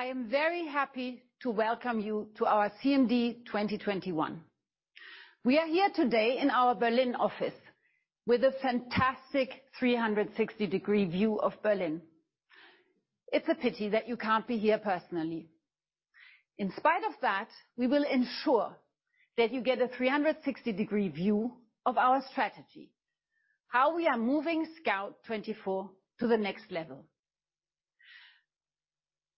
I am very happy to welcome you to our CMD 2021. We are here today in our Berlin office with a fantastic 360-degree view of Berlin. It's a pity that you can't be here personally. In spite of that, we will ensure that you get a 360-degree view of our strategy, how we are moving Scout24 to the next level.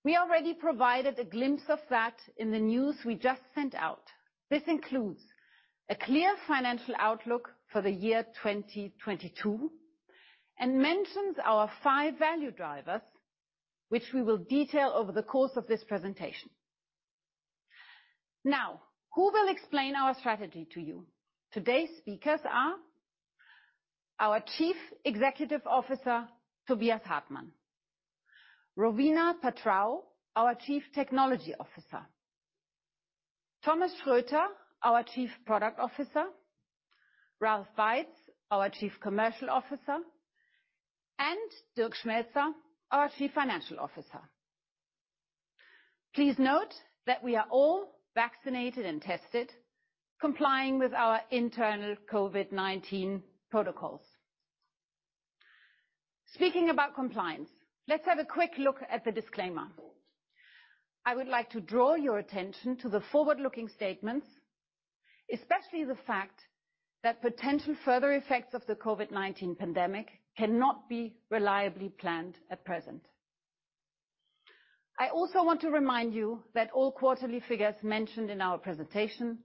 We already provided a glimpse of that in the news we just sent out. This includes a clear financial outlook for the year 2022, and mentions our five value drivers, which we will detail over the course of this presentation. Now, who will explain our strategy to you? Today's speakers are our Chief Executive Officer, Tobias Hartmann; Rowena Patrao, our Chief Technology Officer; Thomas Schroeter, our Chief Product Officer; Ralf Weitz, our Chief Commercial Officer, and Dirk Schmelzer, our Chief Financial Officer. Please note that we are all vaccinated and tested, complying with our internal COVID-19 protocols. Speaking about compliance, let's have a quick look at the disclaimer. I would like to draw your attention to the forward-looking statements, especially the fact that potential further effects of the COVID-19 pandemic cannot be reliably planned at present. I also want to remind you that all quarterly figures mentioned in our presentation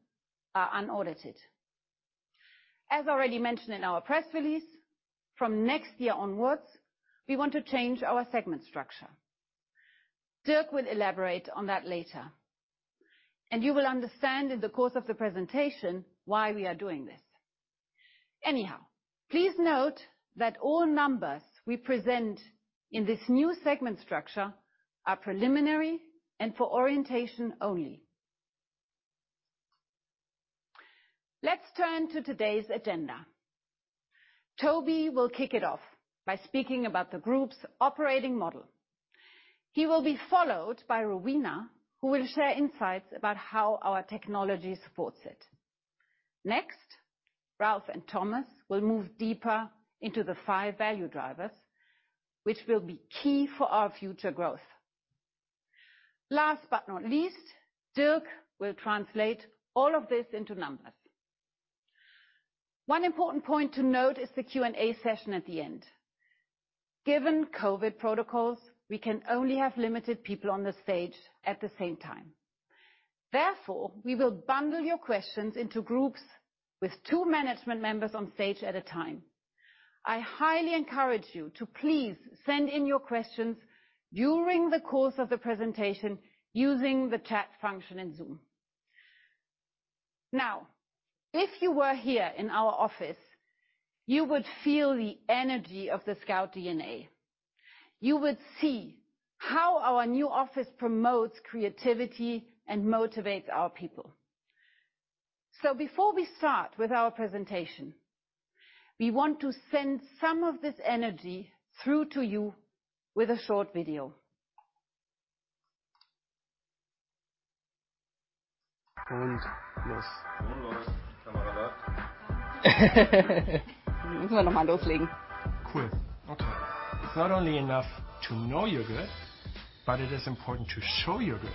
are unaudited. As already mentioned in our press release, from next year onwards, we want to change our segment structure. Dirk will elaborate on that later, and you will understand in the course of the presentation why we are doing this. Anyhow, please note that all numbers we present in this new segment structure are preliminary and for orientation only. Let's turn to today's agenda. Toby will kick it off by speaking about the group's operating model. He will be followed by Rowena, who will share insights about how our technology supports it. Next, Ralf and Thomas will move deeper into the five value drivers, which will be key for our future growth. Last but not least, Dirk will translate all of this into numbers. One important point to note is the Q&A session at the end. Given COVID protocols, we can only have limited people on the stage at the same time. Therefore, we will bundle your questions into groups with two management members on stage at a time. I highly encourage you to please send in your questions during the course of the presentation using the chat function in Zoom. Now, if you were here in our office, you would feel the energy of the Scout DNA. You would see how our new office promotes creativity and motivates our people. Before we start with our presentation, we want to send some of this energy through to you with a short video. It's not only enough to know you're good, but it is important to show you're good.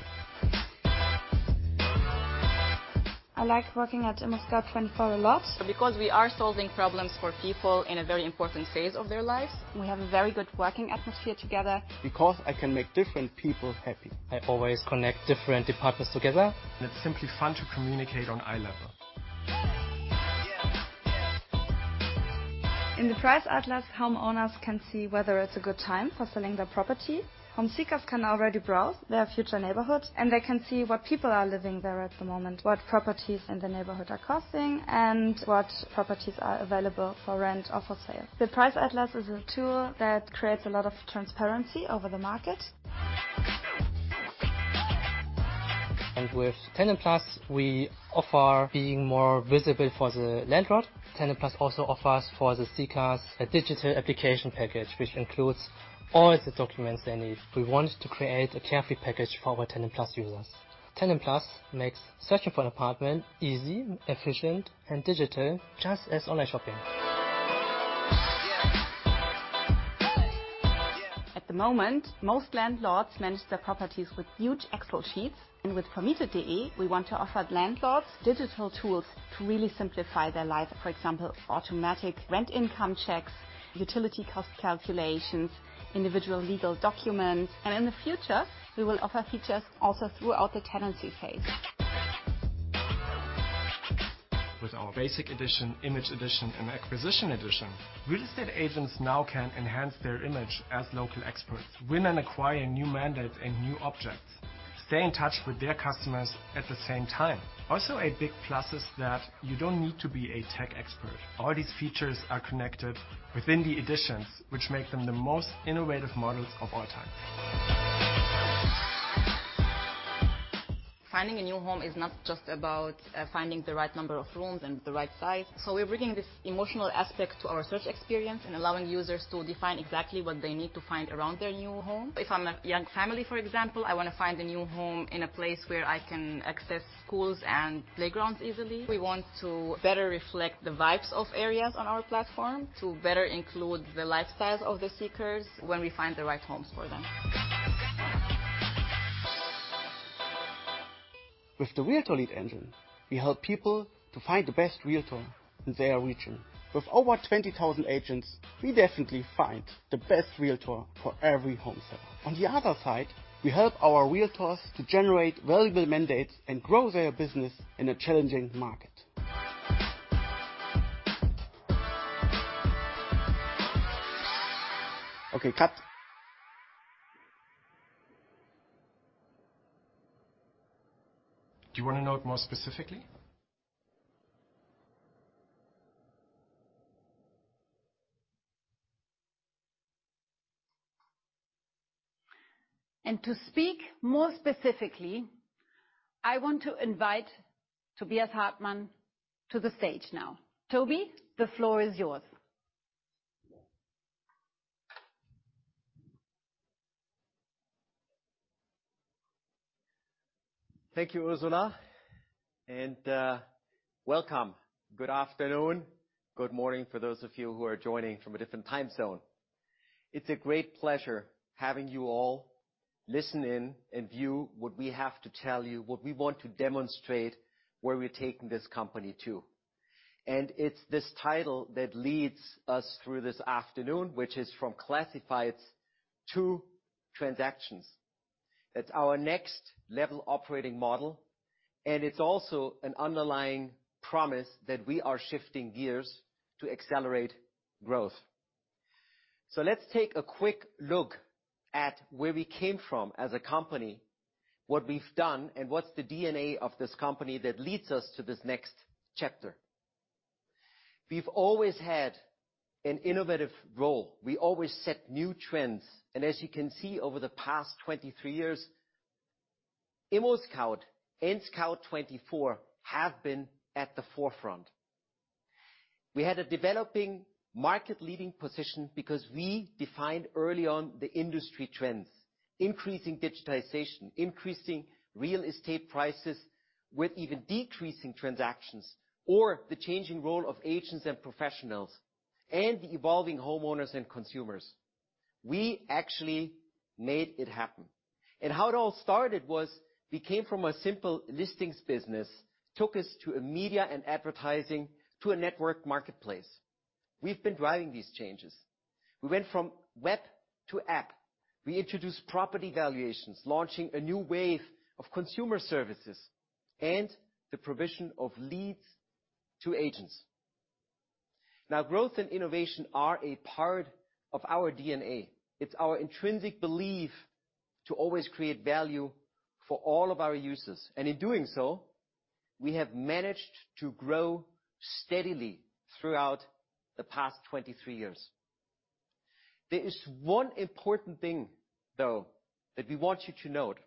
I like working at Scout24 a lot. We are solving problems for people in a very important phase of their lives. We have a very good working atmosphere together. Because I can make different people happy. I always connect different departments together. It's simply fun to communicate on eye level. In the Preisatlas, homeowners can see whether it's a good time for selling their property. Home seekers can already browse their future neighborhood, and they can see what people are living there at the moment, what properties in the neighborhood are costing, and what properties are available for rent or for sale. The Preisatlas is a tool that creates a lot of transparency over the market. With Tenant Plus, we offer being more visible for the landlord. Tenant Plus also offers for the seekers a digital application package which includes all the documents they need. We wanted to create a carefree package for our Tenant Plus users. Tenant Plus makes searching for an apartment easy, efficient, and digital, just as online shopping. At the moment, most landlords manage their properties with huge Excel sheets. With vermietet.de, we want to offer landlords digital tools to really simplify their life. For example, automatic rent income checks, utility cost calculations, individual legal documents. In the future, we will offer features also throughout the tenancy phase. With our Basic Edition, Image Edition, and Acquisition Edition, real estate agents now can enhance their image as local experts, win and acquire new mandates and new objects, stay in touch with their customers at the same time. Also a big plus is that you don't need to be a tech expert. All these features are connected within the editions, which make them the most innovative models of all time. Finding a new home is not just about finding the right number of rooms and the right size. We're bringing this emotional aspect to our search experience and allowing users to define exactly what they need to find around their new home. If I'm a young family, for example, I wanna find a new home in a place where I can access schools and playgrounds easily. We want to better reflect the vibes of areas on our platform to better include the lifestyles of the seekers when we find the right homes for them. With the Realtor Lead Engine, we help people to find the best realtor in their region. With over 20,000 agents, we definitely find the best realtor for every home seller. On the other side, we help our realtors to generate valuable mandates and grow their business in a challenging market. Okay, cut. Do you wanna note more specifically? To speak more specifically, I want to invite Tobias Hartmann to the stage now. Toby, the floor is yours. Thank you, Ursula, and welcome. Good afternoon. Good morning for those of you who are joining from a different time zone. It's a great pleasure having you all listen in and view what we have to tell you, what we want to demonstrate where we're taking this company to. It's this title that leads us through this afternoon, which is from classifieds to transactions. It's our next level operating model, and it's also an underlying promise that we are shifting gears to accelerate growth. Let's take a quick look at where we came from as a company, what we've done, and what's the DNA of this company that leads us to this next chapter. We've always had an innovative role. We always set new trends. As you can see over the past 23 years, ImmoScout24 and Scout24 have been at the forefront. We had a developing market leading position because we defined early on the industry trends, increasing digitization, increasing real estate prices with even decreasing transactions, or the changing role of agents and professionals, and the evolving homeowners and consumers. We actually made it happen. How it all started was we came from a simple listings business, took us to a media and advertising to a network marketplace. We've been driving these changes. We went from web to app. We introduced property valuations, launching a new wave of consumer services and the provision of leads to agents. Now, growth and innovation are a part of our DNA. It's our intrinsic belief to always create value for all of our users. In doing so, we have managed to grow steadily throughout the past 23 years. There is one important thing, though, that we want you to note.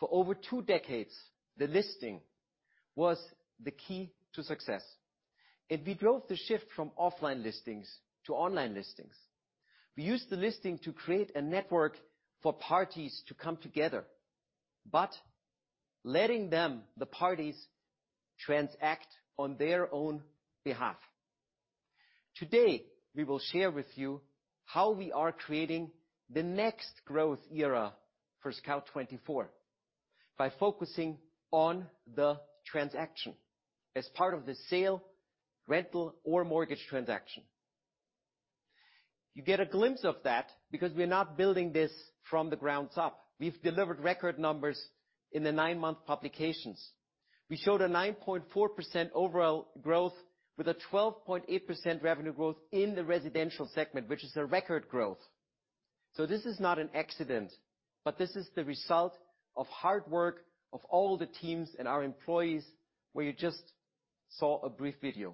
For over two decades, the listing was the key to success. We drove the shift from offline listings to online listings. We used the listing to create a network for parties to come together, but letting them, the parties, transact on their own behalf. Today, we will share with you how we are creating the next growth era for Scout24 by focusing on the transaction as part of the sale, rental, or mortgage transaction. You get a glimpse of that because we're not building this from the grounds up. We've delivered record numbers in the nine-month publications. We showed a 9.4% overall growth with a 12.8% revenue growth in the residential segment, which is a record growth. This is not an accident, but this is the result of hard work of all the teams and our employees where you just saw a brief video.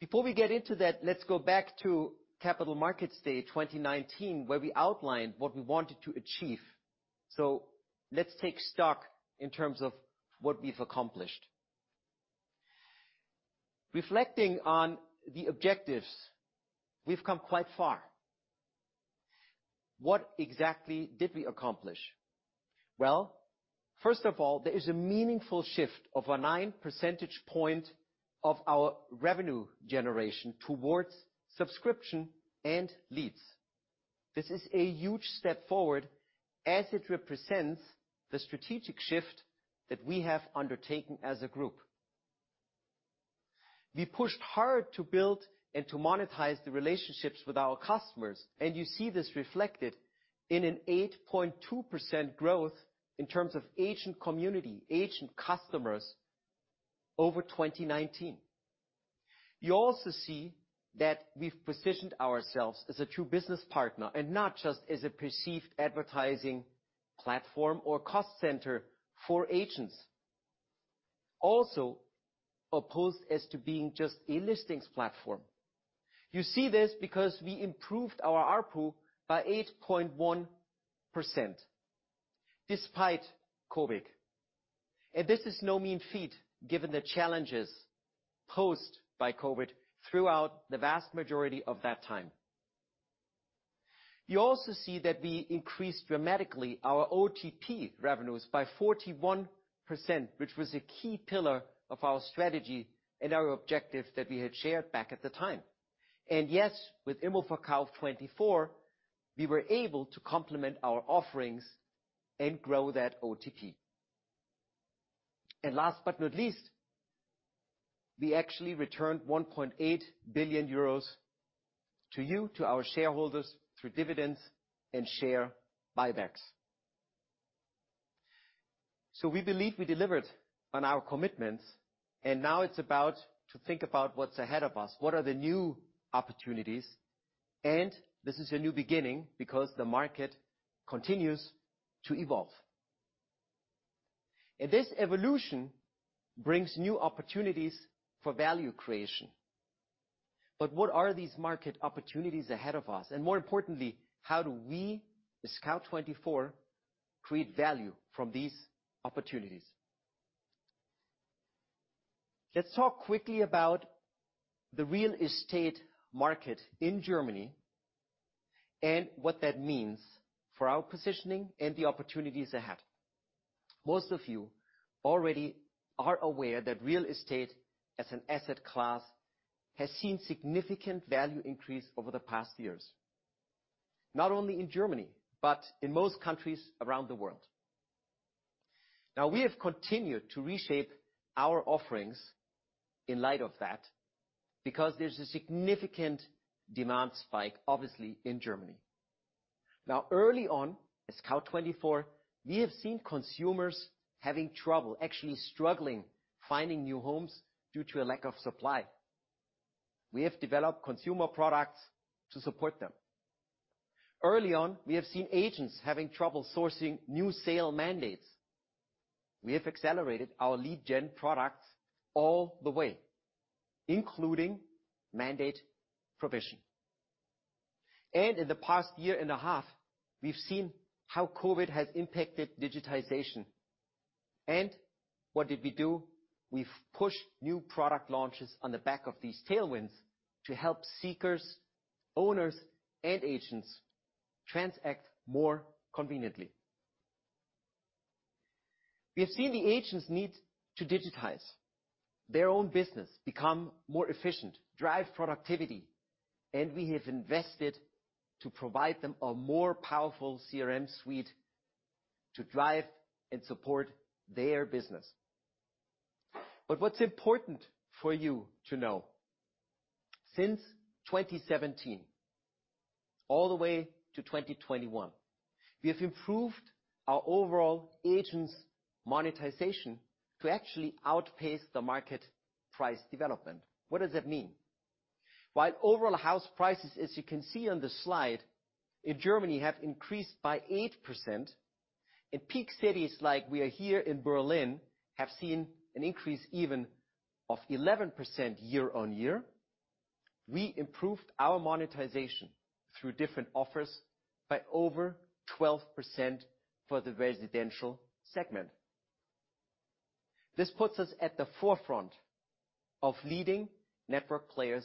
Before we get into that, let's go back to Capital Markets Day 2019, where we outlined what we wanted to achieve. Let's take stock in terms of what we've accomplished. Reflecting on the objectives, we've come quite far. What exactly did we accomplish? Well, first of all, there is a meaningful shift of a 9 percentage point of our revenue generation towards subscription and leads. This is a huge step forward as it represents the strategic shift that we have undertaken as a group. We pushed hard to build and to monetize the relationships with our customers, and you see this reflected in an 8.2% growth in terms of agent community, agent customers over 2019. You also see that we've positioned ourselves as a true business partner and not just as a perceived advertising platform or cost center for agents. As opposed to being just a listings platform. You see this because we improved our ARPU by 8.1% despite COVID. This is no mean feat, given the challenges posed by COVID throughout the vast majority of that time. You also see that we increased dramatically our OTP revenues by 41%, which was a key pillar of our strategy and our objectives that we had shared back at the time. Yes, with immoverkauf24, we were able to complement our offerings and grow that OTP. Last but not least, we actually returned 1.8 billion euros to you, to our shareholders, through dividends and share buybacks. We believe we delivered on our commitments, and now it's about to think about what's ahead of us, what are the new opportunities, and this is a new beginning because the market continues to evolve. This evolution brings new opportunities for value creation. What are these market opportunities ahead of us? More importantly, how do we as Scout24 create value from these opportunities? Let's talk quickly about the real estate market in Germany and what that means for our positioning and the opportunities ahead. Most of you already are aware that real estate as an asset class has seen significant value increase over the past years, not only in Germany, but in most countries around the world. Now, we have continued to reshape our offerings in light of that, because there's a significant demand spike, obviously, in Germany. Now, early on, as Scout24, we have seen consumers having trouble, actually struggling, finding new homes due to a lack of supply. We have developed consumer products to support them. Early on, we have seen agents having trouble sourcing new sale mandates. We have accelerated our lead gen products all the way, including mandate provision. In the past year and a half, we've seen how COVID has impacted digitization. What did we do? We've pushed new product launches on the back of these tailwinds to help seekers, owners, and agents transact more conveniently. We have seen the agents need to digitize their own business, become more efficient, drive productivity, and we have invested to provide them a more powerful CRM suite to drive and support their business. What's important for you to know, since 2017 all the way to 2021, we have improved our overall agents monetization to actually outpace the market price development. What does that mean? While overall house prices, as you can see on the slide, in Germany have increased by 8%. In peak cities like we are here in Berlin, have seen an increase even of 11% year-on-year. We improved our monetization through different offers by over 12% for the residential segment. This puts us at the forefront of leading network players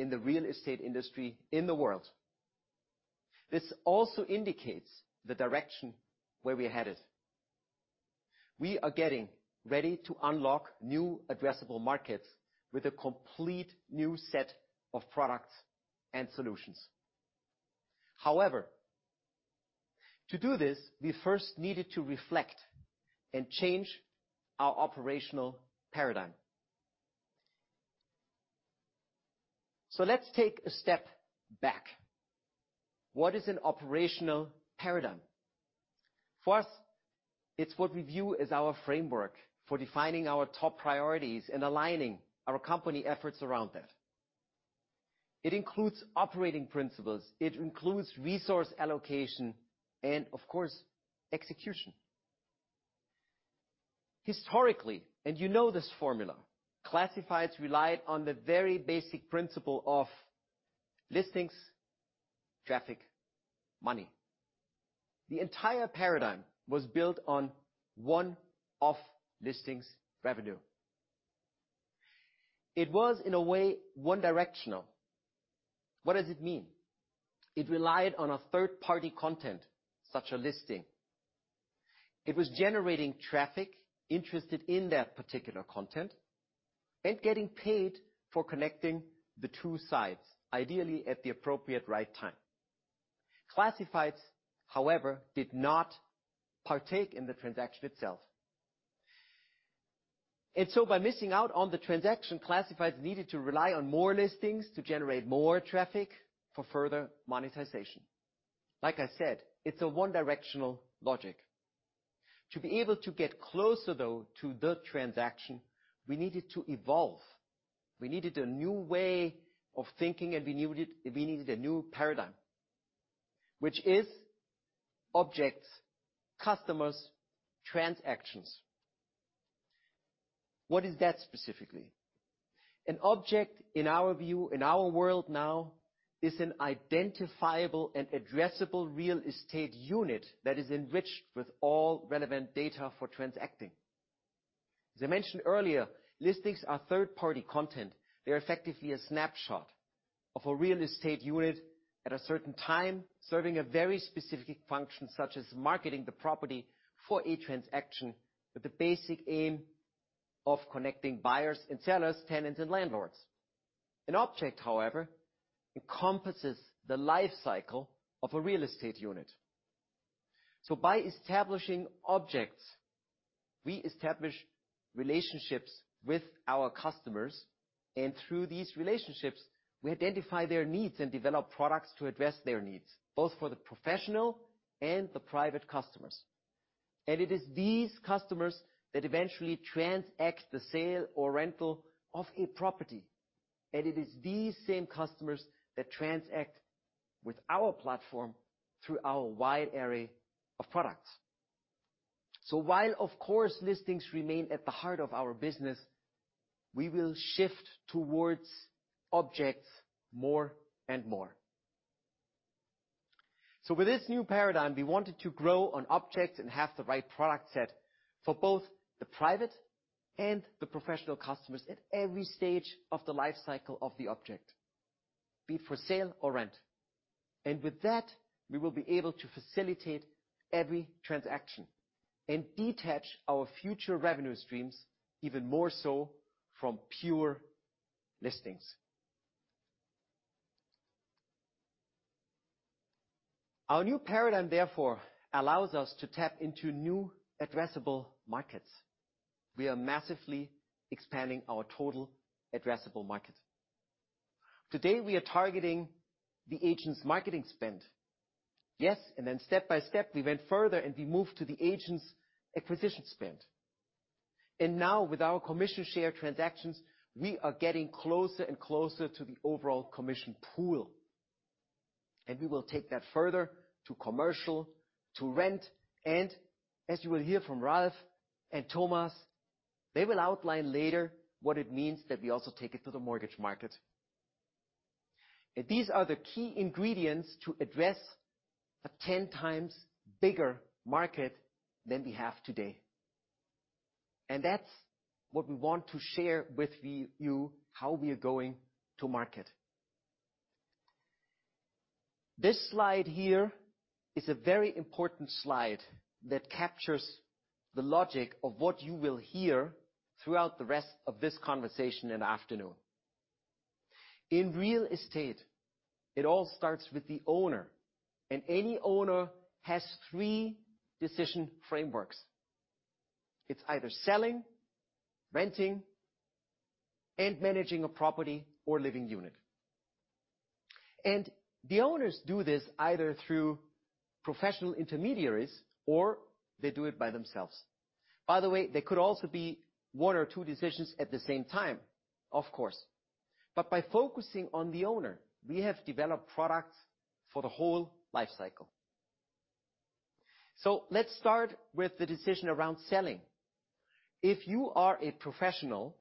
in the real estate industry in the world. This also indicates the direction where we're headed. We are getting ready to unlock new addressable markets with a complete new set of products and solutions. However, to do this, we first needed to reflect and change our operational paradigm. Let's take a step back. What is an operational paradigm? For us, it's what we view as our framework for defining our top priorities and aligning our company efforts around that. It includes operating principles, it includes resource allocation, and of course, execution. Historically, and you know this formula, classifieds relied on the very basic principle of listings, traffic, money. The entire paradigm was built on one-off listings revenue. It was, in a way, one-directional. What does it mean? It relied on a third-party content, such as a listing. It was generating traffic interested in that particular content and getting paid for connecting the two sides, ideally at the appropriate right time. Classifieds, however, did not partake in the transaction itself. By missing out on the transaction, classifieds needed to rely on more listings to generate more traffic for further monetization. Like I said, it's a one directional logic. To be able to get closer, though, to the transaction, we needed to evolve. We needed a new way of thinking, and we needed a new paradigm, which is objects, customers, transactions. What is that specifically? An object, in our view, in our world now, is an identifiable and addressable real estate unit that is enriched with all relevant data for transacting. As I mentioned earlier, listings are third-party content. They're effectively a snapshot of a real estate unit at a certain time, serving a very specific function, such as marketing the property for a transaction with the basic aim of connecting buyers and sellers, tenants, and landlords. An object, however, encompasses the life cycle of a real estate unit. By establishing objects, we establish relationships with our customers, and through these relationships, we identify their needs and develop products to address their needs, both for the professional and the private customers. It is these customers that eventually transact the sale or rental of a property. It is these same customers that transact with our platform through our wide array of products. While of course, listings remain at the heart of our business, we will shift towards objects more and more. With this new paradigm, we wanted to grow on objects and have the right product set for both the private and the professional customers at every stage of the life cycle of the object, be it for sale or rent. With that, we will be able to facilitate every transaction and detach our future revenue streams even more so from pure listings. Our new paradigm therefore allows us to tap into new addressable markets. We are massively expanding our total addressable market. Today, we are targeting the agent's marketing spend. Yes, step by step, we went further, and we moved to the agent's acquisition spend. Now with our commission share transactions, we are getting closer and closer to the overall commission pool. We will take that further to commercial, to rent. As you will hear from Ralf and Thomas, they will outline later what it means that we also take it to the mortgage market. These are the key ingredients to address a 10x bigger market than we have today. That's what we want to share with you, how we are going to market. This slide here is a very important slide that captures the logic of what you will hear throughout the rest of this conversation and afternoon. In real estate, it all starts with the owner, and any owner has three decision frameworks. It's either selling, renting, and managing a property or living unit. The owners do this either through professional intermediaries or they do it by themselves. By the way, there could also be one or two decisions at the same time, of course. By focusing on the owner, we have developed products for the whole life cycle. Let's start with the decision around selling. If you are a professional,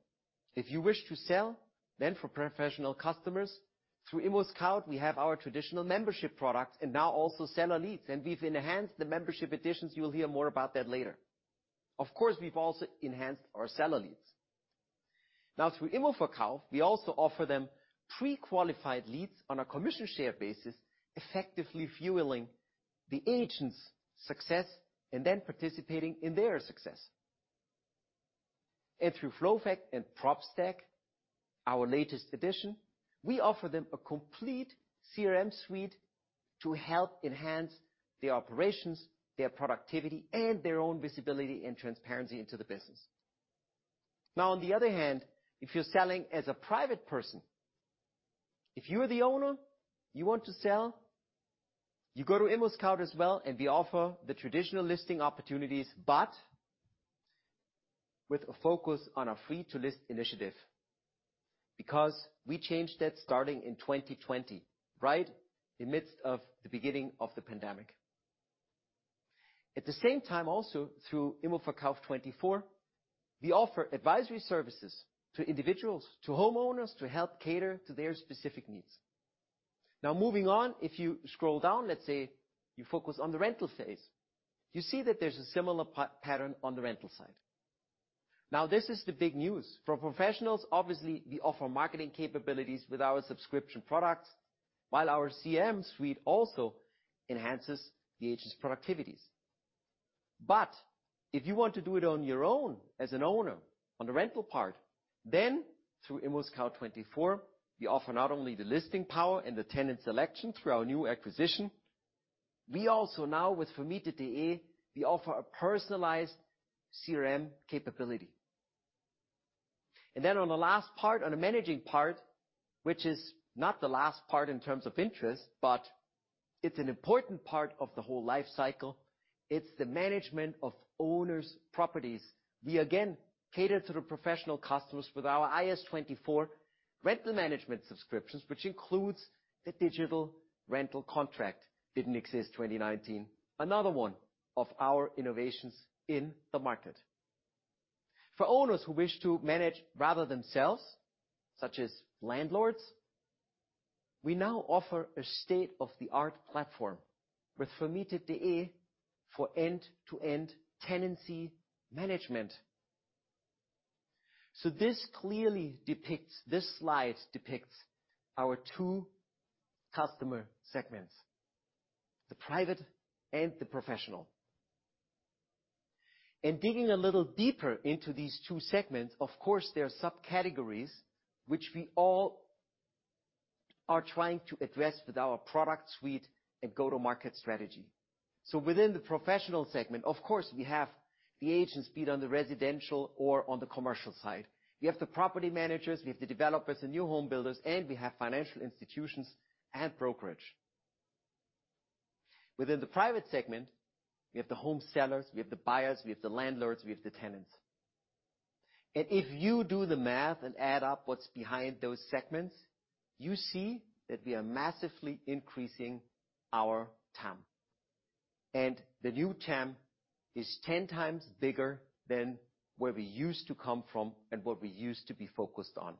if you wish to sell, then for professional customers, through ImmoScout24 we have our traditional membership products and now also seller leads. We've enhanced the membership editions. You'll hear more about that later. Of course, we've also enhanced our seller leads. Now, through Immoverkauf24, we also offer them pre-qualified leads on a commission share basis, effectively fueling the agent's success and then participating in their success. Through FLOWFACT and Propstack, our latest addition, we offer them a complete CRM suite to help enhance their operations, their productivity, and their own visibility and transparency into the business. Now, on the other hand, if you're selling as a private person, if you are the owner, you want to sell, you go to ImmoScout24 as well, and we offer the traditional listing opportunities, but with a focus on our free-to-list initiative, because we changed that starting in 2020, right in midst of the beginning of the pandemic. At the same time also, through Immoverkauf24, we offer advisory services to individuals, to homeowners to help cater to their specific needs. Now, moving on, if you scroll down, let's say you focus on the rental phase. You see that there's a similar pattern on the rental side. Now, this is the big news. For professionals, obviously, we offer marketing capabilities with our subscription products while our CRM suite also enhances the agent's productivity. If you want to do it on your own as an owner on the rental part, then through ImmoScout24, we offer not only the listing power and the tenant selection through our new acquisition, we also now with Vermietet.de, we offer a personalized CRM capability. Then on the last part, on the managing part, which is not the last part in terms of interest, but it's an important part of the whole life cycle. It's the management of owners' properties. We again cater to the professional customers with ourImmoScout24 Rental management subscriptions, which includes the digital rental contract that didn't exist in 2019. Another one of our innovations in the market. For owners who wish to manage rather themselves, such as landlords, we now offer a state-of-the-art platform with Vermietet.de for end-to-end tenancy management. This slide depicts our two customer segments, the private and the professional. Digging a little deeper into these two segments, of course, there are subcategories which we all are trying to address with our product suite and go-to-market strategy. Within the professional segment, of course, we have the agents be it on the residential or on the commercial side. We have the property managers, we have the developers and new home builders, and we have financial institutions and brokerage. Within the private segment, we have the home sellers, we have the buyers, we have the landlords, we have the tenants. If you do the math and add up what's behind those segments, you see that we are massively increasing our TAM. The new TAM is 10x bigger than where we used to come from and what we used to be focused on.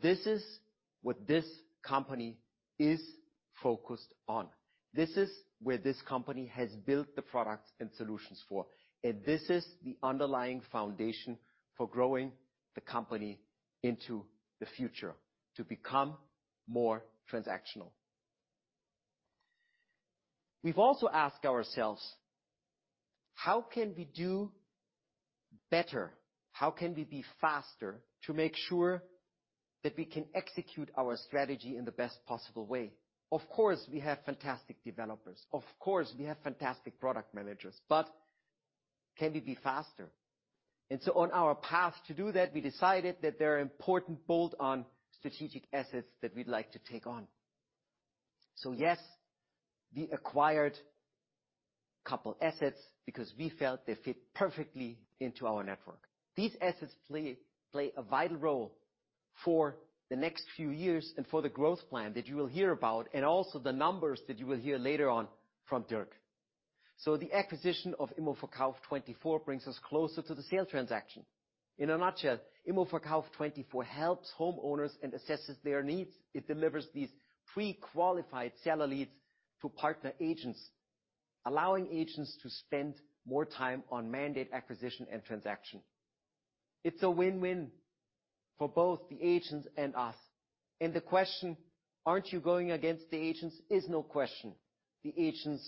This is what this company is focused on. This is where this company has built the products and solutions for, and this is the underlying foundation for growing the company into the future to become more transactional. We've also asked ourselves, how can we do better? How can we be faster to make sure that we can execute our strategy in the best possible way? Of course, we have fantastic developers. Of course, we have fantastic product managers. Can we be faster? On our path to do that, we decided that there are important bolt-on strategic assets that we'd like to take on. Yes, we acquired a couple assets because we felt they fit perfectly into our network. These assets play a vital role for the next few years and for the growth plan that you will hear about, and also the numbers that you will hear later on from Dirk. The acquisition of immoverkauf24 brings us closer to the sale transaction. In a nutshell, immoverkauf24 helps homeowners and assesses their needs. It delivers these pre-qualified seller leads to partner agents, allowing agents to spend more time on mandate acquisition and transaction. It's a win-win for both the agents and us. The question, "Aren't you going against the agents?" is no question. The agents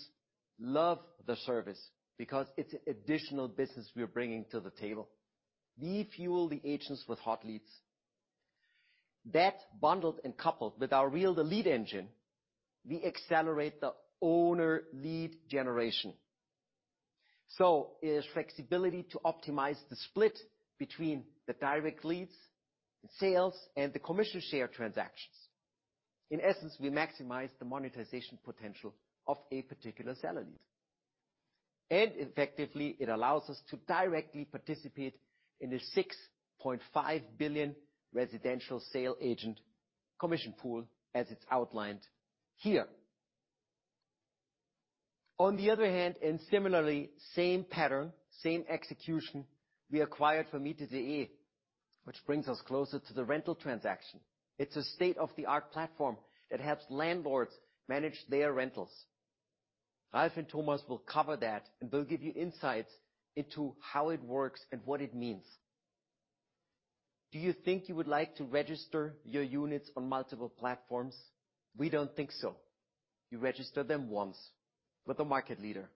love the service because it's additional business we are bringing to the table. We fuel the agents with hot leads. That bundled and coupled with our Realtor Lead Engine, we accelerate the owner lead generation. It is flexibility to optimize the split between the direct leads, the sales, and the commission share transactions. In essence, we maximize the monetization potential of a particular seller lead. Effectively, it allows us to directly participate in the 6.5 billion residential sale agent commission pool as it's outlined here. On the other hand, and similarly, same pattern, same execution, we acquired Vermietet.de, which brings us closer to the rental transaction. It's a state-of-the-art platform that helps landlords manage their rentals. Ralf and Thomas will cover that, and they'll give you insights into how it works and what it means. Do you think you would like to register your units on multiple platforms? We don't think so. You register them once with the market leader.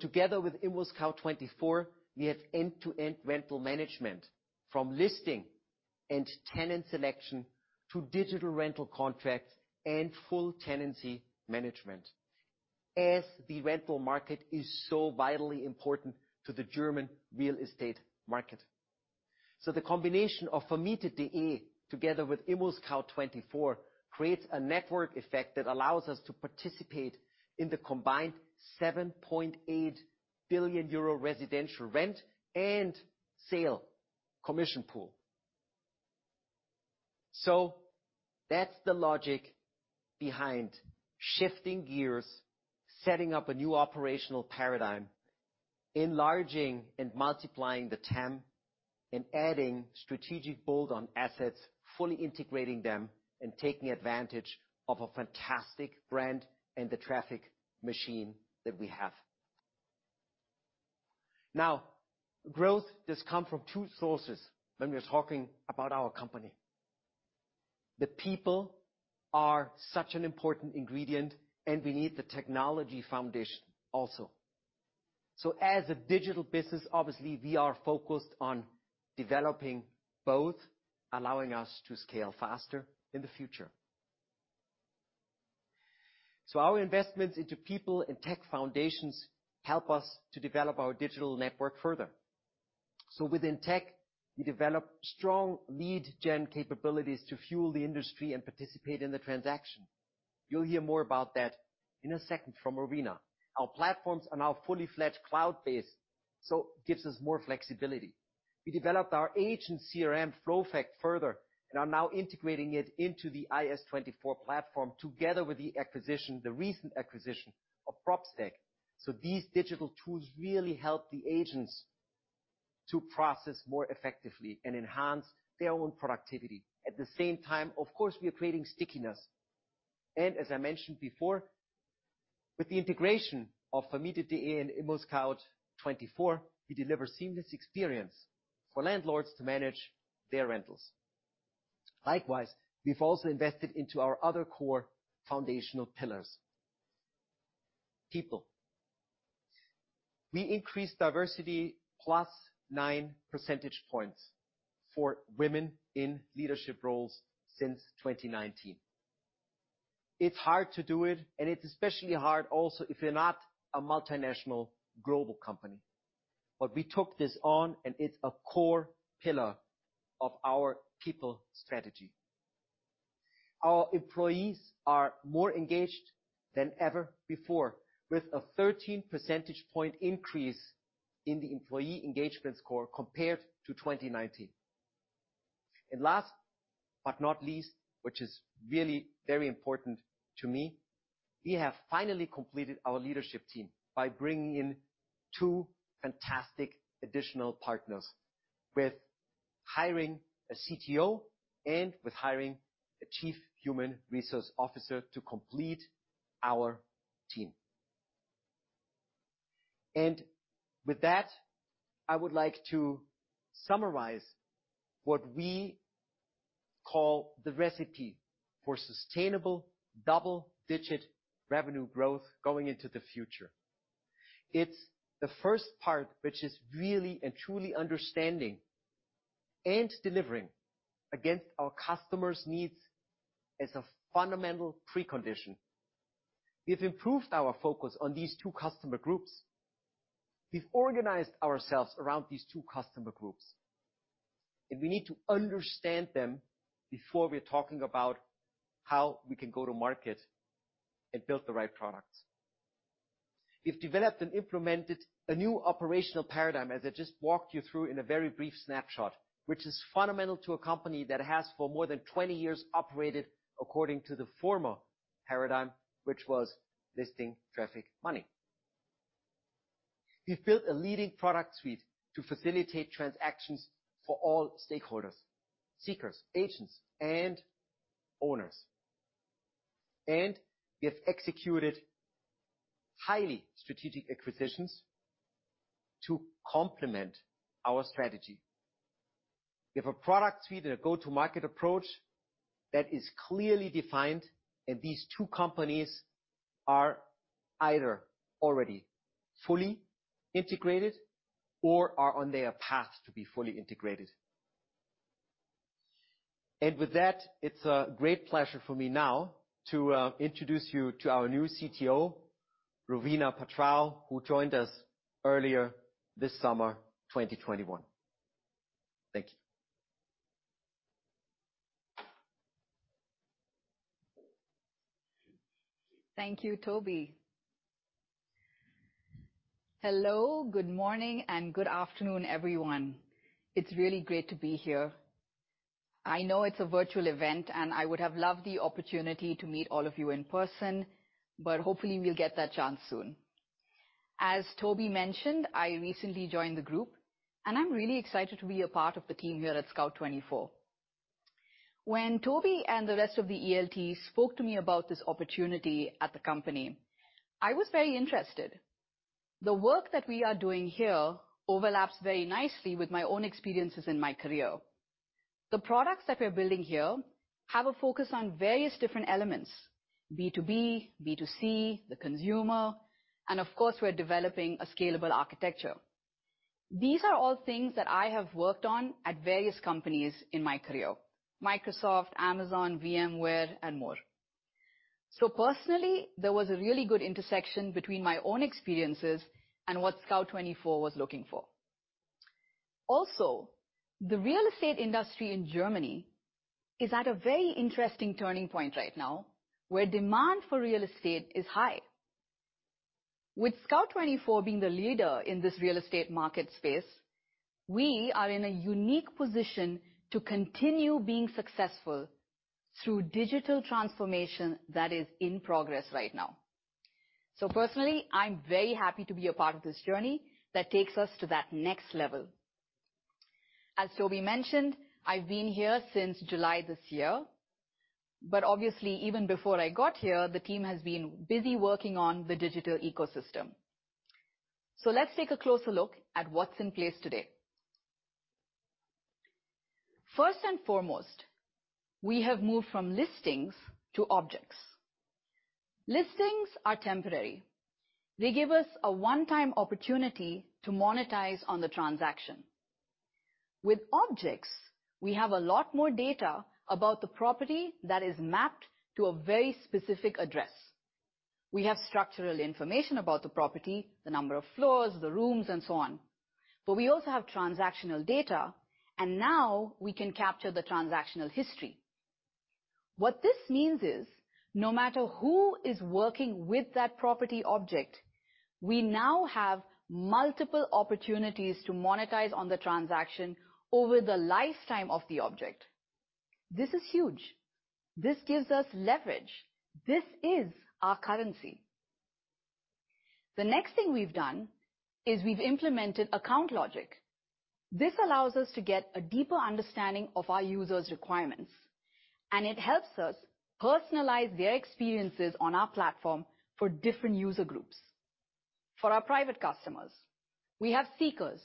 Together with ImmoScout24, we have end-to-end rental management from listing and tenant selection to digital rental contract and full tenancy management, as the rental market is so vitally important to the German real estate market. The combination of Vermietet.de together with ImmoScout24 creates a network effect that allows us to participate in the combined 7.8 billion euro residential rent and sale commission pool. That's the logic behind shifting gears, setting up a new operational paradigm, enlarging and multiplying the TAM, and adding strategic bolt-on assets, fully integrating them, and taking advantage of a fantastic brand and the traffic machine that we have. Now, growth does come from two sources when we are talking about our company. The people are such an important ingredient, and we need the technology foundation also. As a digital business, obviously, we are focused on developing both, allowing us to scale faster in the future. Our investments into people and tech foundations help us to develop our digital network further. Within tech, we develop strong lead gen capabilities to fuel the industry and participate in the transaction. You'll hear more about that in a second from Rowena. Our platforms are now fully fledged cloud-based, so gives us more flexibility. We developed our agent CRM FLOWFACT further and are now integrating it into the ImmoScout24 platform together with the recent acquisition of Propstack. These digital tools really help the agents to process more effectively and enhance their own productivity. At the same time, of course, we are creating stickiness. As I mentioned before, with the integration of Vermietet.de and ImmoScout24, we deliver seamless experience for landlords to manage their rentals. Likewise, we've also invested into our other core foundational pillars. People. We increased diversity by +9 percentage points for women in leadership roles since 2019. It's hard to do it, and it's especially hard also if you're not a multinational global company. We took this on, and it's a core pillar of our people strategy. Our employees are more engaged than ever before, with a 13 percentage point increase in the employee engagement score compared to 2019. Last but not least, which is really very important to me, we have finally completed our leadership team by bringing in two fantastic additional partners with hiring a Chief Technology Officer and with hiring a Chief Human Resource Officer to complete our team. With that, I would like to summarize what we call the recipe for sustainable double-digit revenue growth going into the future. It's the first part, which is really and truly understanding and delivering against our customers' needs as a fundamental precondition. We've improved our focus on these two customer groups. We've organized ourselves around these two customer groups. We need to understand them before we're talking about how we can go to market and build the right products. We've developed and implemented a new operational paradigm, as I just walked you through in a very brief snapshot, which is fundamental to a company that has for more than 20 years operated according to the former paradigm, which was listing traffic money. We've built a leading product suite to facilitate transactions for all stakeholders, seekers, agents, and owners. We have executed highly strategic acquisitions to complement our strategy. We have a product suite and a go-to-market approach that is clearly defined, and these two companies are either already fully integrated or are on their path to be fully integrated. With that, it's a great pleasure for me now to introduce you to our new CTO, Rowena Patrao, who joined us earlier this summer, 2021. Thank you. Thank you, Toby. Hello, good morning, and good afternoon, everyone. It's really great to be here. I know it's a virtual event, and I would have loved the opportunity to meet all of you in person, but hopefully we'll get that chance soon. As Toby mentioned, I recently joined the group, and I'm really excited to be a part of the team here at Scout24. When Toby and the rest of the ELT spoke to me about this opportunity at the company, I was very interested. The work that we are doing here overlaps very nicely with my own experiences in my career. The products that we're building here have a focus on various different elements, B2B, B2C, the consumer, and of course, we're developing a scalable architecture. These are all things that I have worked on at various companies in my career, Microsoft, Amazon, VMware, and more. Personally, there was a really good intersection between my own experiences and what Scout24 was looking for. Also, the real estate industry in Germany is at a very interesting turning point right now, where demand for real estate is high. With Scout24 being the leader in this real estate market space, we are in a unique position to continue being successful through digital transformation that is in progress right now. Personally, I'm very happy to be a part of this journey that takes us to that next level. As Toby mentioned, I've been here since July this year, but obviously even before I got here, the team has been busy working on the digital ecosystem. Let's take a closer look at what's in place today. First and foremost, we have moved from listings to objects. Listings are temporary. They give us a one-time opportunity to monetize on the transaction. With objects, we have a lot more data about the property that is mapped to a very specific address. We have structural information about the property, the number of floors, the rooms, and so on. But we also have transactional data, and now we can capture the transactional history. What this means is, no matter who is working with that property object, we now have multiple opportunities to monetize on the transaction over the lifetime of the object. This is huge. This gives us leverage. This is our currency. The next thing we've done is we've implemented account logic. This allows us to get a deeper understanding of our users' requirements, and it helps us personalize their experiences on our platform for different user groups. For our private customers, we have seekers.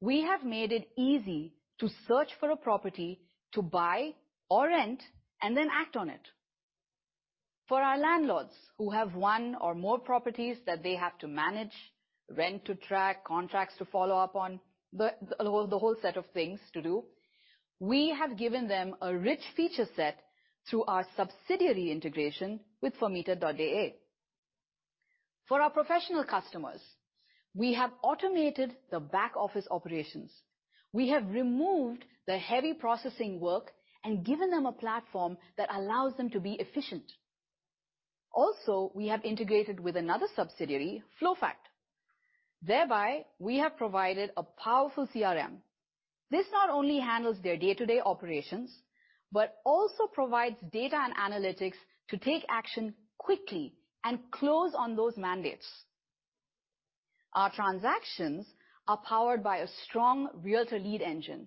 We have made it easy to search for a property to buy or rent and then act on it. For our landlords who have one or more properties that they have to manage, rent to track, contracts to follow up on, the whole set of things to do, we have given them a rich feature set through our subsidiary integration with vermietet.de. For our professional customers, we have automated the back-office operations. We have removed the heavy processing work and given them a platform that allows them to be efficient. Also, we have integrated with another subsidiary, FLOWFACT. Thereby, we have provided a powerful CRM. This not only handles their day-to-day operations, but also provides data and analytics to take action quickly and close on those mandates. Our transactions are powered by a strong Realtor Lead Engine.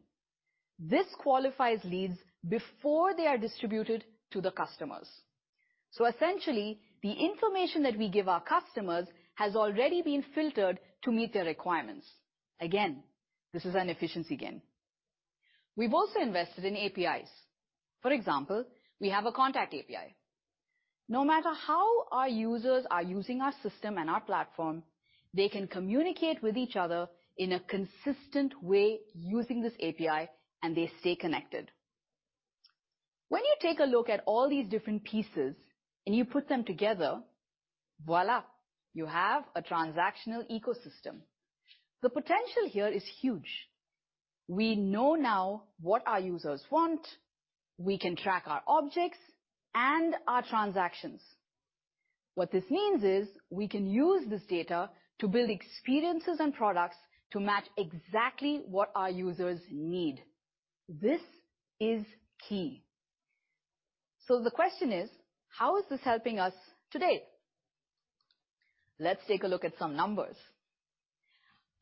This qualifies leads before they are distributed to the customers. Essentially, the information that we give our customers has already been filtered to meet their requirements. Again, this is an efficiency gain. We've also invested in APIs. For example, we have a contact API. No matter how our users are using our system and our platform, they can communicate with each other in a consistent way using this API, and they stay connected. When you take a look at all these different pieces and you put them together, voila, you have a transactional ecosystem. The potential here is huge. We know now what our users want. We can track our objects and our transactions. What this means is we can use this data to build experiences and products to match exactly what our users need. This is key. The question is, how is this helping us today? Let's take a look at some numbers.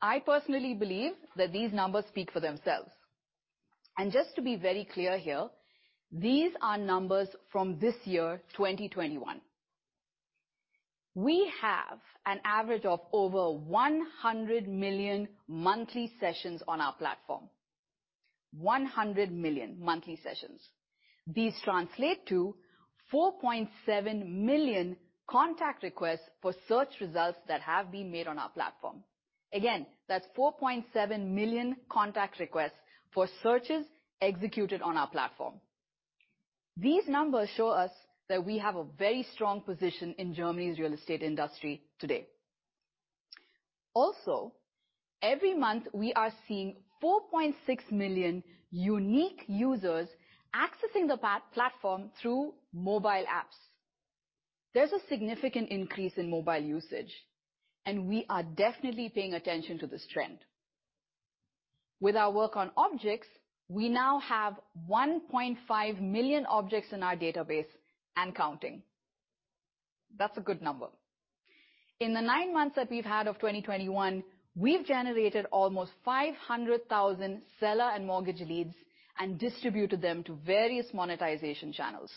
I personally believe that these numbers speak for themselves. Just to be very clear here, these are numbers from this year, 2021. We have an average of over 100 million monthly sessions on our platform. 100 million monthly sessions. These translate to 4.7 million contact requests for search results that have been made on our platform. Again, that's 4.7 million contact requests for searches executed on our platform. These numbers show us that we have a very strong position in Germany's real estate industry today. Also, every month, we are seeing 4.6 million unique users accessing the platform through mobile apps. There's a significant increase in mobile usage, and we are definitely paying attention to this trend. With our work on objects, we now have 1.5 million objects in our database and counting. That's a good number. In the nine months that we've had of 2021, we've generated almost 500,000 seller and mortgage leads and distributed them to various monetization channels.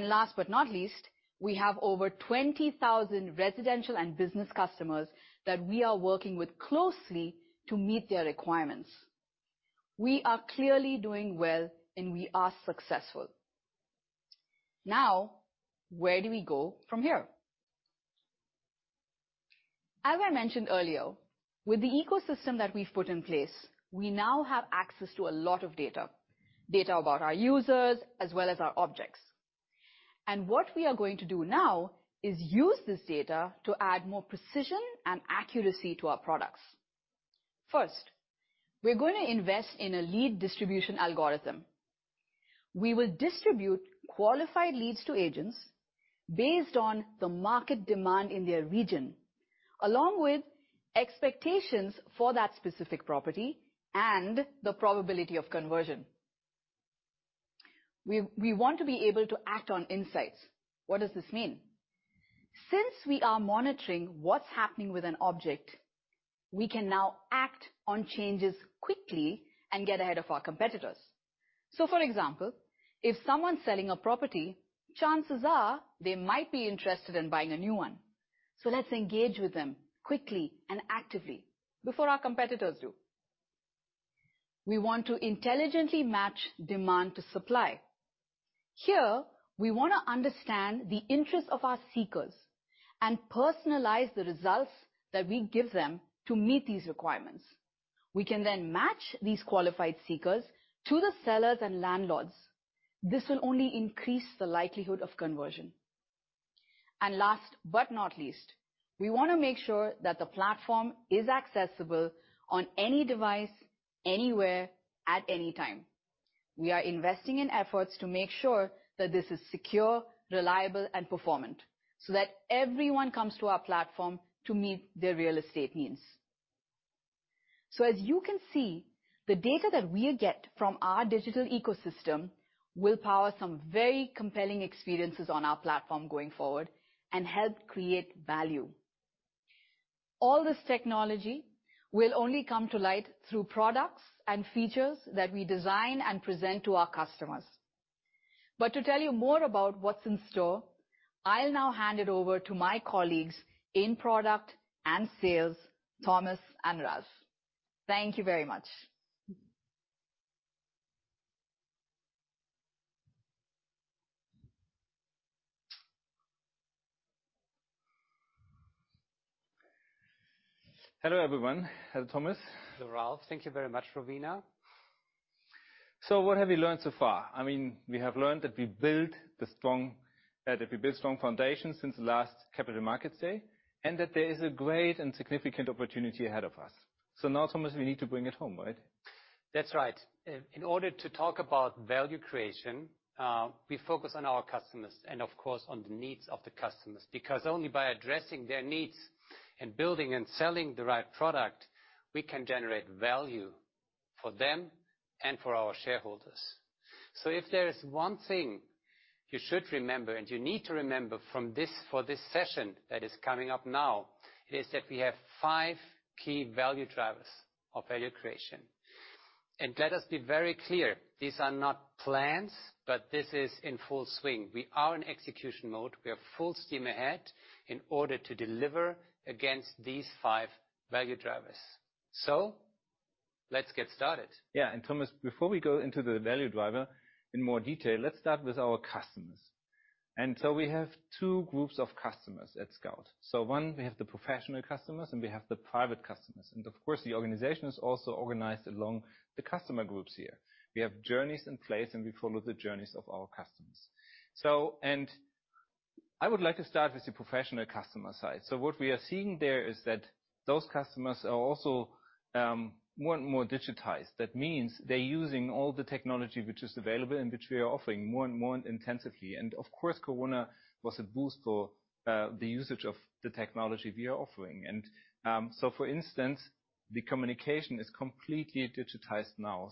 Last but not least, we have over 20,000 residential and business customers that we are working with closely to meet their requirements. We are clearly doing well, and we are successful. Now, where do we go from here? As I mentioned earlier, with the ecosystem that we've put in place, we now have access to a lot of data about our users as well as our objects. What we are going to do now is use this data to add more precision and accuracy to our products. First, we're gonna invest in a lead distribution algorithm. We will distribute qualified leads to agents based on the market demand in their region, along with expectations for that specific property and the probability of conversion. We want to be able to act on insights. What does this mean? Since we are monitoring what's happening with an object, we can now act on changes quickly and get ahead of our competitors. For example, if someone's selling a property, chances are they might be interested in buying a new one. Let's engage with them quickly and actively before our competitors do. We want to intelligently match demand to supply. Here, we wanna understand the interests of our seekers and personalize the results that we give them to meet these requirements. We can then match these qualified seekers to the sellers and landlords. This will only increase the likelihood of conversion. Last but not least, we wanna make sure that the platform is accessible on any device, anywhere, at any time. We are investing in efforts to make sure that this is secure, reliable, and performant, so that everyone comes to our platform to meet their real estate needs. As you can see, the data that we get from our digital ecosystem will power some very compelling experiences on our platform going forward and help create value. All this technology will only come to light through products and features that we design and present to our customers. To tell you more about what's in store, I'll now hand it over to my colleagues in product and sales, Thomas and Ralf. Thank you very much. Hello, everyone. Hello, Thomas. Hello, Ralf. Thank you very much, Rowena. What have we learned so far? I mean, we have learned that we built strong foundations since the last capital markets day, and that there is a great and significant opportunity ahead of us. Now, Thomas, we need to bring it home, right? That's right. In order to talk about value creation, we focus on our customers and of course, on the needs of the customers, because only by addressing their needs and building and selling the right product, we can generate value for them and for our shareholders. If there is one thing you should remember and you need to remember from this for this session that is coming up now, it is that we have five key value drivers of value creation. Let us be very clear, these are not plans, but this is in full swing. We are in execution mode. We are full steam ahead in order to deliver against these five value drivers. Let's get started. Yeah. Thomas, before we go into the value driver in more detail, let's start with our customers. We have two groups of customers at Scout. One, we have the professional customers, and we have the private customers. Of course, the organization is also organized along the customer groups here. We have journeys in place, and we follow the journeys of our customers. I would like to start with the professional customer side. What we are seeing there is that those customers are also more and more digitized. That means they're using all the technology which is available and which we are offering more and more intensively. Of course, Corona was a boost for the usage of the technology we are offering. For instance, the communication is completely digitized now.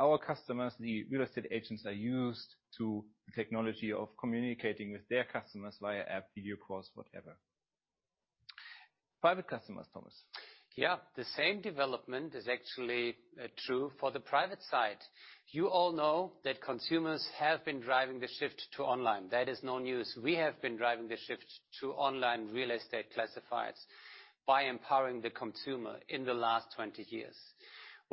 Our customers, the real estate agents, are used to the technology of communicating with their customers via app, video calls, whatever. Private customers, Thomas. Yeah. The same development is actually true for the private side. You all know that consumers have been driving the shift to online. That is no news. We have been driving the shift to online real estate classifieds by empowering the consumer in the last 20 years.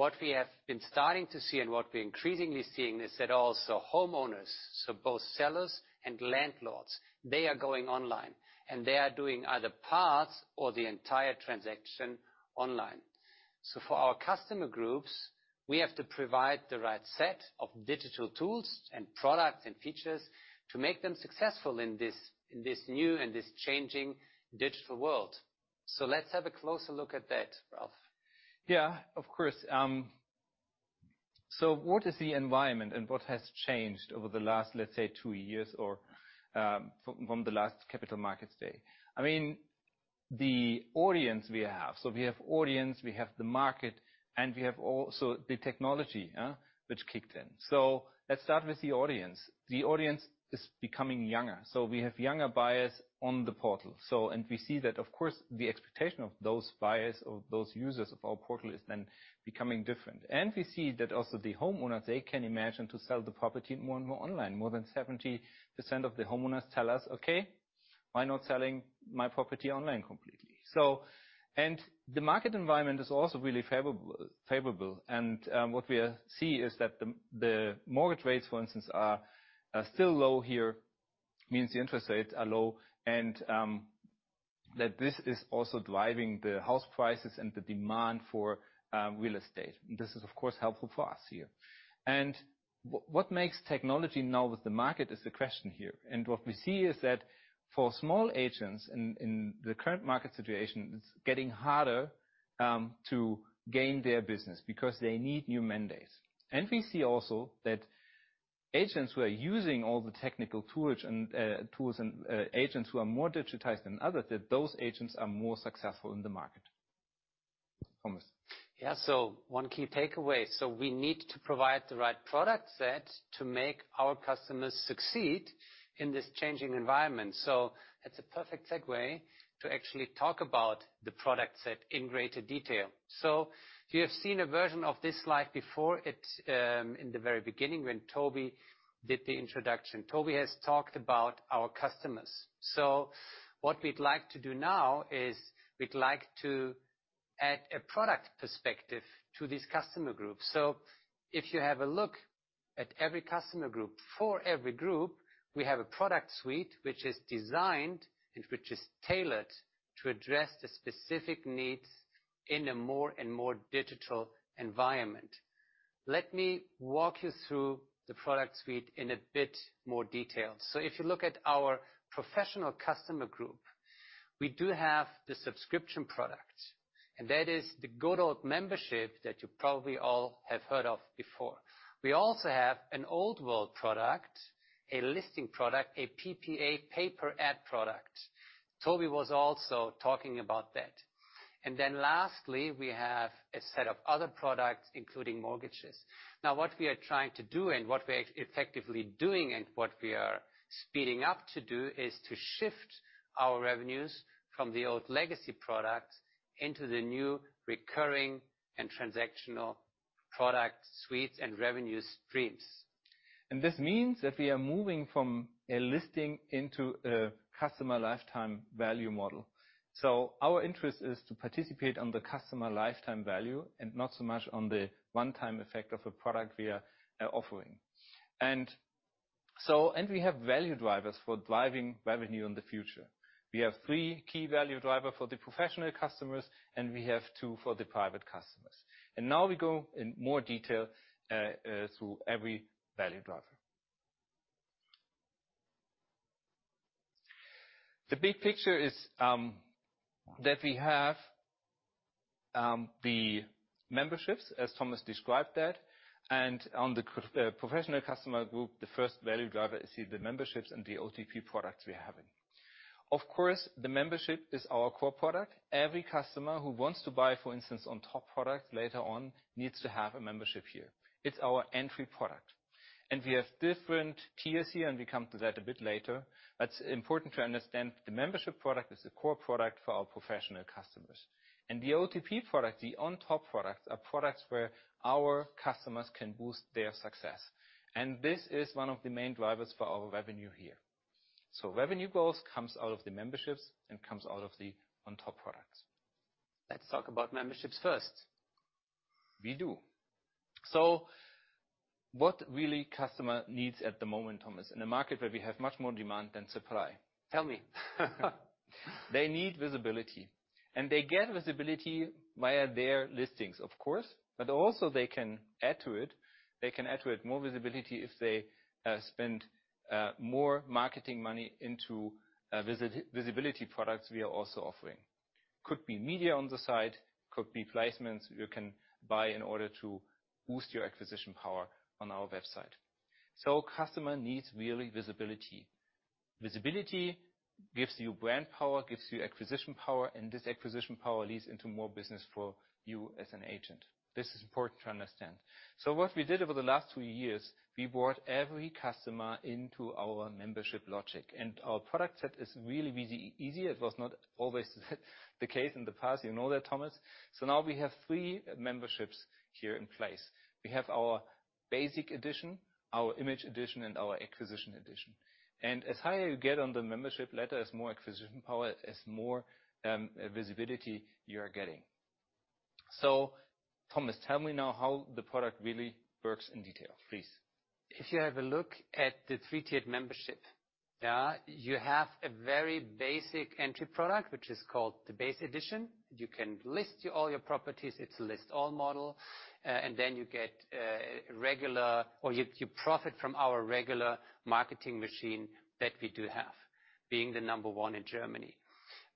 What we have been starting to see and what we're increasingly seeing is that also homeowners, so both sellers and landlords, they are going online, and they are doing either parts or the entire transaction online. For our customer groups, we have to provide the right set of digital tools and products and features to make them successful in this, in this new and this changing digital world. Let's have a closer look at that, Ralf. Yeah, of course. What is the environment and what has changed over the last, let's say, two years or from the last capital markets day? I mean, the audience we have. We have audience, we have the market, and we have also the technology which kicked in. Let's start with the audience. The audience is becoming younger, so we have younger buyers on the portal. We see that, of course, the expectation of those buyers or those users of our portal is then becoming different. We see that also the homeowners, they can imagine to sell the property more and more online. More than 70% of the homeowners tell us, "Okay, why not selling my property online completely?" The market environment is also really favorable. What we see is that the mortgage rates, for instance, are still low here, means the interest rates are low, and that this is also driving the house prices and the demand for real estate. This is, of course, helpful for us here. What makes technology now with the market is the question here. What we see is that for small agents in the current market situation, it's getting harder to gain their business because they need new mandates. We see also that agents who are using all the technical tools and agents who are more digitized than others, that those agents are more successful in the market. Thomas. Yeah. One key takeaway. We need to provide the right product set to make our customers succeed in this changing environment. That's a perfect segue to actually talk about the product set in greater detail. You have seen a version of this slide before. It's in the very beginning when Toby did the introduction. Toby has talked about our customers. What we'd like to do now is we'd like to add a product perspective to this customer group. If you have a look at every customer group. For every group, we have a product suite which is designed and which is tailored to address the specific needs in a more and more digital environment. Let me walk you through the product suite in a bit more detail. If you look at our professional customer group, we do have the subscription product, and that is the good old membership that you probably all have heard of before. We also have an old world product, a listing product, a PPA pay-per-ad product. Toby was also talking about that. Lastly, we have a set of other products, including mortgages. Now, what we are trying to do, and what we're effectively doing, and what we are speeding up to do, is to shift our revenues from the old legacy products into the new recurring and transactional product suites and revenue streams. This means that we are moving from a listing into a customer lifetime value model. Our interest is to participate on the customer lifetime value and not so much on the one-time effect of a product we are offering. We have value drivers for driving revenue in the future. We have three key value driver for the professional customers, and we have two for the private customers. Now we go in more detail through every value driver. The big picture is that we have the memberships, as Thomas described that. On the professional customer group, the first value driver is here, the memberships and the OTP products we're having. Of course, the membership is our core product. Every customer who wants to buy, for instance, on top product later on needs to have a membership here. It's our entry product. We have different tiers here, and we come to that a bit later. Important to understand, the membership product is the core product for our professional customers. The OTP product, the on top products, are products where our customers can boost their success. This is one of the main drivers for our revenue here. Revenue goals comes out of the memberships and comes out of the on top products. Let's talk about memberships first. We do. What the customer really needs at the moment, Thomas, in a market where we have much more demand than supply? Tell me. They need visibility. They get visibility via their listings, of course, but also they can add to it. They can add to it more visibility if they spend more marketing money into visibility products we are also offering. Could be media on the side, could be placements you can buy in order to boost your acquisition power on our website. Customer needs really visibility. Visibility gives you brand power, gives you acquisition power, and this acquisition power leads into more business for you as an agent. This is important to understand. What we did over the last two years, we brought every customer into our membership logic. Our product set is really, really easy. It was not always the case in the past. You know that, Thomas. Now we have three memberships here in place. We have our Basic Edition, our Image Edition, and our Acquisition Edition. The higher you get on the membership ladder, the more acquisition power, the more visibility you are getting. Thomas, tell me now how the product really works in detail, please. If you have a look at the three-tiered membership, you have a very basic entry product, which is called the Base Edition. You can list all your properties. It's a list-all model. And then you get regular or you profit from our regular marketing machine that we do have, being the number one in Germany.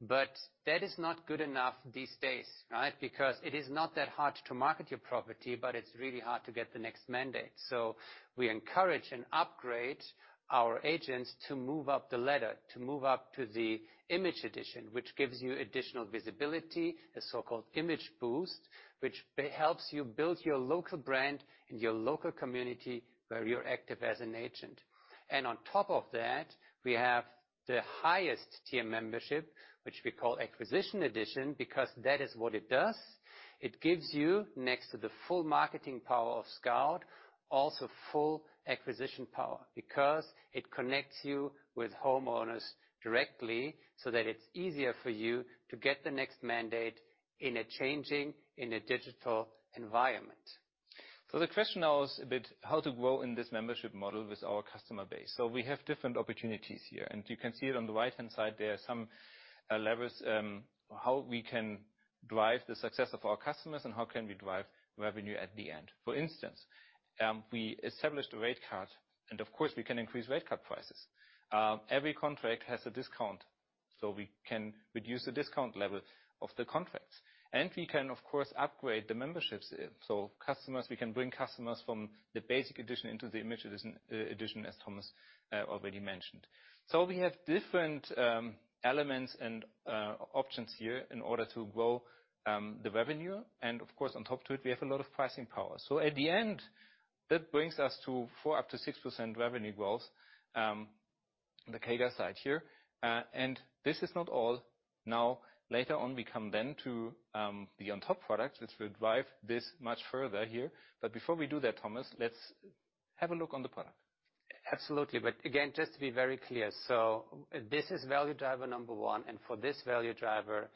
That is not good enough these days, right? Because it is not that hard to market your property, but it's really hard to get the next mandate. We encourage and upgrade our agents to move up the ladder, to move up to the Image Edition, which gives you additional visibility, a so-called ImageBoost, which helps you build your local brand in your local community where you're active as an agent. On top of that, we have the highest tier membership, which we call Acquisition Edition because that is what it does. It gives you, next to the full marketing power of Scout, also full acquisition power because it connects you with homeowners directly so that it's easier for you to get the next mandate in a changing digital environment. The question now is a bit how to grow in this membership model with our customer base. We have different opportunities here, and you can see it on the right-hand side there, some levers how we can drive the success of our customers and how we can drive revenue at the end. For instance, we established a rate card, and of course, we can increase rate card prices. Every contract has a discount, so we can reduce the discount level of the contracts. We can, of course, upgrade the memberships. Customers, we can bring customers from the Basic Edition into the Image Edition as Thomas already mentioned. We have different elements and options here in order to grow the revenue. Of course, on top of it, we have a lot of pricing power. At the end, that brings us to 4%-6% revenue growth, the CAGR side here. This is not all. Now, later on, we come then to the on top products, which will drive this much further here. Before we do that, Thomas, let's have a look on the product. Absolutely. Again, just to be very clear, this is value driver number one. For this value driver,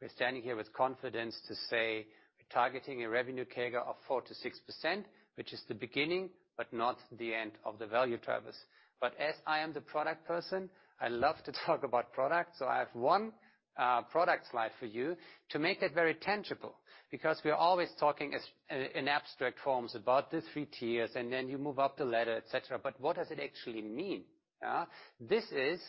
we're standing here with confidence to say we're targeting a revenue CAGR of 4%-6%, which is the beginning, but not the end of the value drivers. As I am the product person, I love to talk about products. I have one product slide for you to make that very tangible, because we are always talking as in abstract forms about the three tiers, and then you move up the ladder, et cetera. What does it actually mean? Yeah. This is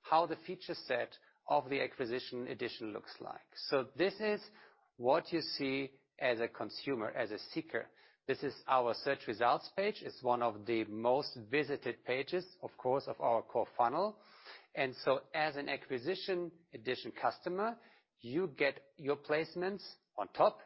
how the feature set of the Acquisition Edition looks like. This is what you see as a consumer, as a seeker. This is our search results page. It's one of the most visited pages, of course, of our core funnel. As an Acquisition Edition customer, you get your placements on top,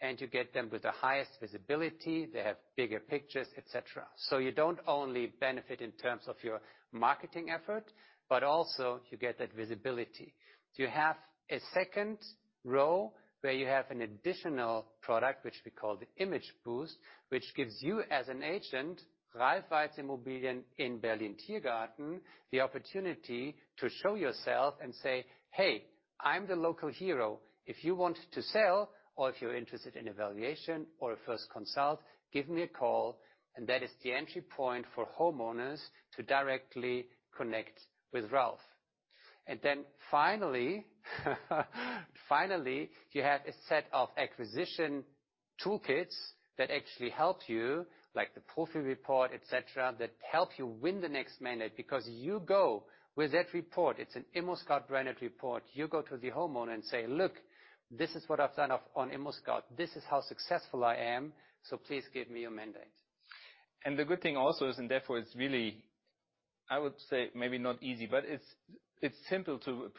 and you get them with the highest visibility. They have bigger pictures, et cetera. You don't only benefit in terms of your marketing effort, but also you get that visibility. You have a second row where you have an additional product, which we call the ImageBoost, which gives you as an agent, Ralf Weitz Immobilien in Berlin-Tiergarten, the opportunity to show yourself and say, "Hey, I'm the local hero. If you want to sell or if you're interested in valuation or a first consult, give me a call." That is the entry point for homeowners to directly connect with Ralf. Finally, you have a set of acquisition toolkits that actually help you, like the Profi-Report, et cetera, that help you win the next mandate because you go with that report. It's an ImmoScout24 branded report. You go to the homeowner and say, "Look, this is what I've done on ImmoScout24. This is how successful I am. Please give me your mandate. The good thing also is, and therefore it's really, I would say, maybe not easy, but it's simple to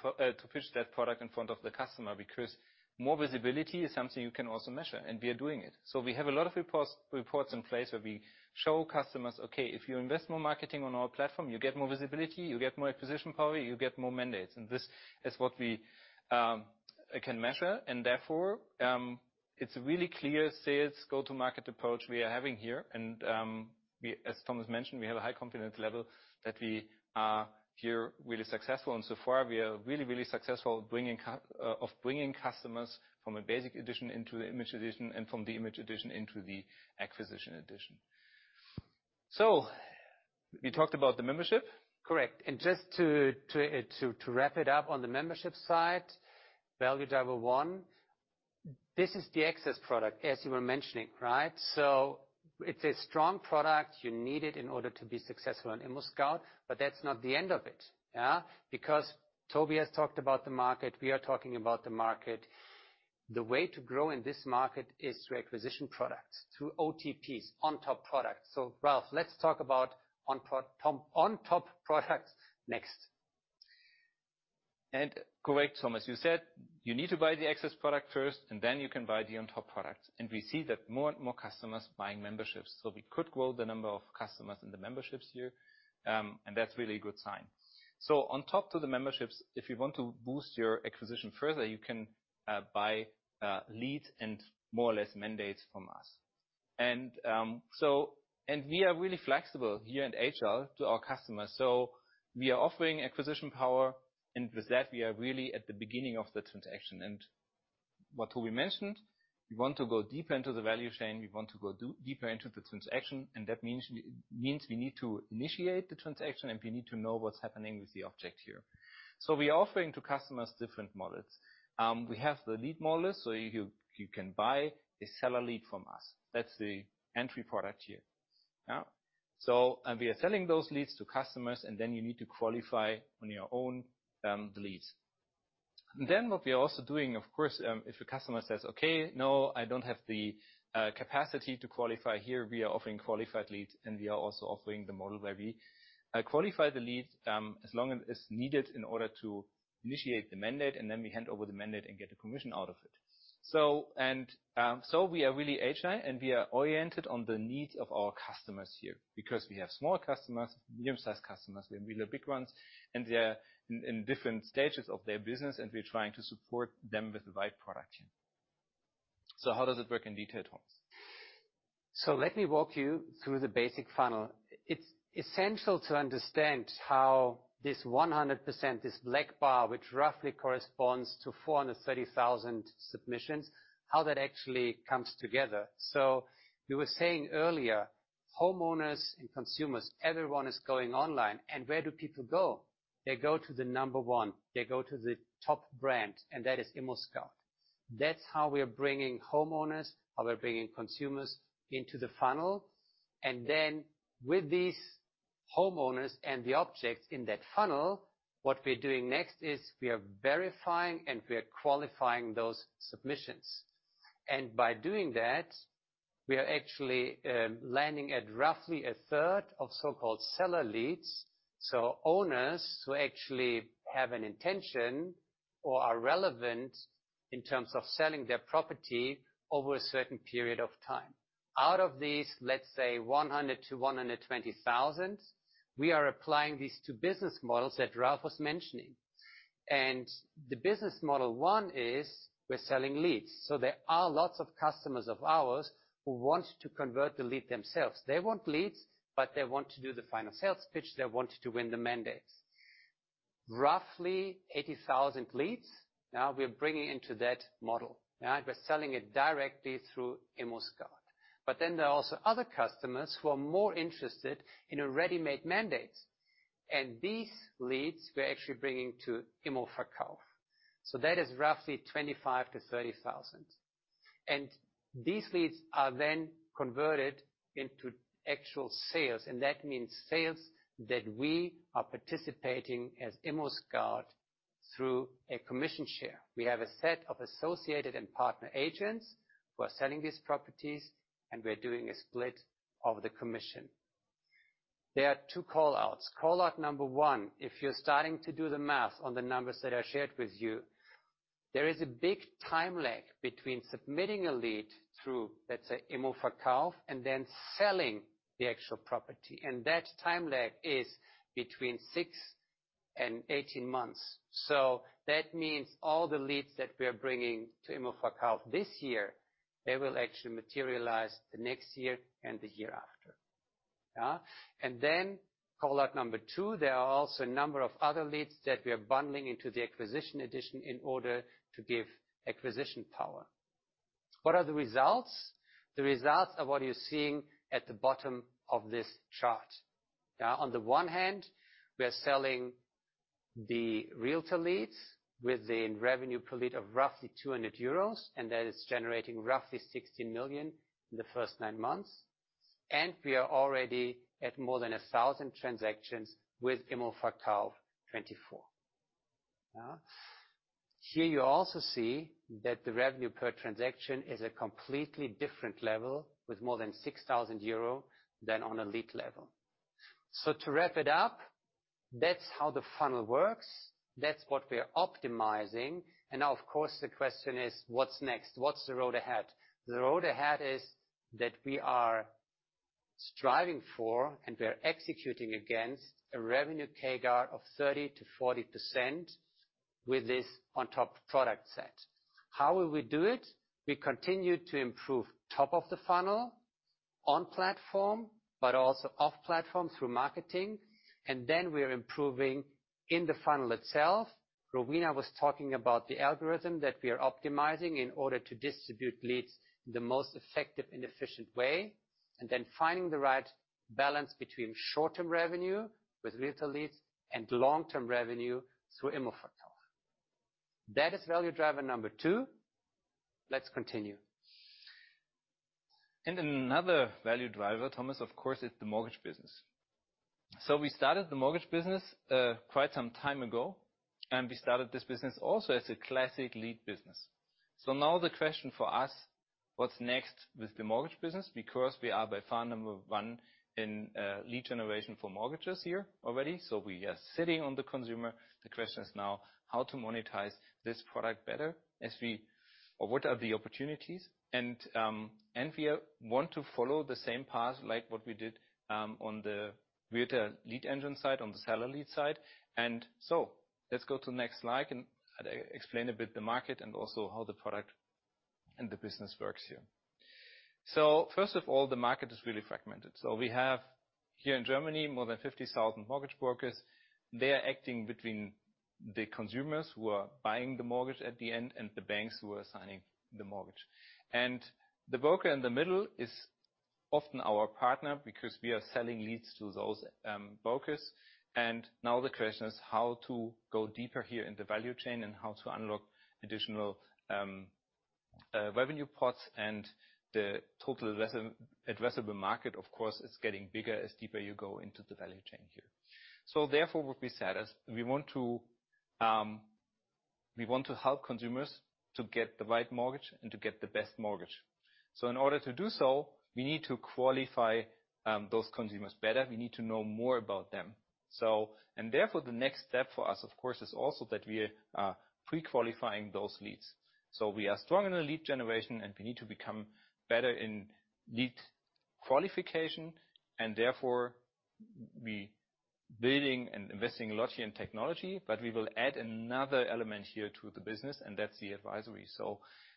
push that product in front of the customer because more visibility is something you can also measure, and we are doing it. We have a lot of reports in place where we show customers, okay, if you invest more marketing on our platform, you get more visibility, you get more acquisition power, you get more mandates. This is what we can measure. Therefore, it's a really clear sales go-to-market approach we are having here. As Thomas mentioned, we have a high confidence level that we are here really successful. So far we are really, really successful bringing customers from a Basic Edition into the Image Edition and from the Image Edition into the Acquisition Edition. We talked about the membership. Correct. Just to wrap it up on the membership side, value driver one, this is the access product, as you were mentioning, right? It's a strong product. You need it in order to be successful on ImmoScout24, but that's not the end of it, yeah. Because Toby has talked about the market, we are talking about the market. The way to grow in this market is through acquisition products, through OTPs, on-top products. Ralf, let's talk about on-top products next, Ralf. Correct, Thomas, you said you need to buy the access product first, and then you can buy the on-top products. We see that more and more customers buying memberships. We could grow the number of customers in the memberships here, and that's really a good sign. On top of the memberships, if you want to boost your acquisition further, you can buy leads and more or less mandates from us. We are really flexible here in HR to our customers. We are offering acquisition power, and with that, we are really at the beginning of the transaction. What Toby mentioned, we want to go deeper into the value chain, deeper into the transaction, and that means we need to initiate the transaction and we need to know what's happening with the object here. We're offering to customers different models. We have the lead model, you can buy a seller lead from us. That's the entry product here. Yeah. We are selling those leads to customers, and then you need to qualify on your own the leads. What we are also doing, of course, if a customer says, "Okay, no, I don't have the capacity to qualify here," we are offering qualified leads, and we are also offering the model where we qualify the leads as long as is needed in order to initiate the mandate, and then we hand over the mandate and get the commission out of it. We are really agile, and we are oriented on the needs of our customers here because we have small customers, medium-sized customers, we have really big ones, and they are in different stages of their business, and we're trying to support them with the right product. How does it work in detail, Thomas? Let me walk you through the basic funnel. It's essential to understand how this 100%, this black bar, which roughly corresponds to 430,000 submissions, how that actually comes together. You were saying earlier, homeowners and consumers, everyone is going online. Where do people go? They go to the number one. They go to the top brand, and that is ImmoScout24. That's how we are bringing homeowners, how we're bringing consumers into the funnel. Then with these homeowners and the objects in that funnel, what we're doing next is we are verifying and we are qualifying those submissions. By doing that, we are actually landing at roughly a third of so-called seller leads. Owners who actually have an intention or are relevant in terms of selling their property over a certain period of time. Out of these, let's say 100,000-120,000, we are applying these two business models that Ralf was mentioning. The business model one is we're selling leads. There are lots of customers of ours who want to convert the lead themselves. They want leads, but they want to do the final sales pitch, they want to win the mandate. Roughly 80,000 leads now we are bringing into that model. Yeah. We're selling it directly through ImmoScout24. Then there are also other customers who are more interested in a ready-made mandate. These leads we're actually bringing to immoverkauf24. That is roughly 25,000-30,000. These leads are then converted into actual sales, that means sales that we are participating as ImmoScout24 through a commission share. We have a set of associated and partner agents who are selling these properties, and we're doing a split of the commission. There are two call-outs. Call-out number 1, if you're starting to do the math on the numbers that I shared with you, there is a big time lag between submitting a lead through, let's say, immoverkauf24, and then selling the actual property. That time lag is between six and 18 months. That means all the leads that we are bringing to immoverkauf24 this year, they will actually materialize the next year and the year after. Yeah. Then call out number 2, there are also a number of other leads that we are bundling into the Acquisition Edition in order to give acquisition power. What are the results? The results are what you're seeing at the bottom of this chart. On the one hand, we are selling the realtor leads with the revenue per lead of roughly 200 euros, and that is generating roughly 60 million in the first nine months. We are already at more than 1,000 transactions with immoverkauf24. Yeah. Here you also see that the revenue per transaction is a completely different level with more than 6,000 euro than on a lead level. To wrap it up, that's how the funnel works. That's what we are optimizing. Now, of course, the question is what's next? What's the road ahead? The road ahead is that we are striving for, and we are executing against a revenue CAGR of 30%-40% with this on top product set. How will we do it? We continue to improve top of the funnel on platform, but also off platform through marketing. We are improving in the funnel itself. Rowena was talking about the algorithm that we are optimizing in order to distribute leads in the most effective and efficient way, and then finding the right balance between short-term revenue with realtor leads and long-term revenue through immoverkauf24. That is value driver number two. Let's continue. Another value driver, Thomas, of course, is the mortgage business. We started the mortgage business quite some time ago, and we started this business also as a classic lead business. Now the question for us, what's next with the mortgage business? Because we are by far number one in lead generation for mortgages here already. We are sitting on the consumer. The question is now how to monetize this product better or what are the opportunities? We want to follow the same path, like what we did on the Realtor Lead Engine side, on the seller lead side. Let's go to the next slide and explain a bit the market and also how the product and the business works here. First of all, the market is really fragmented. We have here in Germany more than 50,000 mortgage brokers. They are acting between the consumers who are buying the mortgage at the end and the banks who are signing the mortgage. The broker in the middle is often our partner because we are selling leads to those brokers. Now the question is how to go deeper here in the value chain and how to unlock additional revenue pots. The total addressable market, of course, is getting bigger as deeper you go into the value chain here. Therefore, what we said is we want to help consumers to get the right mortgage and to get the best mortgage. In order to do so, we need to qualify those consumers better. We need to know more about them. The next step for us, of course, is also that we are pre-qualifying those leads. We are strong in the lead generation, and we need to become better in lead qualification, and therefore, we building and investing a lot here in technology. We will add another element here to the business, and that's the advisory.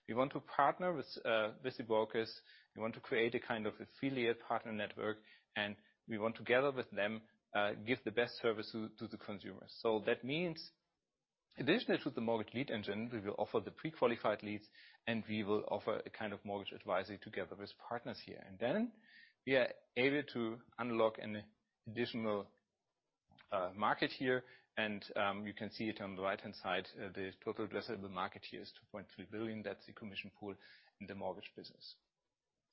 We want to partner with the brokers. We want to create a kind of affiliate partner network, and we want, together with them, give the best service to the consumers. That means in addition to the mortgage lead engine, we will offer the pre-qualified leads, and we will offer a kind of mortgage advisory together with partners here. Then we are able to unlock an additional market here. You can see it on the right-hand side. The total addressable market here is 2.3 billion. That's the commission pool in the mortgage business.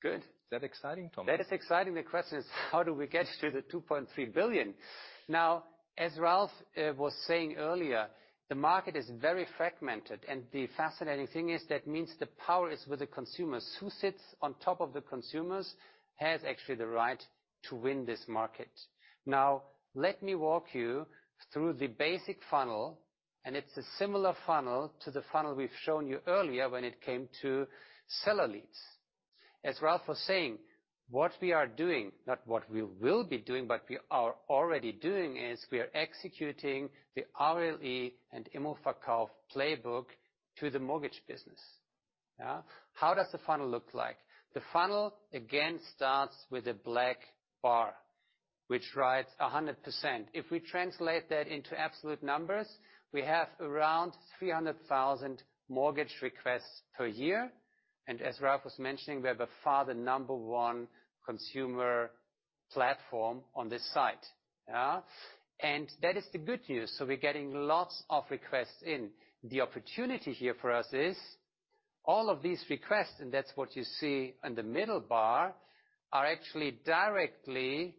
Good. Is that exciting, Thomas? That is exciting. The question is how do we get to 2.3 billion? Now, as Ralf was saying earlier, the market is very fragmented. The fascinating thing is that means the power is with the consumers. Who sits on top of the consumers has actually the right to win this market. Now, let me walk you through the basic funnel, and it's a similar funnel to the funnel we've shown you earlier when it came to seller leads. As Ralf was saying, what we are doing, not what we will be doing, but we are already doing is we are executing the RLE and immoverkauf24 playbook to the mortgage business. Yeah. How does the funnel look like? The funnel again starts with a black bar, which writes 100%. If we translate that into absolute numbers, we have around 300,000 mortgage requests per year. As Ralf was mentioning, we have by far the number one consumer platform on this site, yeah. That is the good news. We're getting lots of requests in. The opportunity here for us is all of these requests, and that's what you see in the middle bar, are actually directly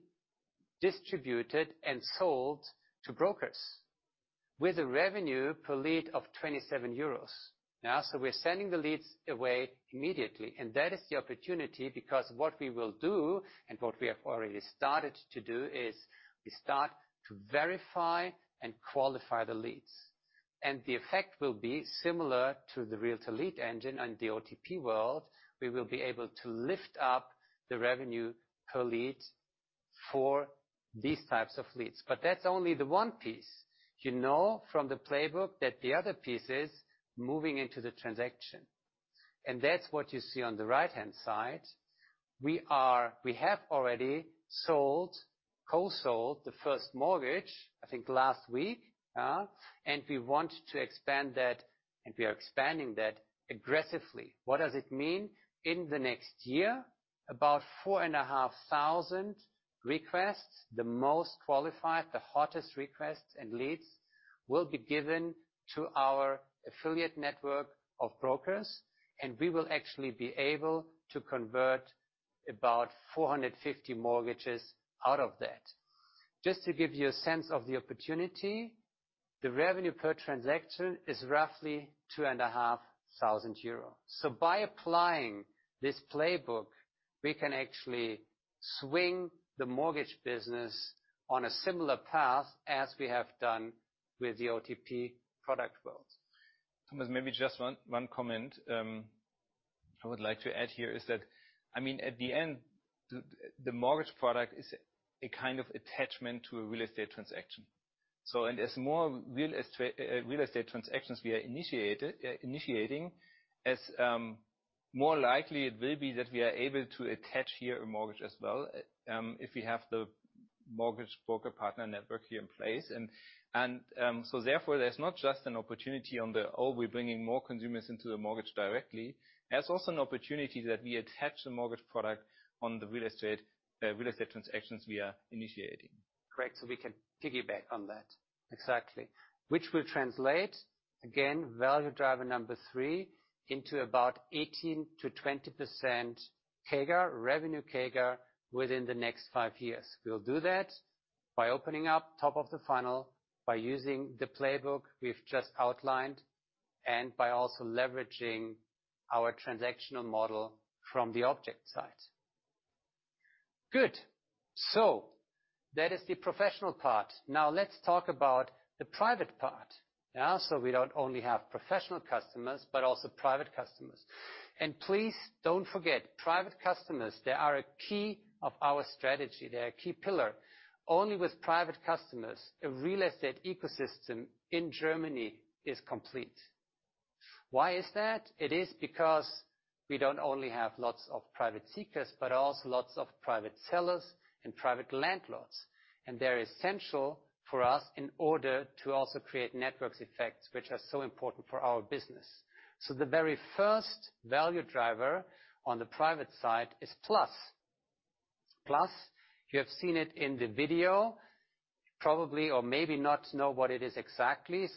distributed and sold to brokers with a revenue per lead of 27 euros. Now, we're sending the leads away immediately, and that is the opportunity because what we will do and what we have already started to do is we start to verify and qualify the leads. The effect will be similar to the Realtor Lead Engine on the OTP world. We will be able to lift up the revenue per lead for these types of leads. That's only the one piece. You know from the playbook that the other piece is moving into the transaction. That's what you see on the right-hand side. We have already sold, co-sold the first mortgage, I think last week, and we want to expand that, and we are expanding that aggressively. What does it mean? In the next year, about 4,500 requests, the most qualified, the hottest requests and leads, will be given to our affiliate network of brokers, and we will actually be able to convert about 450 mortgages out of that. Just to give you a sense of the opportunity, the revenue per transaction is roughly 2,500 euros. By applying this playbook, we can actually swing the mortgage business on a similar path as we have done with the OTP product world. Thomas, maybe just one comment I would like to add here is that, I mean, at the end, the mortgage product is a kind of attachment to a real estate transaction. The more real estate transactions we are initiating, the more likely it will be that we are able to attach here a mortgage as well, if we have the mortgage broker partner network here in place. Therefore, there's not just an opportunity we're bringing more consumers into the mortgage directly. There's also an opportunity that we attach the mortgage product on the real estate transactions we are initiating. Great. We can piggyback on that. Exactly. Which will translate, again, value driver number three, into about 18%-20% CAGR, revenue CAGR, within the next five years. We'll do that by opening up top of the funnel, by using the playbook we've just outlined, and by also leveraging our transactional model from the object side. Good. That is the professional part. Now let's talk about the private part. We don't only have professional customers, but also private customers. Please don't forget, private customers, they are a key of our strategy. They're a key pillar. Only with private customers, a real estate ecosystem in Germany is complete. Why is that? It is because we don't only have lots of private seekers, but also lots of private sellers and private landlords. They're essential for us in order to also create networks effects, which are so important for our business. The very first value driver on the private side is Plus. Plus, you have seen it in the video probably or maybe not know what it is exactly.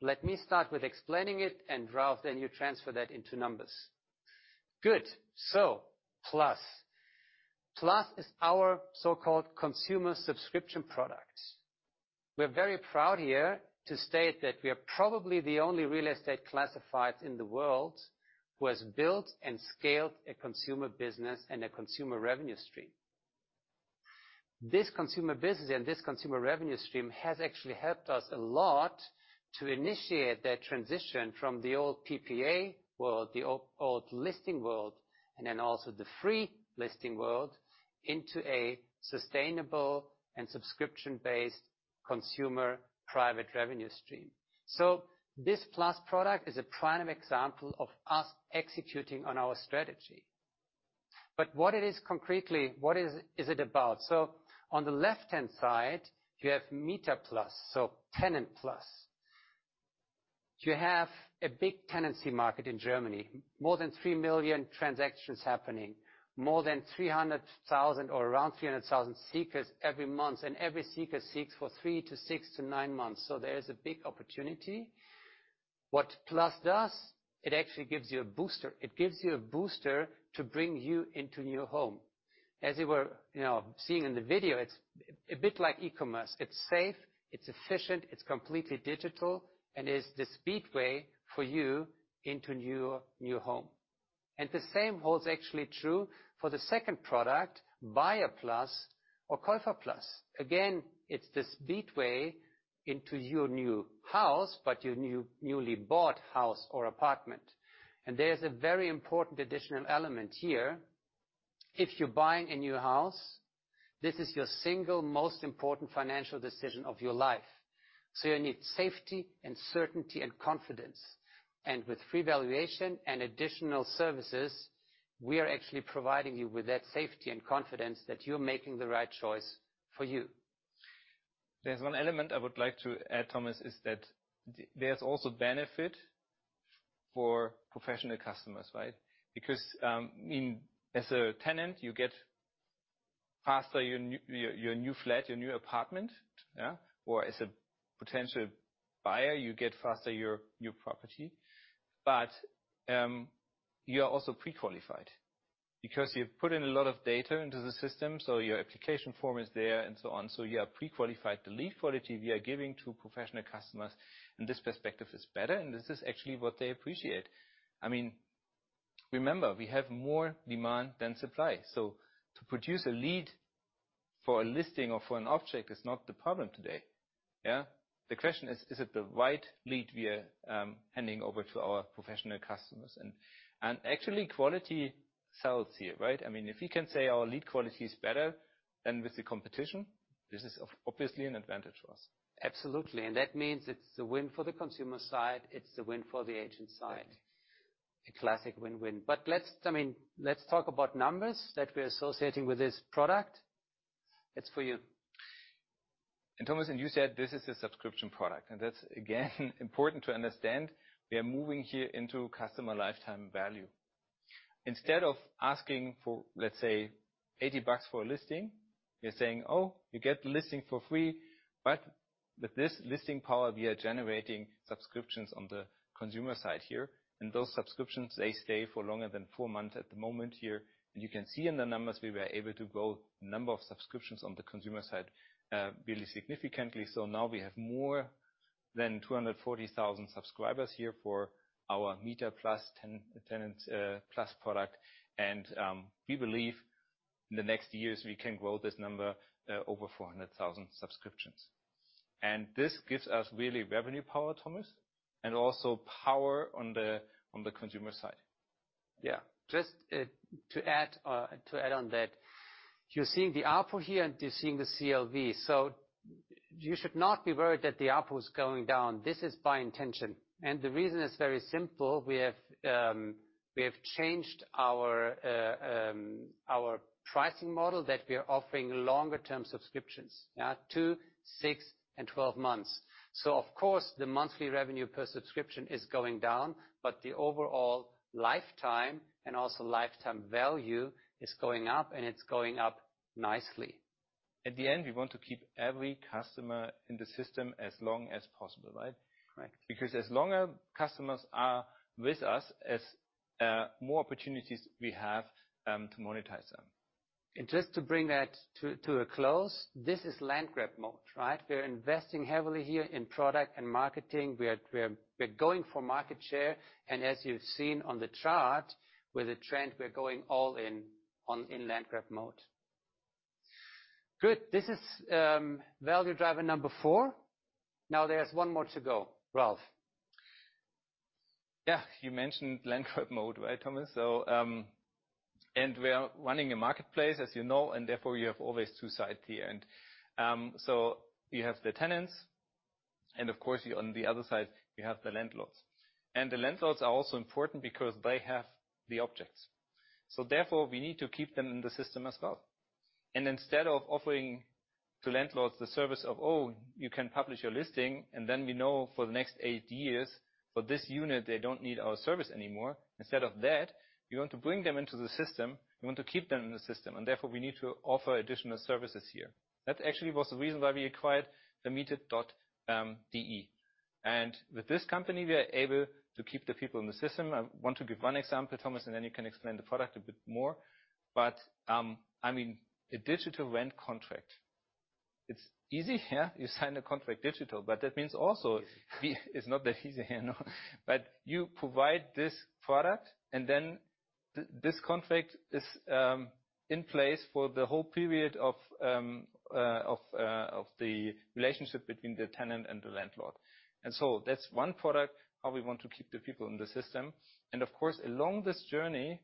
Let me start with explaining it and, Ralf, then you transfer that into numbers. Good. Plus. Plus is our so-called consumer subscription product. We're very proud here to state that we are probably the only real estate classified in the world who has built and scaled a consumer business and a consumer revenue stream. This consumer business and this consumer revenue stream has actually helped us a lot to initiate that transition from the old PPA world, the old listing world, and then also the free listing world into a sustainable and subscription-based consumer private revenue stream. This Plus product is a prime example of us executing on our strategy. What it is concretely, what is it about? On the left-hand side, you have MieterPlus, so Tenant Plus. You have a big tenancy market in Germany. More than 3 million transactions happening. More than 300,000 or around 300,000 seekers every month, and every seeker seeks for three to six to nine months. There is a big opportunity. What Plus does, it actually gives you a booster. It gives you a booster to bring you into new home. As you were, you know, seeing in the video, it's a bit like e-commerce. It's safe, it's efficient, it's completely digital, and it's the speedway for you into new home. The same holds actually true for the second product, Buyer Plus or KaufPlus. Again, it's this best way into your new house, but your newly bought house or apartment. There's a very important additional element here. If you're buying a new house, this is your single most important financial decision of your life. You need safety and certainty and confidence. With free valuation and additional services, we are actually providing you with that safety and confidence that you're making the right choice for you. There's one element I would like to add, Thomas, is that there's also benefit for professional customers, right? Because as a tenant, you get faster your new flat, your new apartment, yeah. Or as a potential buyer, you get faster your new property. But you are also pre-qualified because you've put in a lot of data into the system, so your application form is there and so on. So you are pre-qualified. The lead quality we are giving to professional customers in this perspective is better, and this is actually what they appreciate. I mean, remember, we have more demand than supply. So to produce a lead for a listing or for an object is not the problem today, yeah. The question is it the right lead we are handing over to our professional customers? And actually quality sells here, right? I mean, if we can say our lead quality is better than with the competition, this is obviously an advantage for us. Absolutely. That means it's a win for the consumer side, it's a win for the agent side. Right. A classic win-win. I mean, let's talk about numbers that we're associating with this product. It's for you. Thomas, you said this is a subscription product. That's again important to understand, we are moving here into customer lifetime value. Instead of asking for, let's say, EUR 80 for a listing, we're saying, "Oh, you get the listing for free." With this listing power, we are generating subscriptions on the consumer side here. Those subscriptions, they stay for longer than four months at the moment here. You can see in the numbers, we were able to grow the number of subscriptions on the consumer side really significantly. Now we have more than 240,000 subscribers here for our MieterPlus, Tenant Plus product. We believe in the next years, we can grow this number over 400,000 subscriptions. This gives us really revenue power, Thomas, and also power on the consumer side. Yeah. Just to add on that, you're seeing the ARPU here, and you're seeing the CLV. You should not be worried that the ARPU is going down. This is by intention. The reason is very simple. We have changed our pricing model that we are offering longer term subscriptions. Yeah, two, six, and 12 months. Of course, the monthly revenue per subscription is going down, but the overall lifetime value is going up, and it's going up nicely. At the end, we want to keep every customer in the system as long as possible, right? Right. Because the longer customers are with us, the more opportunities we have to monetize them. Just to bring that to a close, this is land grab mode, right? We're investing heavily here in product and marketing. We're going for market share. As you've seen on the chart, with the trend, we're going all in in land grab mode. Good. This is value driver number four. Now there's one more to go. Ralf. Yeah. You mentioned land grab mode, right, Thomas? We are running a marketplace, as you know, and therefore you have always two sides here. You have the tenants, and of course, on the other side, you have the landlords. The landlords are also important because they have the objects. Therefore, we need to keep them in the system as well. Instead of offering to landlords the service of, "Oh, you can publish your listing," and then we know for the next eight years for this unit, they don't need our service anymore. Instead of that, we want to bring them into the system. We want to keep them in the system, and therefore, we need to offer additional services here. That actually was the reason why we acquired vermietet.de. With this company, we are able to keep the people in the system. I want to give one example, Thomas, and then you can explain the product a bit more. I mean, a digital rent contract, it's easy, yeah. You sign a contract digital, but that means also it's not that easy, you know. You provide this product, and then this contract is in place for the whole period of the relationship between the tenant and the landlord. That's one product, how we want to keep the people in the system. Of course, along this journey,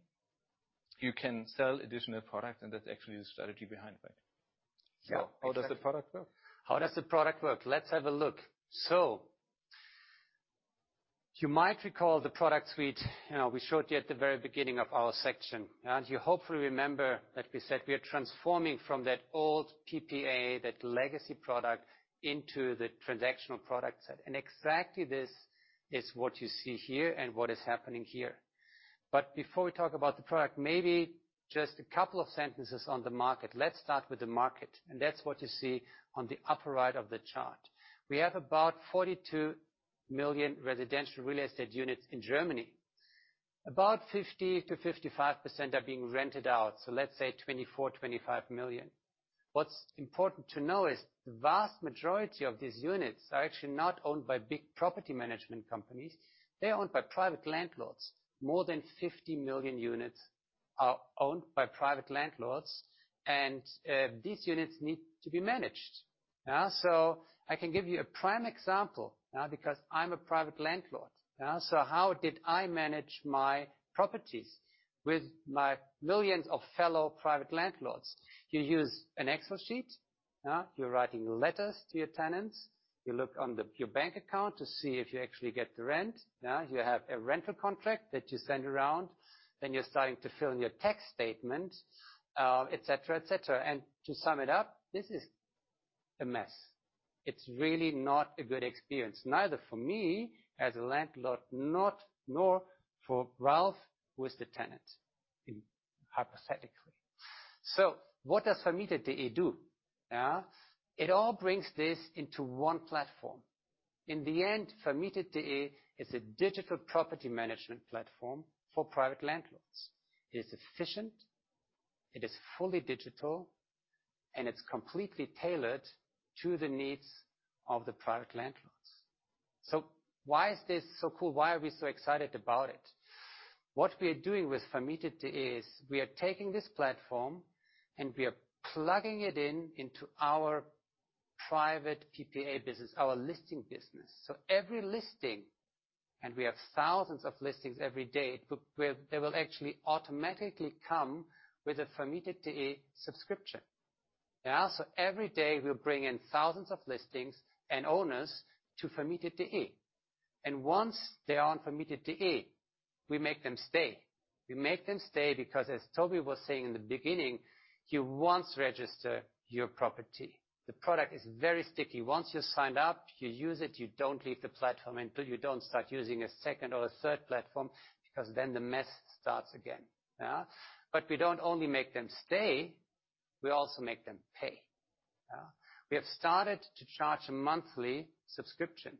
you can sell additional product, and that's actually the strategy behind that. Yeah. How does the product work? How does the product work? Let's have a look. You might recall the product suite, you know, we showed you at the very beginning of our section. You hopefully remember that we said we are transforming from that old PPA, that legacy product, into the transactional product set. Exactly this is what you see here and what is happening here. Before we talk about the product, maybe just a couple of sentences on the market. Let's start with the market, and that's what you see on the upper right of the chart. We have about 42 million residential real estate units in Germany. About 50%-55% are being rented out, so let's say 24-25 million. What's important to know is the vast majority of these units are actually not owned by big property management companies. They are owned by private landlords, more than 50 million units, and these units need to be managed. I can give you a prime example, because I'm a private landlord, yeah? How did I manage my properties with my millions of fellow private landlords? You use an Excel sheet, yeah? You're writing letters to your tenants. You look on your bank account to see if you actually get the rent, yeah. You have a rental contract that you send around. You're starting to fill in your tax statement, et cetera, et cetera. To sum it up, this is a mess. It's really not a good experience, neither for me as a landlord, nor for Ralf, who is the tenant, hypothetically. What does vermietet.de do? Yeah. It all brings this into one platform. In the end, vermietet.de is a digital property management platform for private landlords. It is efficient, it is fully digital, and it's completely tailored to the needs of the private landlords. Why is this so cool? Why are we so excited about it? What we are doing with vermietet.de is we are taking this platform, and we are plugging it into our private PPA business, our listing business. Every listing, and we have thousands of listings every day. They will actually automatically come with a vermietet.de subscription. Yeah. Every day, we bring in thousands of listings and owners to vermietet.de. Once they are on vermietet.de, we make them stay. We make them stay because as Toby was saying in the beginning, you once register your property. The product is very sticky. Once you're signed up, you use it, you don't leave the platform until you don't start using a second or a third platform, because then the mess starts again. Yeah. We don't only make them stay, we also make them pay. Yeah. We have started to charge a monthly subscription.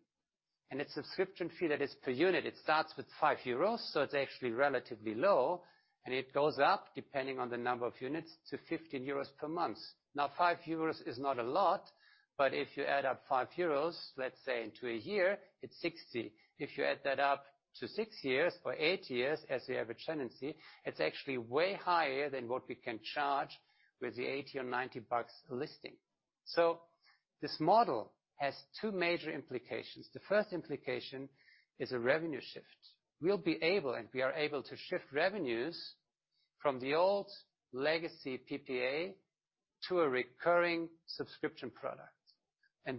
It's a subscription fee that is per unit. It starts with 5 euros, so it's actually relatively low, and it goes up, depending on the number of units, to 15 euros per month. Now, 5 euros is not a lot, but if you add up 5 euros, let's say into a year, it's 60. If you add that up to six years or eight years as the average tenancy, it's actually way higher than what we can charge with the 80 or EUR 90 listing. This model has two major implications. The first implication is a revenue shift. We'll be able, and we are able to shift revenues from the old legacy PPA to a recurring subscription product.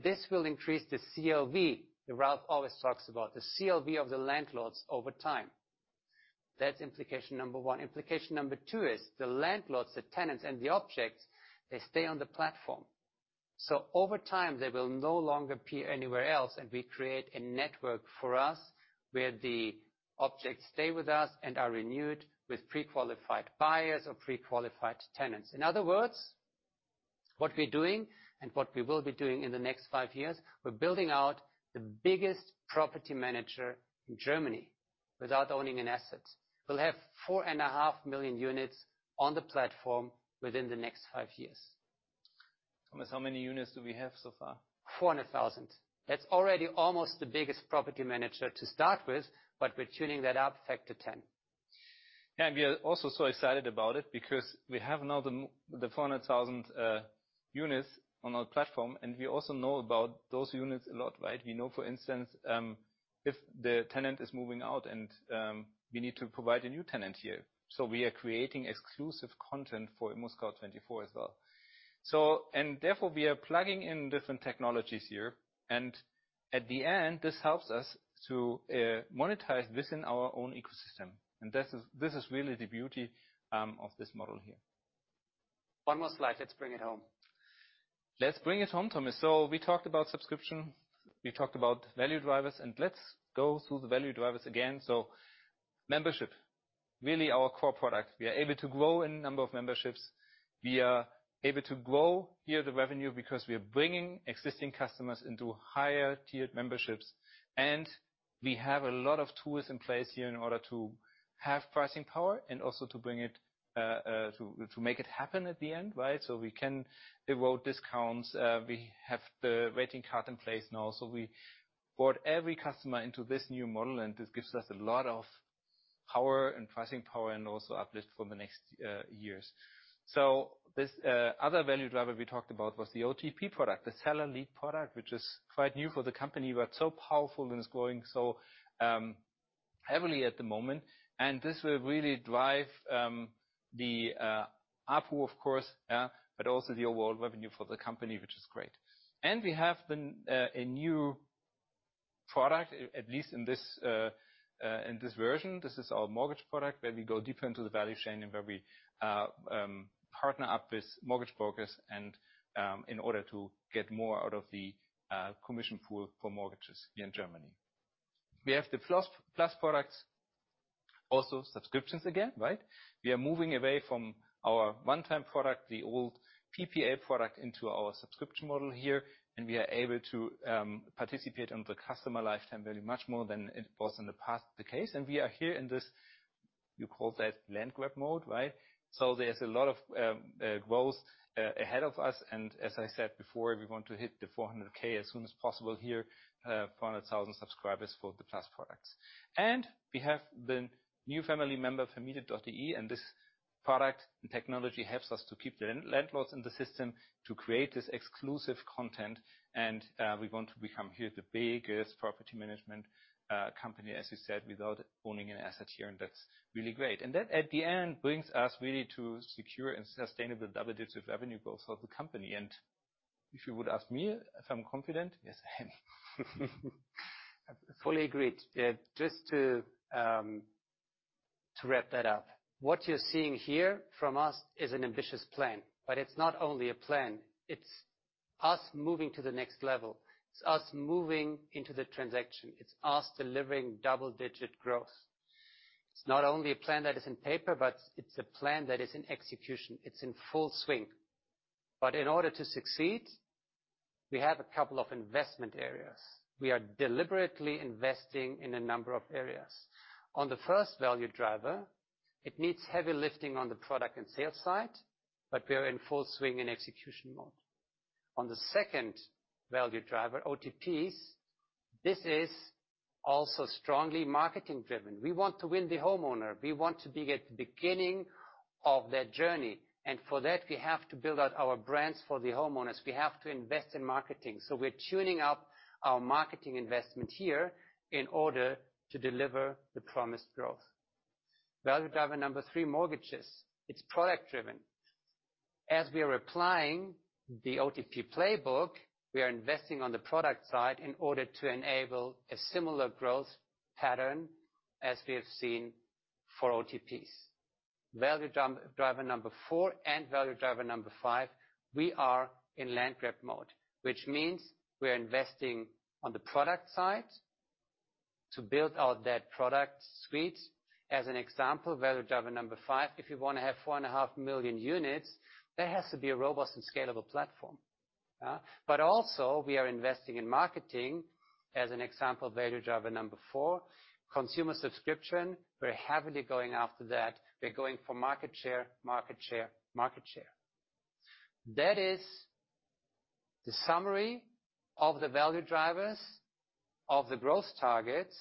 This will increase the CLV that Ralf always talks about. The CLV of the landlords over time. That's implication number 1. Implication number 2 is the landlords, the tenants and the objects, they stay on the platform. Over time, they will no longer appear anywhere else, and we create a network for us where the objects stay with us and are renewed with pre-qualified buyers or pre-qualified tenants. In other words, what we're doing and what we will be doing in the next five years, we're building out the biggest property manager in Germany without owning an asset. We'll have 4.5 million units on the platform within the next five years. Thomas, how many units do we have so far? 400,000. That's already almost the biggest property manager to start with, but we're tuning that up factor 10. Yeah. We are also so excited about it because we have now the 400,000 units on our platform, and we also know about those units a lot, right? We know, for instance, if the tenant is moving out and we need to provide a new tenant here. We are creating exclusive content for ImmoScout24 as well. Therefore, we are plugging in different technologies here. In the end, this helps us to monetize within our own ecosystem. This is really the beauty of this model here. One more slide. Let's bring it home. Let's bring it home, Thomas. We talked about subscription, we talked about value drivers, and let's go through the value drivers again. Membership, really our core product. We are able to grow in number of memberships. We are able to grow here the revenue because we are bringing existing customers into higher tiered memberships. We have a lot of tools in place here in order to have pricing power and also to bring it to make it happen at the end, right? We can avoid discounts. We have the rate card in place now. We onboard every customer into this new model, and this gives us a lot of power and pricing power and also uplift for the next years. This other value driver we talked about was the OTP product, the seller lead product, which is quite new for the company, but so powerful and it's growing so heavily at the moment. This will really drive the ARPU, of course, but also the overall revenue for the company, which is great. We have a new product, at least in this version. This is our mortgage product, where we go deeper into the value chain and where we partner up with mortgage brokers and in order to get more out of the commission pool for mortgages here in Germany. We have the Plus+ products. Also subscriptions again, right? We are moving away from our one-time product, the old PPA product, into our subscription model here, and we are able to participate on the customer lifetime value much more than it was in the past the case. We are here in this, you call that land grab mode, right? There's a lot of growth ahead of us. As I said before, we want to hit the 400,000 as soon as possible here. 400,000 subscribers for the Plus products. We have the new family member, Vermietet.de, and this product and technology helps us to keep the rental landlords in the system to create this exclusive content. We want to become here the biggest property management company, as you said, without owning an asset here, and that's really great. That, at the end, brings us really to secure and sustainable double-digit revenue growth for the company. If you would ask me if I'm confident, yes, I am. Fully agreed. Just to wrap that up, what you're seeing here from us is an ambitious plan. It's not only a plan, it's us moving to the next level. It's us moving into the transaction. It's us delivering double-digit growth. It's not only a plan that is on paper, but it's a plan that is in execution. It's in full swing. In order to succeed, we have a couple of investment areas. We are deliberately investing in a number of areas. On the first value driver, it needs heavy lifting on the product and sales side, but we are in full swing in execution mode. On the second value driver, OTPs, this is also strongly marketing driven. We want to win the homeowner. We want to be at the beginning of their journey. For that, we have to build out our brands for the homeowners. We have to invest in marketing. We're tuning up our marketing investment here in order to deliver the promised growth. Value driver number three, mortgages. It's product driven. As we are applying the OTP playbook, we are investing on the product side in order to enable a similar growth pattern as we have seen for OTPs. Value driver number four and value driver number five, we are in land grab mode, which means we are investing on the product side to build out that product suite. As an example, value driver number five, if you wanna have 4.5 million units, there has to be a robust and scalable platform. Also we are investing in marketing. As an example, value driver number four, consumer subscription. We're heavily going after that. We're going for market share, market share, market share. That is the summary of the value drivers of the growth targets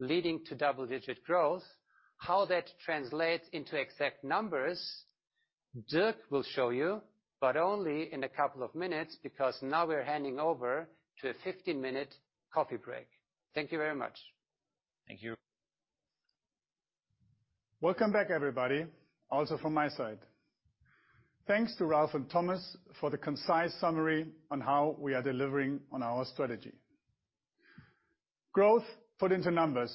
leading to double-digit growth. How that translates into exact numbers, Dirk will show you, but only in a couple of minutes because now we're handing over to a 15-minute coffee break. Thank you very much. Thank you. Welcome back, everybody, also from my side. Thanks to Ralf and Thomas for the concise summary on how we are delivering on our strategy. Growth put into numbers.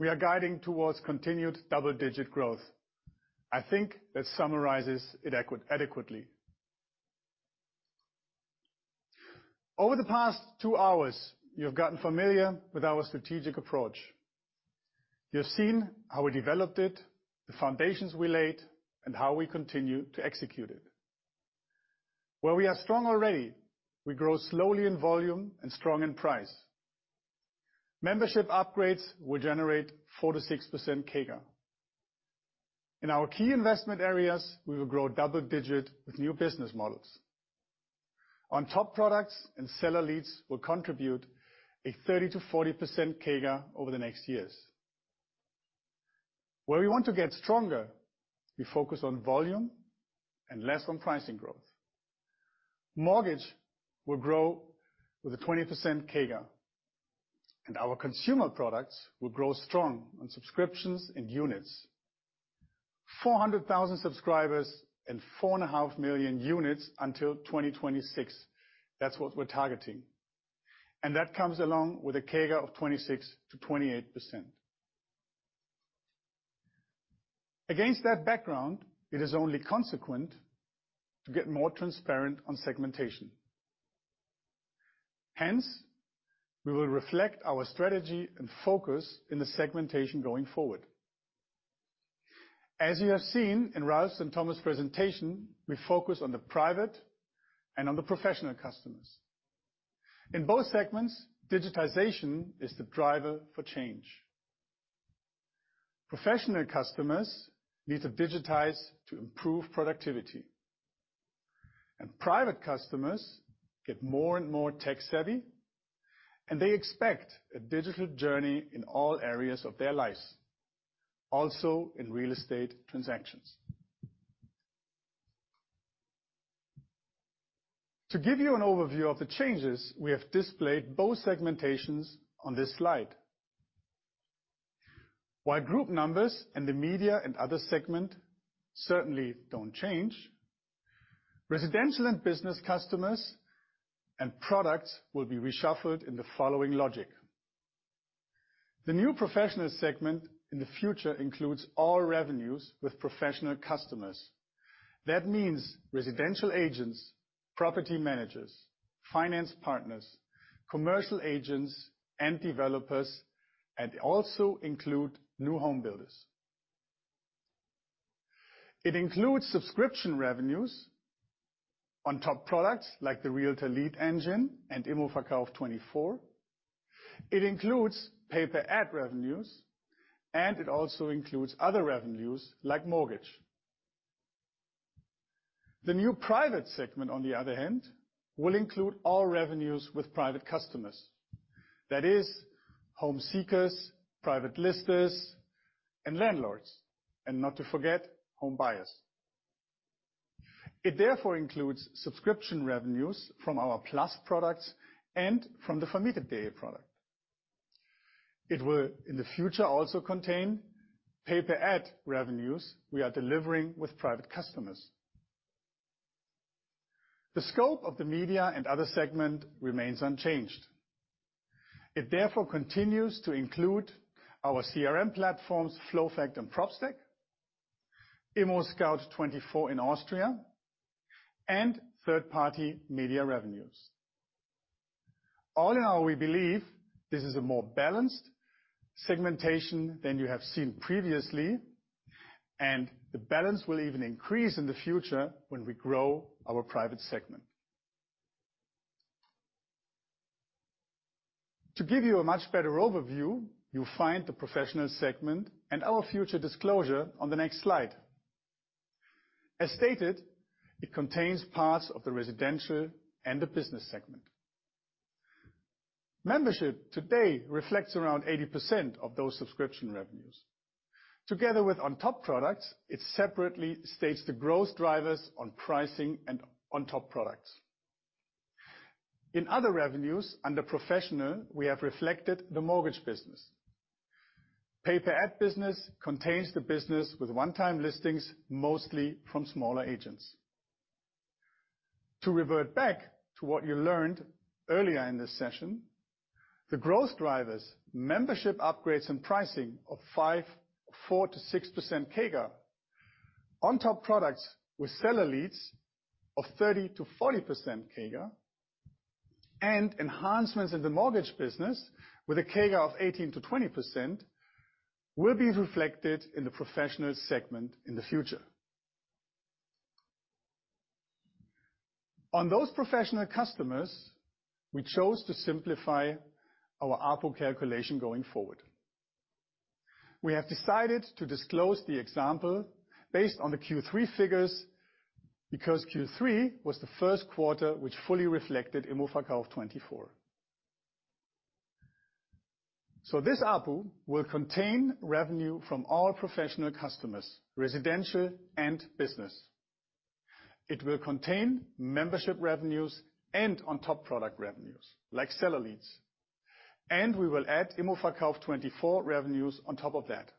We are guiding towards continued double-digit growth. I think that summarizes it adequately. Over the past two hours, you've gotten familiar with our strategic approach. You've seen how we developed it, the foundations we laid, and how we continue to execute it. Where we are strong already, we grow slowly in volume and strong in price. Membership upgrades will generate 4%-6% CAGR. In our key investment areas, we will grow double-digit with new business models. On top products and seller leads will contribute a 30%-40% CAGR over the next years. Where we want to get stronger, we focus on volume and less on pricing growth. Mortgage will grow with a 20% CAGR, and our consumer products will grow strong on subscriptions and units. 400,000 subscribers and 4.5 million units until 2026. That's what we're targeting. That comes along with a CAGR of 26%-28%. Against that background, it is only consequent to get more transparent on segmentation. Hence, we will reflect our strategy and focus in the segmentation going forward. As you have seen in Ralf's and Thomas' presentation, we focus on the private and on the professional customers. In both segments, digitization is the driver for change. Professional customers need to digitize to improve productivity. Private customers get more and more tech-savvy, and they expect a digital journey in all areas of their lives, also in real estate transactions. To give you an overview of the changes, we have displayed both segmentations on this slide. While group numbers in the media and other segment certainly don't change, residential and business customers and products will be reshuffled in the following logic. The new professional segment in the future includes all revenues with professional customers. That means residential agents, property managers, finance partners, commercial agents and developers, and also include new home builders. It includes subscription revenues. On top products like the Realtor Lead Engine and immoverkauf24. It includes pay-per-ad revenues, and it also includes other revenues, like mortgage. The new private segment, on the other hand, will include all revenues with private customers. That is home seekers, private listers and landlords, and not to forget, home buyers. It therefore includes subscription revenues from our Plus products and from the Vermietet.de product. It will, in the future, also contain pay-per-ad revenues we are delivering with private customers. The scope of the media and other segment remains unchanged. It therefore continues to include our CRM platforms, FLOWFACT and Propstack, ImmoScout24 in Austria, and third-party media revenues. All in all, we believe this is a more balanced segmentation than you have seen previously, and the balance will even increase in the future when we grow our private segment. To give you a much better overview, you'll find the Professional segment and our future disclosure on the next slide. As stated, it contains parts of the Residential and the Business segment. Membership today reflects around 80% of those subscription revenues. Together with on-top products, it separately states the growth drivers on pricing and on-top products. In other revenues, under professional, we have reflected the mortgage business. Pay-per-ad business contains the business with one-time listings, mostly from smaller agents. To revert back to what you learned earlier in this session, the growth drivers, membership upgrades, and pricing of 4%-6% CAGR on top products with seller leads of 30%-40% CAGR and enhancements in the mortgage business with a CAGR of 18%-20% will be reflected in the professional segment in the future. On those professional customers, we chose to simplify our ARPU calculation going forward. We have decided to disclose the example based on the Q3 figures because Q3 was the first quarter which fully reflected immoverkauf24. This ARPU will contain revenue from all professional customers, residential and business. It will contain membership revenues and on-top product revenues, like seller leads. We will add immoverkauf24 revenues on top of that.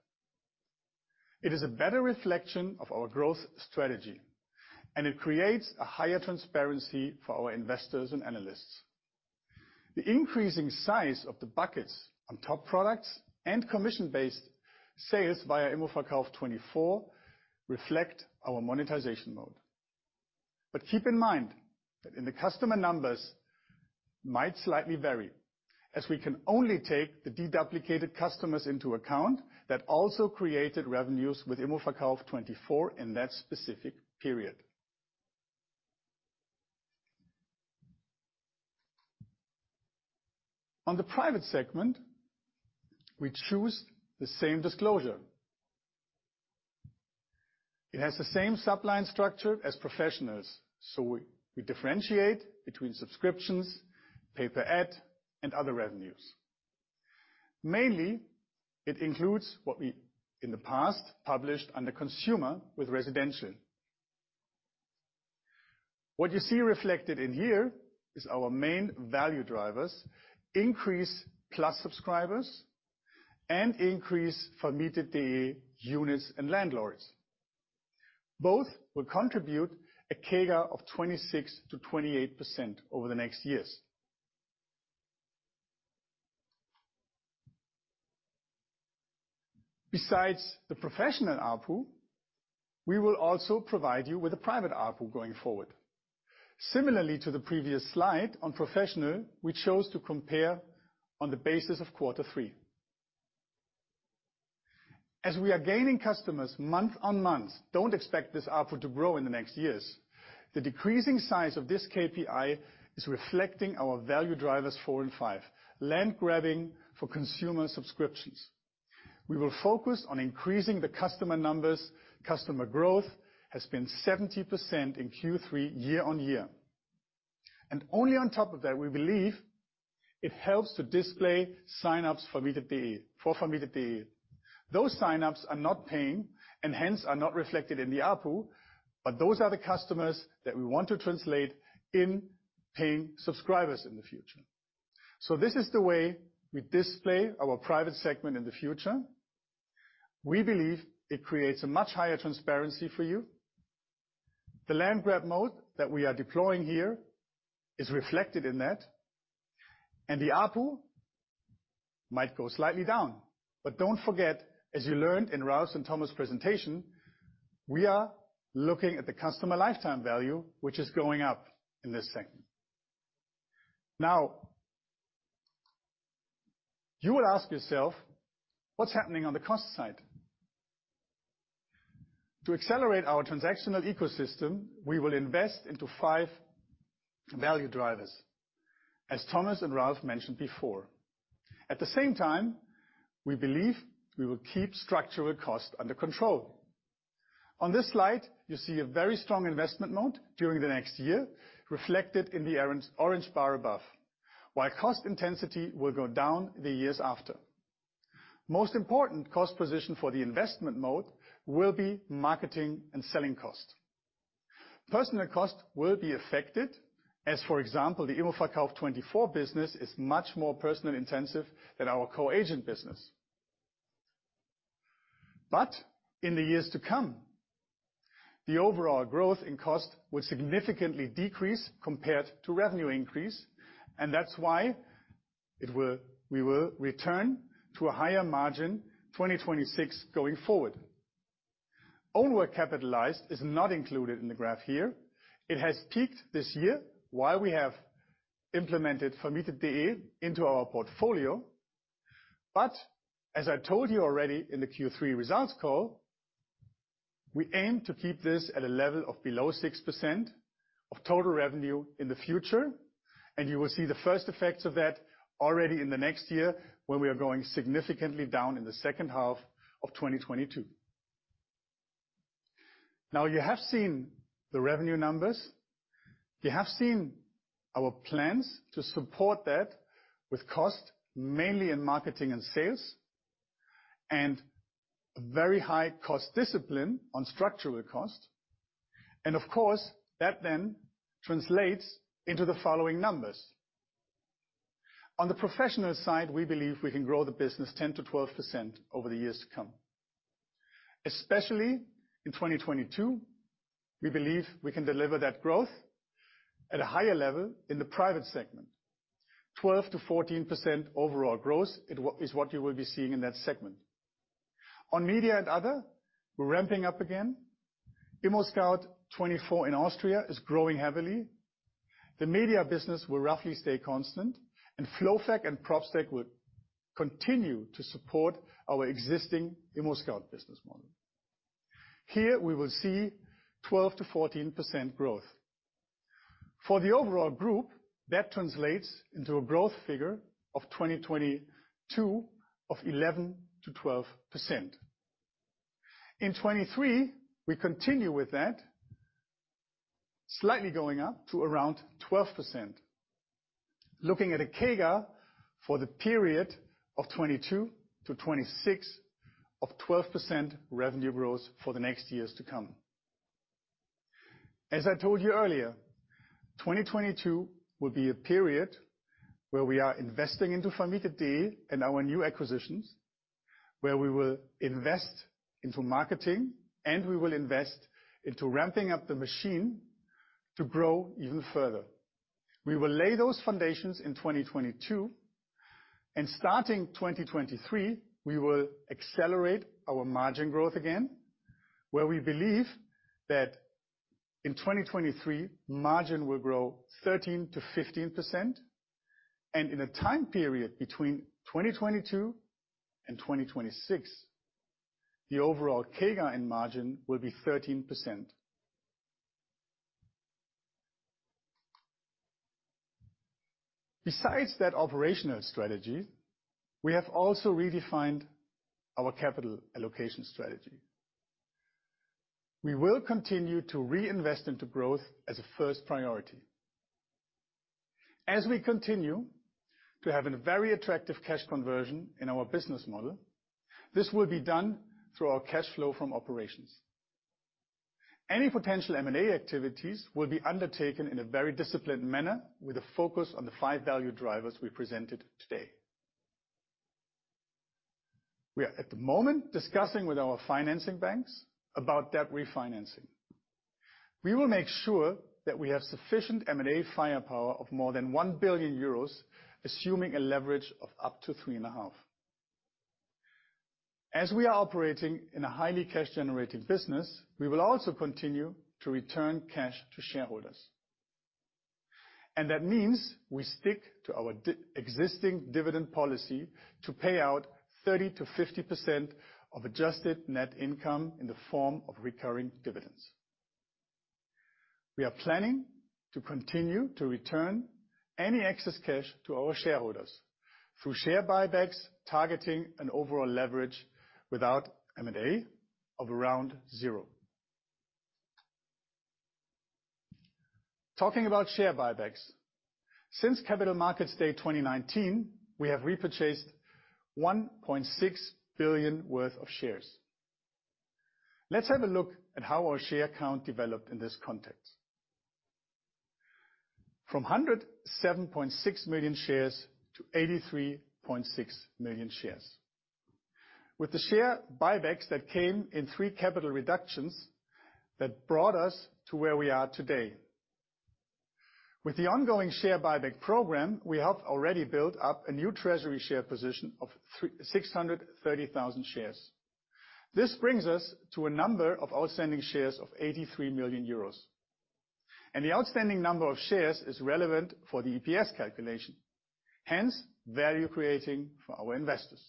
It is a better reflection of our growth strategy, and it creates a higher transparency for our investors and analysts. The increasing size of the buckets on top products and commission-based sales via immoverkauf24 reflect our monetization mode. Keep in mind that in the customer numbers might slightly vary, as we can only take the deduplicated customers into account that also created revenues with immoverkauf24 in that specific period. On the private segment, we choose the same disclosure. It has the same subline structure as professionals. We differentiate between subscriptions, pay per ad, and other revenues. Mainly, it includes what we, in the past, published under consumer with residential. What you see reflected in here is our main value drivers increase Plus subscribers and increase Vermietet units and landlords. Both will contribute a CAGR of 26%-28% over the next years. Besides the professional ARPU, we will also provide you with a private ARPU going forward. Similarly to the previous slide on professional, we chose to compare on the basis of Q3. As we are gaining customers month-on-month, don't expect this ARPU to grow in the next years. The decreasing size of this KPI is reflecting our value drivers four and five, land grabbing for consumer subscriptions. We will focus on increasing the customer numbers. Customer growth has been 70% in Q3 year-over-year. Only on top of that, we believe it helps to display sign-ups for Vermietet.de. Those sign-ups are not paying and hence are not reflected in the ARPU, but those are the customers that we want to translate into paying subscribers in the future. This is the way we display our private segment in the future. We believe it creates a much higher transparency for you. The land grab mode that we are deploying here is reflected in that, and the ARPU might go slightly down. Don't forget, as you learned in Ralf's and Thomas' presentation, we are looking at the customer lifetime value, which is going up in this segment. Now, you will ask yourself, what's happening on the cost side? To accelerate our transactional ecosystem, we will invest into five value drivers, as Thomas and Ralf mentioned before. At the same time, we believe we will keep structural cost under control. On this slide, you see a very strong investment mode during the next year, reflected in the orange bar above. While cost intensity will go down the years after. Most important cost position for the investment mode will be marketing and selling cost. Personnel cost will be affected, as, for example, the immoverkauf24 business is much more personnel intensive than our co-agent business. In the years to come, the overall growth in cost will significantly decrease compared to revenue increase, and that's why we will return to a higher margin 2026 going forward. Own work capitalized is not included in the graph here. It has peaked this year while we have implemented Vermietet.de into our portfolio. As I told you already in the Q3 results call, we aim to keep this at a level of below 6% of total revenue in the future, and you will see the first effects of that already in the next year when we are going significantly down in the second half of 2022. Now you have seen the revenue numbers. You have seen our plans to support that with cost, mainly in marketing and sales, and very high cost discipline on structural cost. Of course, that then translates into the following numbers. On the professional side, we believe we can grow the business 10%-12% over the years to come. Especially in 2022, we believe we can deliver that growth at a higher level in the private segment. 12%-14% overall growth is what you will be seeing in that segment. On media and other, we're ramping up again. ImmoScout24 in Austria is growing heavily. The media business will roughly stay constant. FLOWFACT and Propstack will continue to support our existing ImmoScout24 business model. Here we will see 12%-14% growth. For the overall group, that translates into a growth figure of 2022 of 11%-12%. In 2023, we continue with that, slightly going up to around 12%. Looking at a CAGR for the period of 2022 to 2026 of 12% revenue growth for the next years to come. As I told you earlier, 2022 will be a period where we are investing into Vermietet.de and our new acquisitions, where we will invest into marketing and we will invest into ramping up the machine to grow even further. We will lay those foundations in 2022. Starting 2023, we will accelerate our margin growth again, where we believe that in 2023, margin will grow 13%-15%. In a time period between 2022 and 2026, the overall CAGR in margin will be 13%. Besides that operational strategy, we have also redefined our capital allocation strategy. We will continue to reinvest into growth as a first priority. As we continue to have a very attractive cash conversion in our business model, this will be done through our cash flow from operations. Any potential M&A activities will be undertaken in a very disciplined manner with a focus on the five value drivers we presented today. We are at the moment discussing with our financing banks about debt refinancing. We will make sure that we have sufficient M&A firepower of more than 1 billion euros, assuming a leverage of up to 3.5. As we are operating in a highly cash-generating business, we will also continue to return cash to shareholders. That means we stick to our existing dividend policy to pay out 30%-50% of adjusted net income in the form of recurring dividends. We are planning to continue to return any excess cash to our shareholders through share buybacks, targeting an overall leverage without M&A of around zero. Talking about share buybacks, since Capital Markets Day 2019, we have repurchased 1.6 billion worth of shares. Let's have a look at how our share count developed in this context. From 107.6 million shares to 83.6 million shares. With the share buybacks that came in three capital reductions that brought us to where we are today. With the ongoing share buyback program, we have already built up a new treasury share position of 630,000 shares. This brings us to a number of outstanding shares of 83 million shares. The outstanding number of shares is relevant for the EPS calculation, hence value creating for our investors.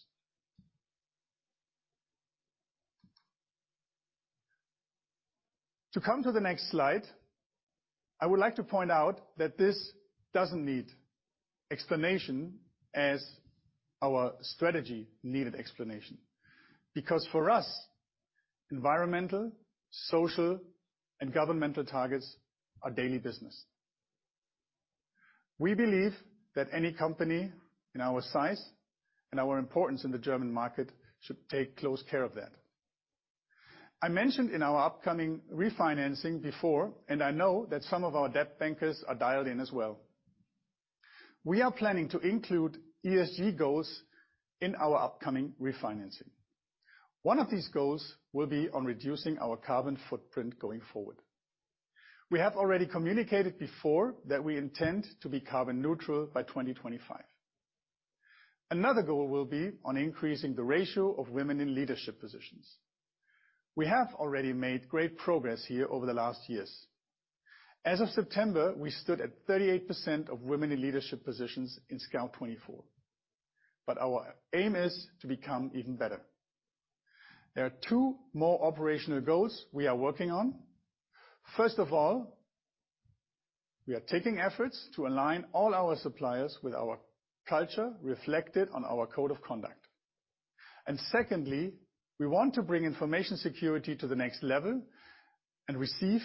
To come to the next slide, I would like to point out that this doesn't need explanation as our strategy needed explanation. For us, environmental, social and governance targets are daily business. We believe that any company in our size and our importance in the German market should take close care of that. I mentioned in our upcoming refinancing before, and I know that some of our debt bankers are dialed in as well. We are planning to include ESG goals in our upcoming refinancing. One of these goals will be on reducing our carbon footprint going forward. We have already communicated before that we intend to be carbon neutral by 2025. Another goal will be on increasing the ratio of women in leadership positions. We have already made great progress here over the last years. As of September, we stood at 38% of women in leadership positions in Scout24. Our aim is to become even better. There are two more operational goals we are working on. First of all, we are taking efforts to align all our suppliers with our culture reflected on our code of conduct. Secondly, we want to bring information security to the next level and receive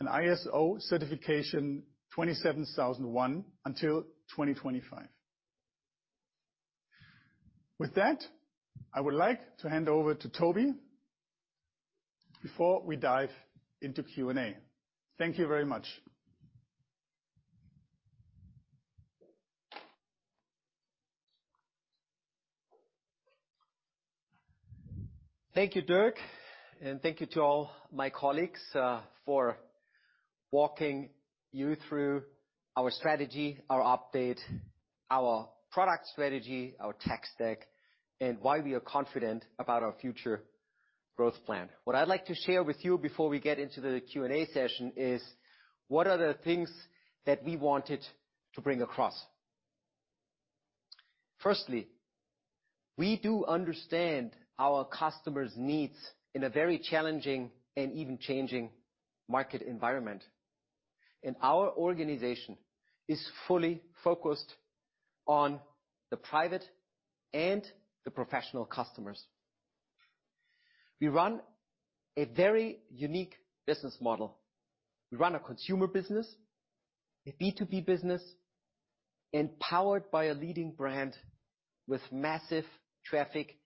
an ISO 27001 certification until 2025. With that, I would like to hand over to Toby before we dive into Q&A. Thank you very much. Thank you, Dirk, and thank you to all my colleagues for walking you through our strategy, our update, our product strategy, our tech stack, and why we are confident about our future growth plan. What I'd like to share with you before we get into the Q&A session is what are the things that we wanted to bring across. Firstly, we do understand our customers' needs in a very challenging and even changing market environment. Our organization is fully focused on the private and the professional customers. We run a very unique business model. We run a consumer business, a B2B business, and powered by a leading brand with massive traffic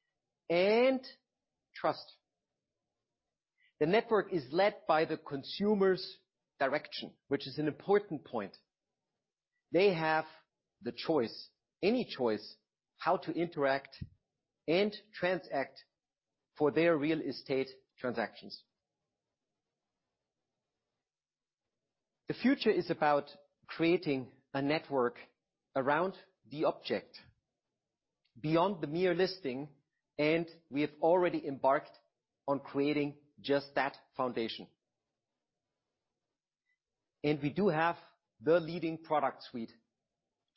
and trust. The network is led by the consumer's direction, which is an important point. They have the choice, any choice, how to interact and transact for their real estate transactions. The future is about creating a network around the object beyond the mere listing, and we have already embarked on creating just that foundation. We do have the leading product suite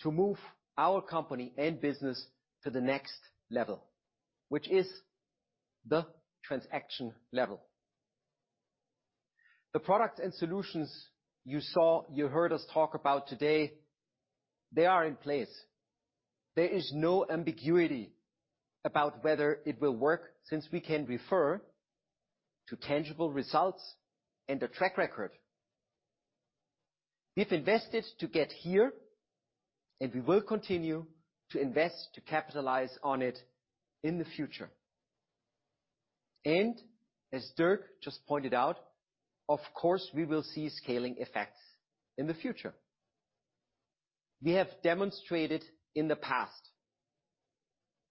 to move our company and business to the next level, which is the transaction level. The products and solutions you saw, you heard us talk about today, they are in place. There is no ambiguity about whether it will work since we can refer to tangible results and a track record. We've invested to get here, and we will continue to invest to capitalize on it in the future. As Dirk just pointed out, of course, we will see scaling effects in the future. We have demonstrated in the past,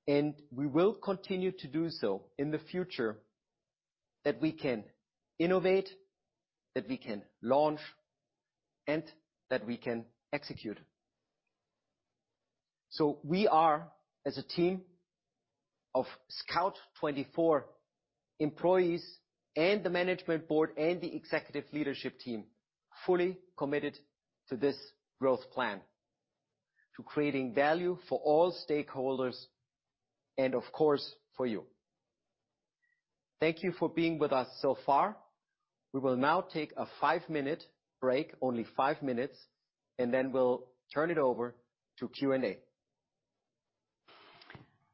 and we will continue to do so in the future, that we can innovate, that we can launch, and that we can execute. We are, as a team of Scout24 employees and the management board and the executive leadership team, fully committed to this growth plan. To creating value for all stakeholders and, of course, for you. Thank you for being with us so far. We will now take a five-minute break, only five minutes, and then we'll turn it over to Q&A.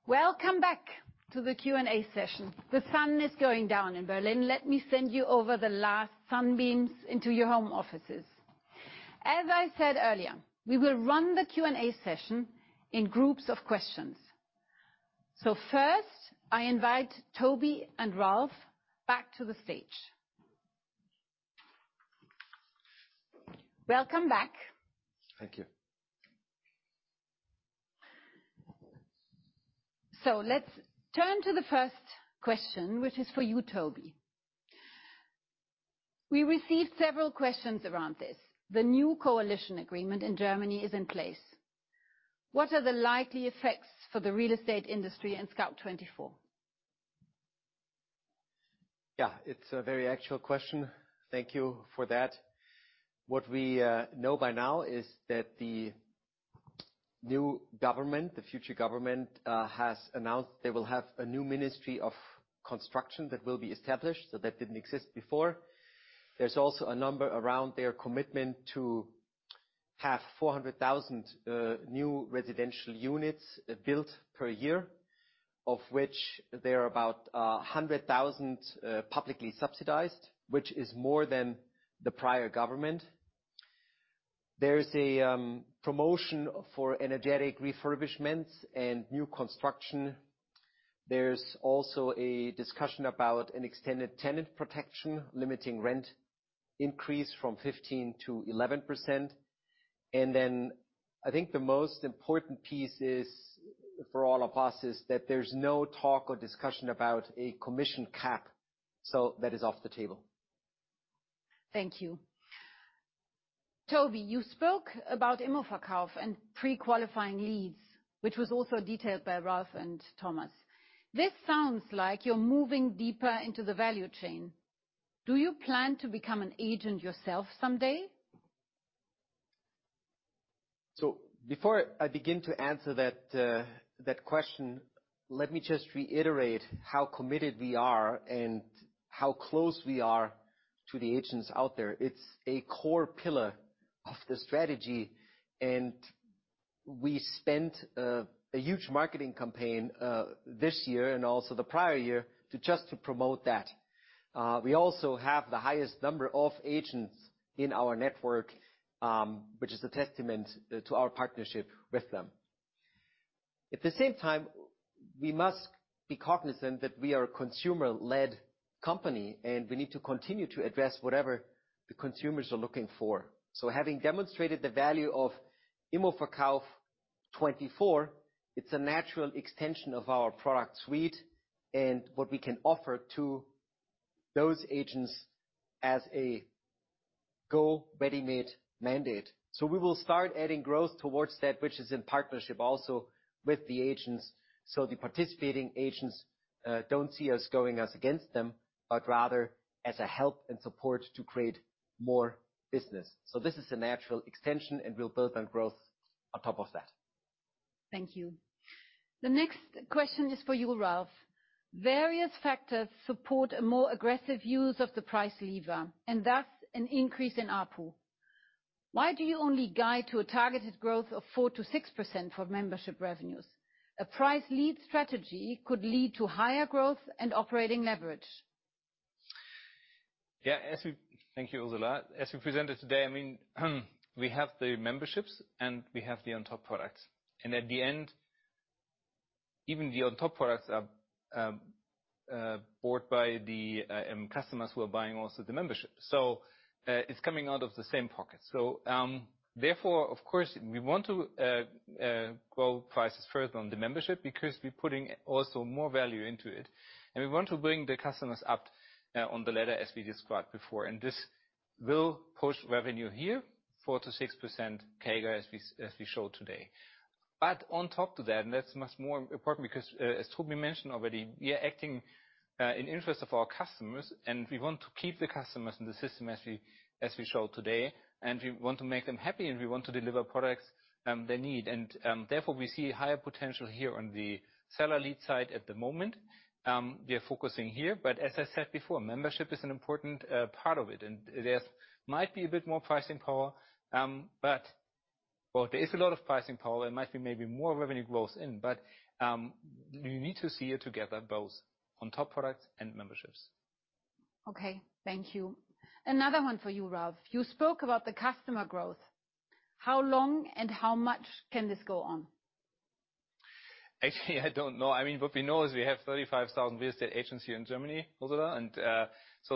Welcome back to the Q&A session. The sun is going down in Berlin. Let me send you over the last sunbeams into your home offices. As I said earlier, we will run the Q&A session in groups of questions. First, I invite Toby and Ralf back to the stage. Welcome back. Thank you. Let's turn to the first question, which is for you, Toby. We received several questions around this. The new coalition agreement in Germany is in place. What are the likely effects for the real estate industry in Scout24? Yeah, it's a very actual question. Thank you for that. What we know by now is that the new government, the future government, has announced they will have a new ministry of construction that will be established. That didn't exist before. There's also a number around their commitment to have 400,000 new residential units built per year, of which there are about a 100,000 publicly subsidized, which is more than the prior government. There is a promotion for energetic refurbishments and new construction. There's also a discussion about an extended tenant protection limiting rent increase from 15%-11%. I think the most important piece is, for all of us, is that there's no talk or discussion about a commission cap. That is off the table. Thank you. Toby, you spoke about immoverkauf24 and pre-qualifying leads, which was also detailed by Ralf and Thomas. This sounds like you're moving deeper into the value chain. Do you plan to become an agent yourself someday? Before I begin to answer that question, let me just reiterate how committed we are and how close we are to the agents out there. It's a core pillar of the strategy, and we spent a huge marketing campaign this year and also the prior year to just promote that. We also have the highest number of agents in our network, which is a testament to our partnership with them. At the same time, we must be cognizant that we are a consumer-led company, and we need to continue to address whatever the consumers are looking for. Having demonstrated the value of immoverkauf24, it's a natural extension of our product suite and what we can offer to those agents as a go-to ready-made mandate. We will start adding growth towards that, which is in partnership also with the agents. The participating agents don't see us going as against them, but rather as a help and support to create more business. This is a natural extension, and we'll build on growth on top of that. Thank you. The next question is for you, Ralf. Various factors support a more aggressive use of the price lever, and thus an increase in ARPU. Why do you only guide to a targeted growth of 4%-6% for membership revenues? A price lead strategy could lead to higher growth and operating leverage. Yeah. Thank you, Ursula. As we presented today, I mean, we have the memberships, and we have the on-top products. At the end, even the on-top products are bought by the customers who are buying also the membership. It's coming out of the same pocket. Therefore, of course, we want to grow prices further on the membership because we're putting also more value into it. We want to bring the customers up on the ladder as we described before. This will push revenue here 4%-6% CAGR as we showed today. On top of that's much more important because, as Toby mentioned already, we are acting in the interest of our customers, and we want to keep the customers in the system as we showed today. We want to make them happy, and we want to deliver products they need. Therefore, we see higher potential here on the seller lead side at the moment. We are focusing here, but as I said before, membership is an important part of it. There might be a bit more pricing power, but well, there is a lot of pricing power. There might be maybe more revenue growth in it, but you need to see it together, both on-top products and memberships. Okay, thank you. Another one for you, Ralf. You spoke about the customer growth. How long and how much can this go on? Actually, I don't know. I mean, what we know is we have 35,000 real estate agencies in Germany, Ursula.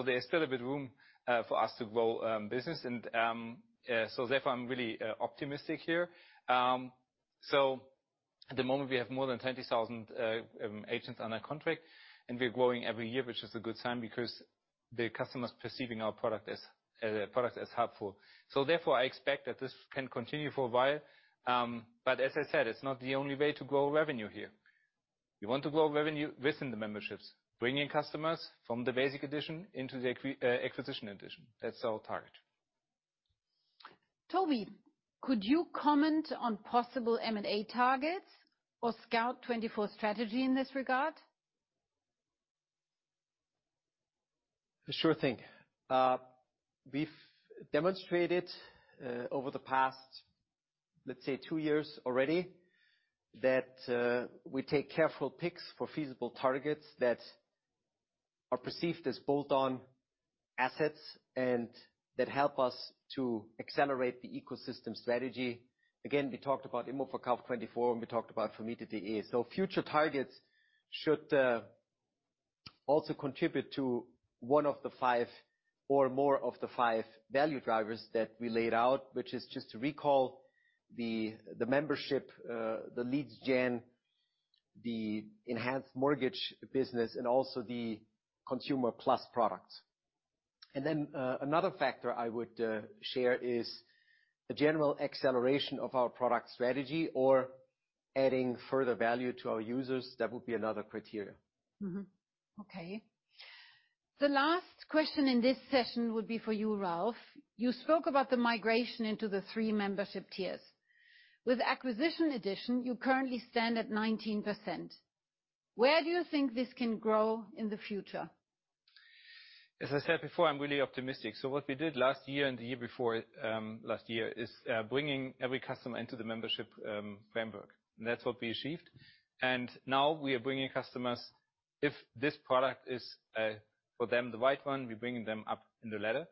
There's still a bit of room for us to grow business. Therefore, I'm really optimistic here. At the moment, we have more than 20,000 agents under contract, and we're growing every year, which is a good sign because the customers perceiving our product as helpful. Therefore, I expect that this can continue for a while. But as I said, it's not the only way to grow revenue here. We want to grow revenue within the memberships, bringing customers from the Basic Edition into the Acquisition Edition. That's our target. Toby, could you comment on possible M&A targets or Scout24 strategy in this regard? Sure thing. We've demonstrated over the past, let's say two years already, that we take careful picks for feasible targets that are perceived as bolt-on assets and that help us to accelerate the ecosystem strategy. Again, we talked about immoverkauf24, and we talked about Vermietet.de. Future targets should also contribute to one of the five or more of the five value drivers that we laid out, which is just to recall the membership, the leads gen, the enhanced mortgage business, and the consumer plus products. Another factor I would share is the general acceleration of our product strategy or adding further value to our users. That would be another criterion. Okay. The last question in this session would be for you, Ralf. You spoke about the migration into the three membership tiers. With Acquisition Edition, you currently stand at 19%. Where do you think this can grow in the future? As I said before, I'm really optimistic. What we did last year and the year before is bringing every customer into the membership framework. That's what we achieved. Now we are bringing customers, if this product is for them, the right one, we're bringing them up in the ladder.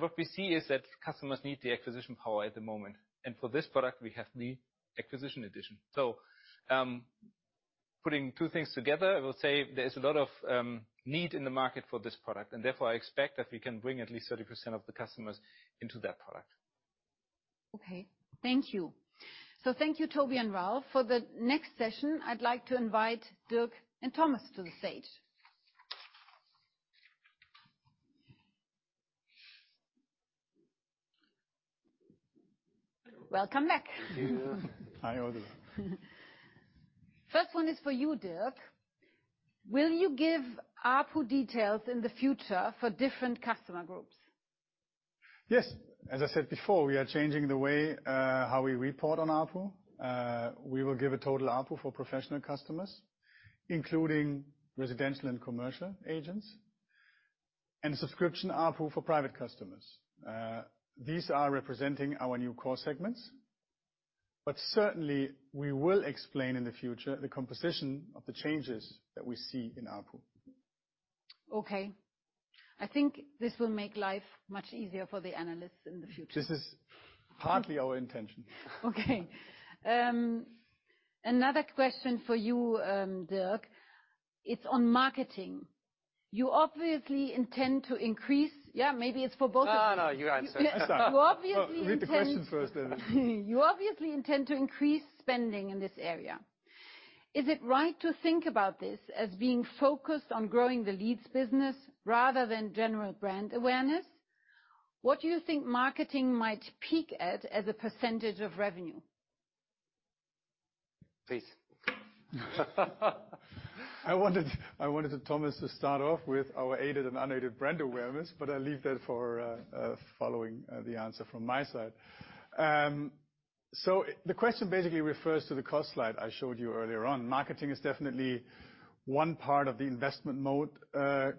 What we see is that customers need the acquisition power at the moment. For this product, we have the Acquisition Edition. Putting two things together, I will say there's a lot of need in the market for this product, and therefore, I expect that we can bring at least 30% of the customers into that product. Okay. Thank you. Thank you, Toby and Ralf. For the next session, I'd like to invite Dirk and Thomas to the stage. Welcome back. Thank you. First one is for you, Dirk. Will you give ARPU details in the future for different customer groups? Yes. As I said before, we are changing the way how we report on ARPU. We will give a total ARPU for professional customers, including residential and commercial agents, and subscription ARPU for private customers. These are representing our new core segments, but certainly we will explain in the future the composition of the changes that we see in ARPU. Okay. I think this will make life much easier for the analysts in the future. This is partly our intention. Okay. Another question for you, Dirk. It's on marketing. You obviously intend to increase. Yeah, maybe it's for both of you. No, no, you answer it. I start. You obviously intend. Read the question first, then. You obviously intend to increase spending in this area. Is it right to think about this as being focused on growing the leads business rather than general brand awareness? What do you think marketing might peak at as a percentage of revenue? Please. I wanted Thomas to start off with our aided and unaided brand awareness, but I'll leave that for following the answer from my side. So the question basically refers to the cost slide I showed you earlier on. Marketing is definitely one part of the investment mode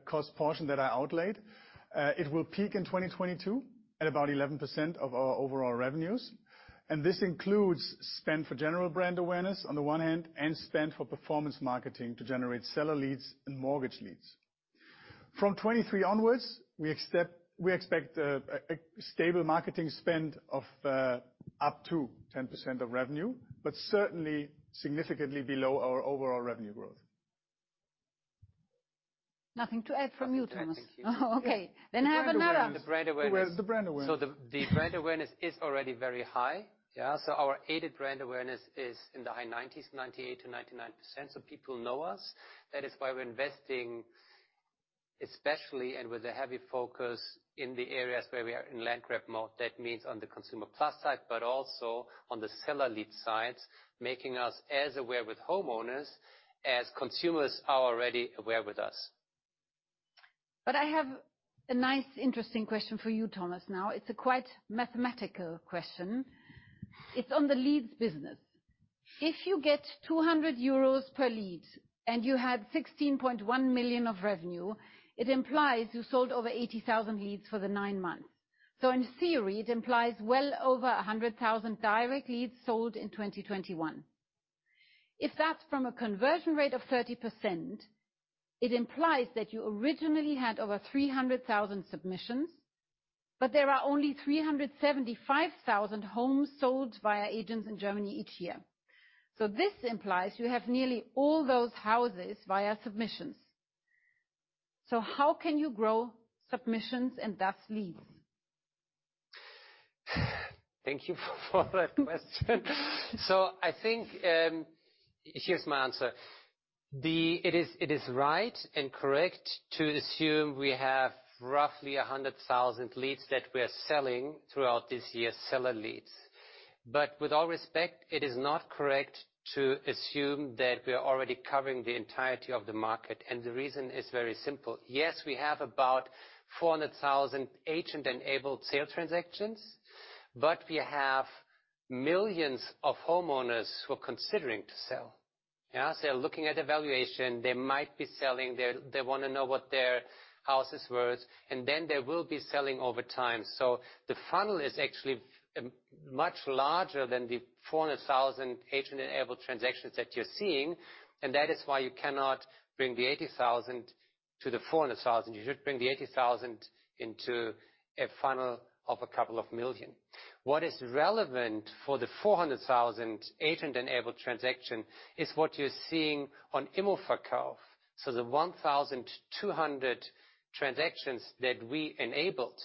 cost portion that I outlaid. It will peak in 2022 at about 11% of our overall revenues, and this includes spend for general brand awareness on the one hand and spend for performance marketing to generate seller leads and mortgage leads. From 2023 onwards, we expect a stable marketing spend of up to 10% of revenue, but certainly significantly below our overall revenue growth. Nothing to add from you, Thomas. Nothing to add, thank you. Oh, okay. I have another one. The brand awareness. The brand awareness. The brand awareness is already very high. Yeah? Our aided brand awareness is in the high 90s, 98%-99%, so people know us. That is why we're investing especially and with a heavy focus in the areas where we are in land grab mode. That means on the consumer Plus side, but also on the seller lead side, making us as aware with homeowners as consumers are already aware with us. I have a nice, interesting question for you, Thomas, now. It's a quite mathematical question. It's on the leads business. If you get 200 euros per lead and you had 16.1 million of revenue, it implies you sold over 80,000 leads for the nine months. In theory, it implies well over 100,000 direct leads sold in 2021. If that's from a conversion rate of 30%, it implies that you originally had over 300,000 submissions, but there are only 375,000 homes sold via agents in Germany each year. This implies you have nearly all those houses via submissions. How can you grow submissions and thus leads? Thank you for that question. I think here's my answer. It is right and correct to assume we have roughly 100,000 leads that we are selling throughout this year, seller leads. With all respect, it is not correct to assume that we are already covering the entirety of the market, and the reason is very simple. Yes, we have about 400,000 agent-enabled sale transactions, but we have millions of homeowners who are considering to sell. They're looking at valuation, they might be selling. They wanna know what their house is worth, and then they will be selling over time. The funnel is actually much larger than the 400,000 agent-enabled transactions that you're seeing, and that is why you cannot bring the 80,000 to the 400,000. You should bring the 80,000 into a funnel of a couple of million. What is relevant for the 400,000 agent-enabled transaction is what you're seeing on immoverkauf24. The 1,200 transactions that we enabled.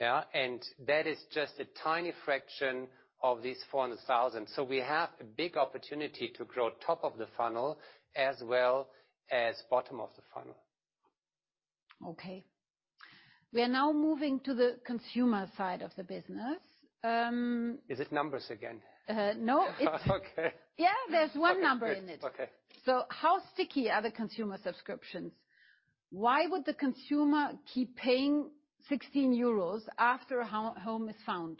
Yeah, and that is just a tiny fraction of these 400,000. We have a big opportunity to grow top of the funnel as well as bottom of the funnel. Okay. We are now moving to the consumer side of the business. Is it numbers again? No. Okay. Yeah, there's one number in it. Okay. How sticky are the consumer subscriptions? Why would the consumer keep paying 16 euros after home is found?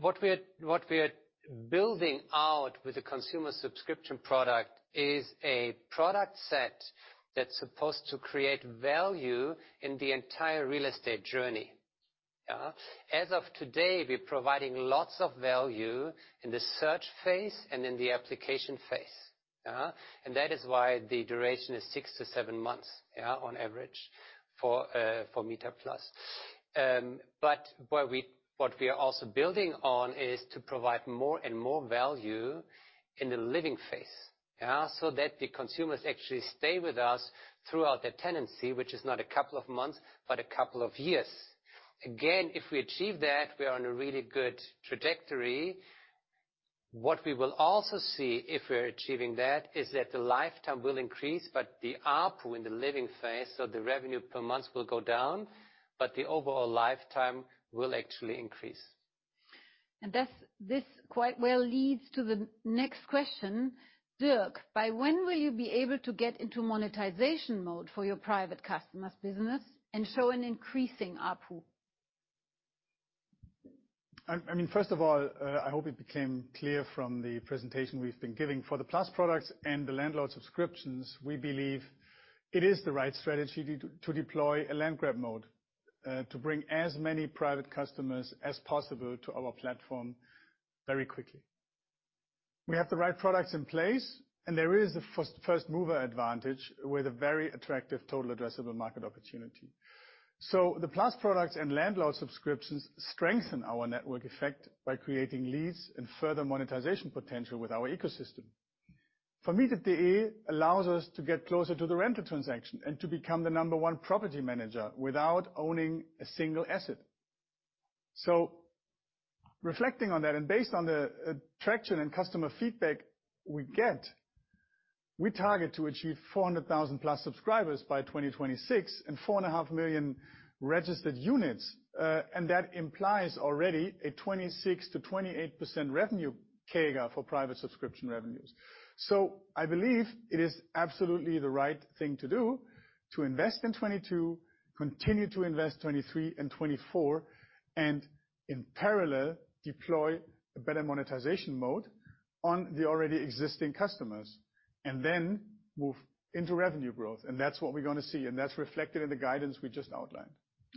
What we're building out with the consumer subscription product is a product set that's supposed to create value in the entire real estate journey. As of today, we're providing lots of value in the search phase and in the application phase. That is why the duration is six-seven months on average for MieterPlus. But what we are also building on is to provide more and more value in the living phase. That the consumers actually stay with us throughout their tenancy, which is not a couple of months, but a couple of years. Again, if we achieve that, we are on a really good trajectory. What we will also see, if we're achieving that, is that the lifetime will increase, but the ARPU in the living phase, so the revenue per month, will go down, but the overall lifetime will actually increase. This quite well leads to the next question. Dirk, by when will you be able to get into monetization mode for your private customers business and show an increasing ARPU? I mean, first of all, I hope it became clear from the presentation we've been giving. For the Plus products and the landlord subscriptions, we believe it is the right strategy to deploy a land grab mode to bring as many private customers as possible to our platform very quickly. We have the right products in place, and there is a first mover advantage with a very attractive total addressable market opportunity. The Plus products and landlord subscriptions strengthen our network effect by creating leads and further monetization potential with our ecosystem. For Vermietet.de, it allows us to get closer to the renter transaction and to become the number one property manager without owning a single asset. Reflecting on that and based on the traction and customer feedback we get, we target to achieve 400,000 Plus subscribers by 2026 and 4.5 million registered units. That implies already a 26-28% revenue CAGR for private subscription revenues. I believe it is absolutely the right thing to do to invest in 2022, continue to invest 2023 and 2024, and in parallel, deploy a better monetization model on the already existing customers. Then move into revenue growth. That's what we're gonna see, and that's reflected in the guidance we just outlined.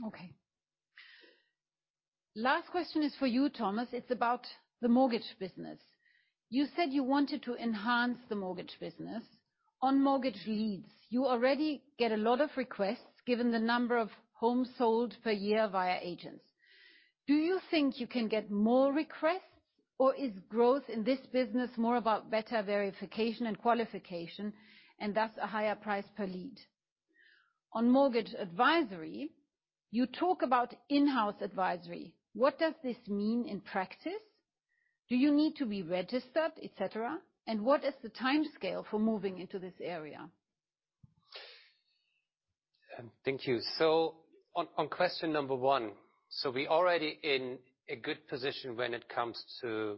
Okay. Last question is for you, Thomas. It's about the mortgage business. You said you wanted to enhance the mortgage business. On mortgage leads, you already get a lot of requests given the number of homes sold per year via agents. Do you think you can get more requests, or is growth in this business more about better verification and qualification, and thus a higher price per lead? On mortgage advisory, you talk about in-house advisory. What does this mean in practice? Do you need to be registered, et cetera? And what is the timescale for moving into this area? Thank you. On question number one, we already in a good position when it comes to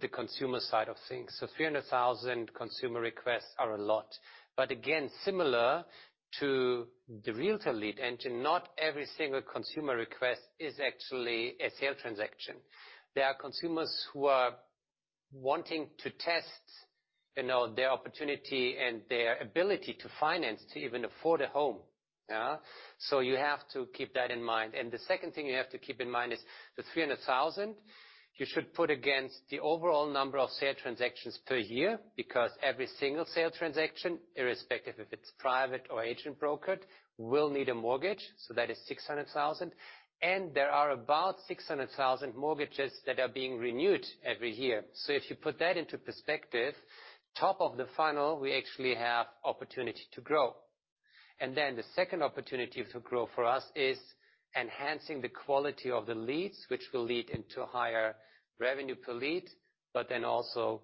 the consumer side of things. Three hundred thousand consumer requests are a lot. Again, similar to the Realtor Lead Engine, not every single consumer request is actually a sale transaction. There are consumers who are wanting to test, you know, their opportunity and their ability to finance to even afford a home. Yeah? You have to keep that in mind. The second thing you have to keep in mind is the 300,000 you should put against the overall number of sale transactions per year, because every single sale transaction, irrespective if it's private or agent-brokered, will need a mortgage, so that is 600,000. There are about 600,000 mortgages that are being renewed every year. If you put that into perspective, top of the funnel, we actually have opportunity to grow. Then the second opportunity to grow for us is enhancing the quality of the leads, which will lead into higher revenue per lead, but then also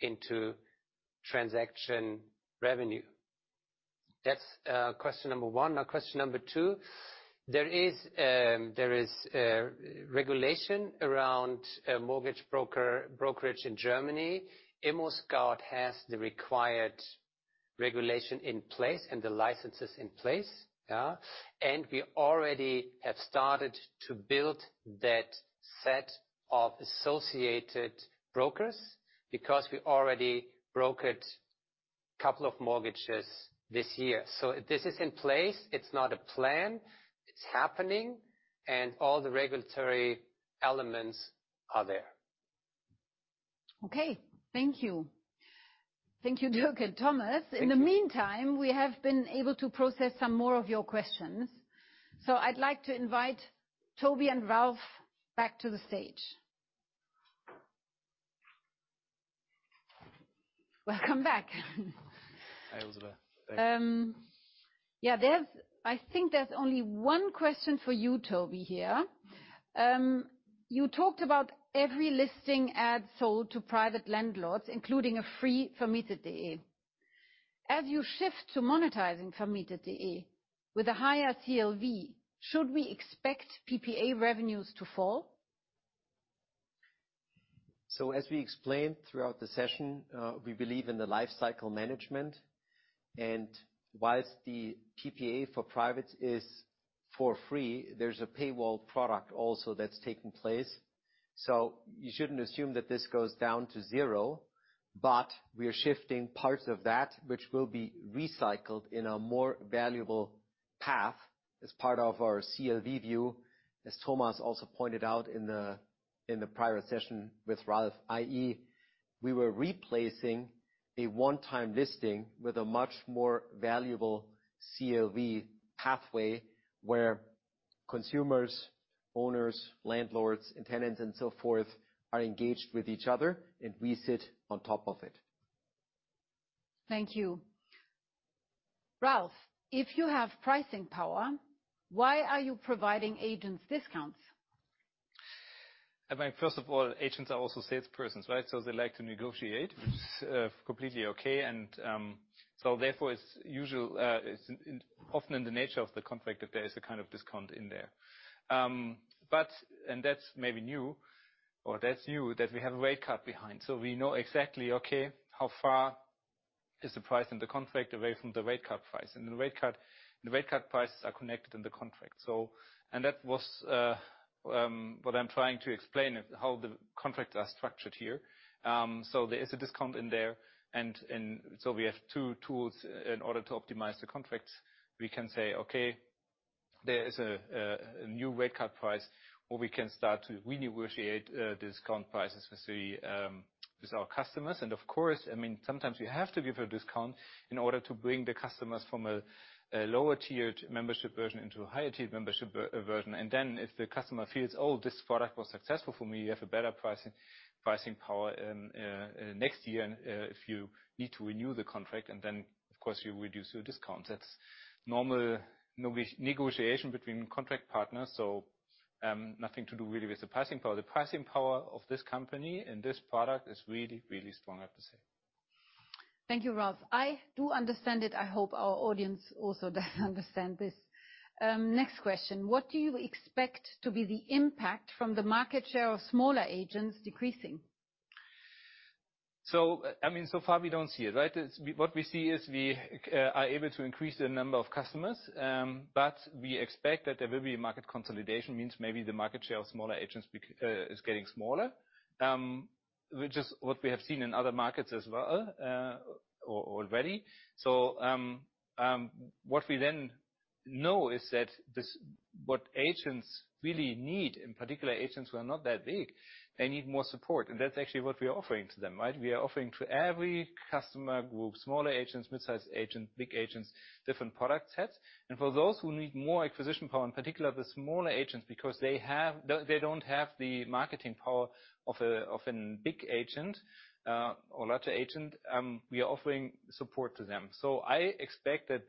into transaction revenue. That's question number one. Now question number two, there is regulation around a mortgage broker, brokerage in Germany. ImmoScout24 has the required regulation in place and the licenses in place. We already have started to build that set of associated brokers because we already brokered couple of mortgages this year. This is in place. It's not a plan. It's happening, and all the regulatory elements are there. Okay. Thank you. Thank you, Dirk and Thomas. Thank you. In the meantime, we have been able to process some more of your questions. I'd like to invite Toby and Ralf back to the stage. Welcome back. Hi, Ursula. Thanks. Yeah, there's only one question for you, Toby, here. You talked about every listing ad sold to private landlords, including a free from Vermietet.de. As you shift to monetizing Vermietet.de with a higher CLV, should we expect PPA revenues to fall? As we explained throughout the session, we believe in the life cycle management. While the PPA for privates is for free, there's a paywall product also that's taking place. You shouldn't assume that this goes down to zero. We are shifting parts of that which will be recycled in a more valuable path as part of our CLV view, as Thomas also pointed out in the prior session with Ralf, i.e., we were replacing a one-time listing with a much more valuable CLV pathway where consumers, owners, landlords, and tenants and so forth are engaged with each other, and we sit on top of it. Thank you. Ralf, if you have pricing power, why are you providing agents discounts? I mean, first of all, agents are also salespersons, right? They like to negotiate, which is completely okay. Therefore it's often in the nature of the contract that there is a kind of discount in there. That's new that we have a rate card behind. We know exactly, okay, how far is the price in the contract away from the rate card price. The rate card prices are connected in the contract. That was what I'm trying to explain, how the contracts are structured here. There is a discount in there. We have two tools in order to optimize the contracts. We can say, "Okay, there is a new rate card price," or we can start to renegotiate discount prices with our customers. Of course, I mean, sometimes we have to give a discount in order to bring the customers from a lower tiered membership version into a higher tiered membership version. Then if the customer feels, "Oh, this product was successful for me," you have a better pricing power next year and if you need to renew the contract, then, of course, you reduce your discounts. That's normal negotiation between contract partners. Nothing to do really with the pricing power. The pricing power of this company and this product is really strong, I have to say. Thank you, Ralf. I do understand it. I hope our audience also does understand this. Next question: What do you expect to be the impact from the market share of smaller agents decreasing? I mean, so far we don't see it, right? What we see is we are able to increase the number of customers, but we expect that there will be a market consolidation. Means maybe the market share of smaller agents is getting smaller, which is what we have seen in other markets as well, or already. What we then know is that what agents really need, in particular agents who are not that big, they need more support, and that's actually what we are offering to them, right? We are offering to every customer group, smaller agents, midsize agent, big agents, different product sets. For those who need more acquisition power, in particular the smaller agents, because they don't have the marketing power of a big agent or larger agent, we are offering support to them. I expect that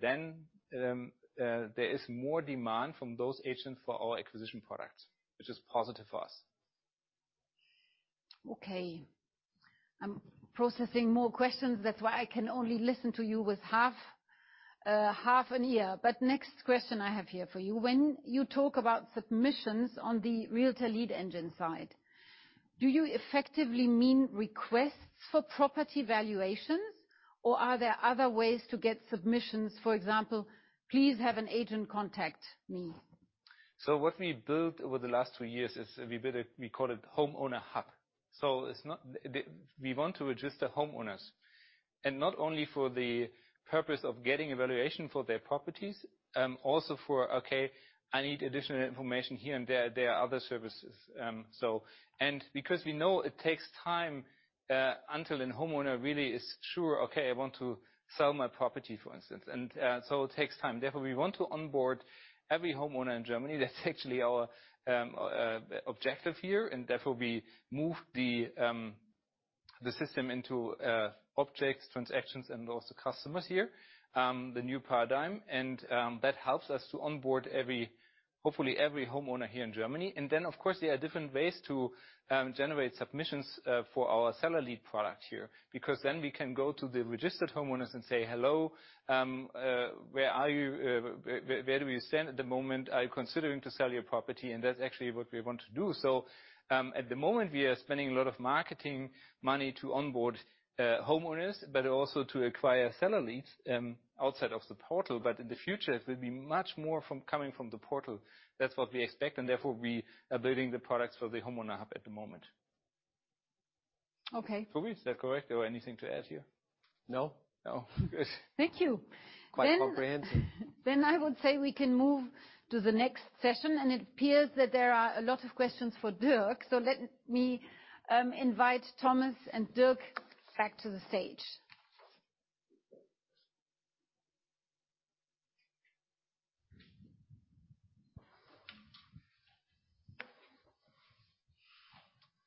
there is more demand from those agents for our acquisition products, which is positive for us. Okay. I'm processing more questions. That's why I can only listen to you with half an ear. Next question I have here for you: When you talk about submissions on the Realtor Lead Engine side, do you effectively mean requests for property valuations, or are there other ways to get submissions? For example, please have an agent contact me. What we built over the last two years is we call it Homeowner Hub. We want to register homeowners, and not only for the purpose of getting evaluation for their properties, also for, I need additional information here and there. There are other services. Because we know it takes time until an homeowner really is sure, "Okay, I want to sell my property," for instance. Therefore, we want to onboard every homeowner in Germany. That's actually our objective here. Therefore, we move the system into objects, transactions, and also customers here, the new paradigm, and that helps us to onboard hopefully every homeowner here in Germany. There are different ways to generate submissions for our seller lead product here, because we can go to the registered homeowners and say, "Hello. Where are you? Where do you stand at the moment? Are you considering to sell your property?" That's actually what we want to do. At the moment, we are spending a lot of marketing money to onboard homeowners but also to acquire seller leads outside of the portal. In the future, it will be much more coming from the portal. That's what we expect, and therefore we are building the products for the Homeowner Hub at the moment. Okay. Toby, is that correct? Or anything to add here? No? No. Good. Thank you. Quite comprehensive. I would say we can move to the next session, and it appears that there are a lot of questions for Dirk. Let me invite Thomas and Dirk back to the stage.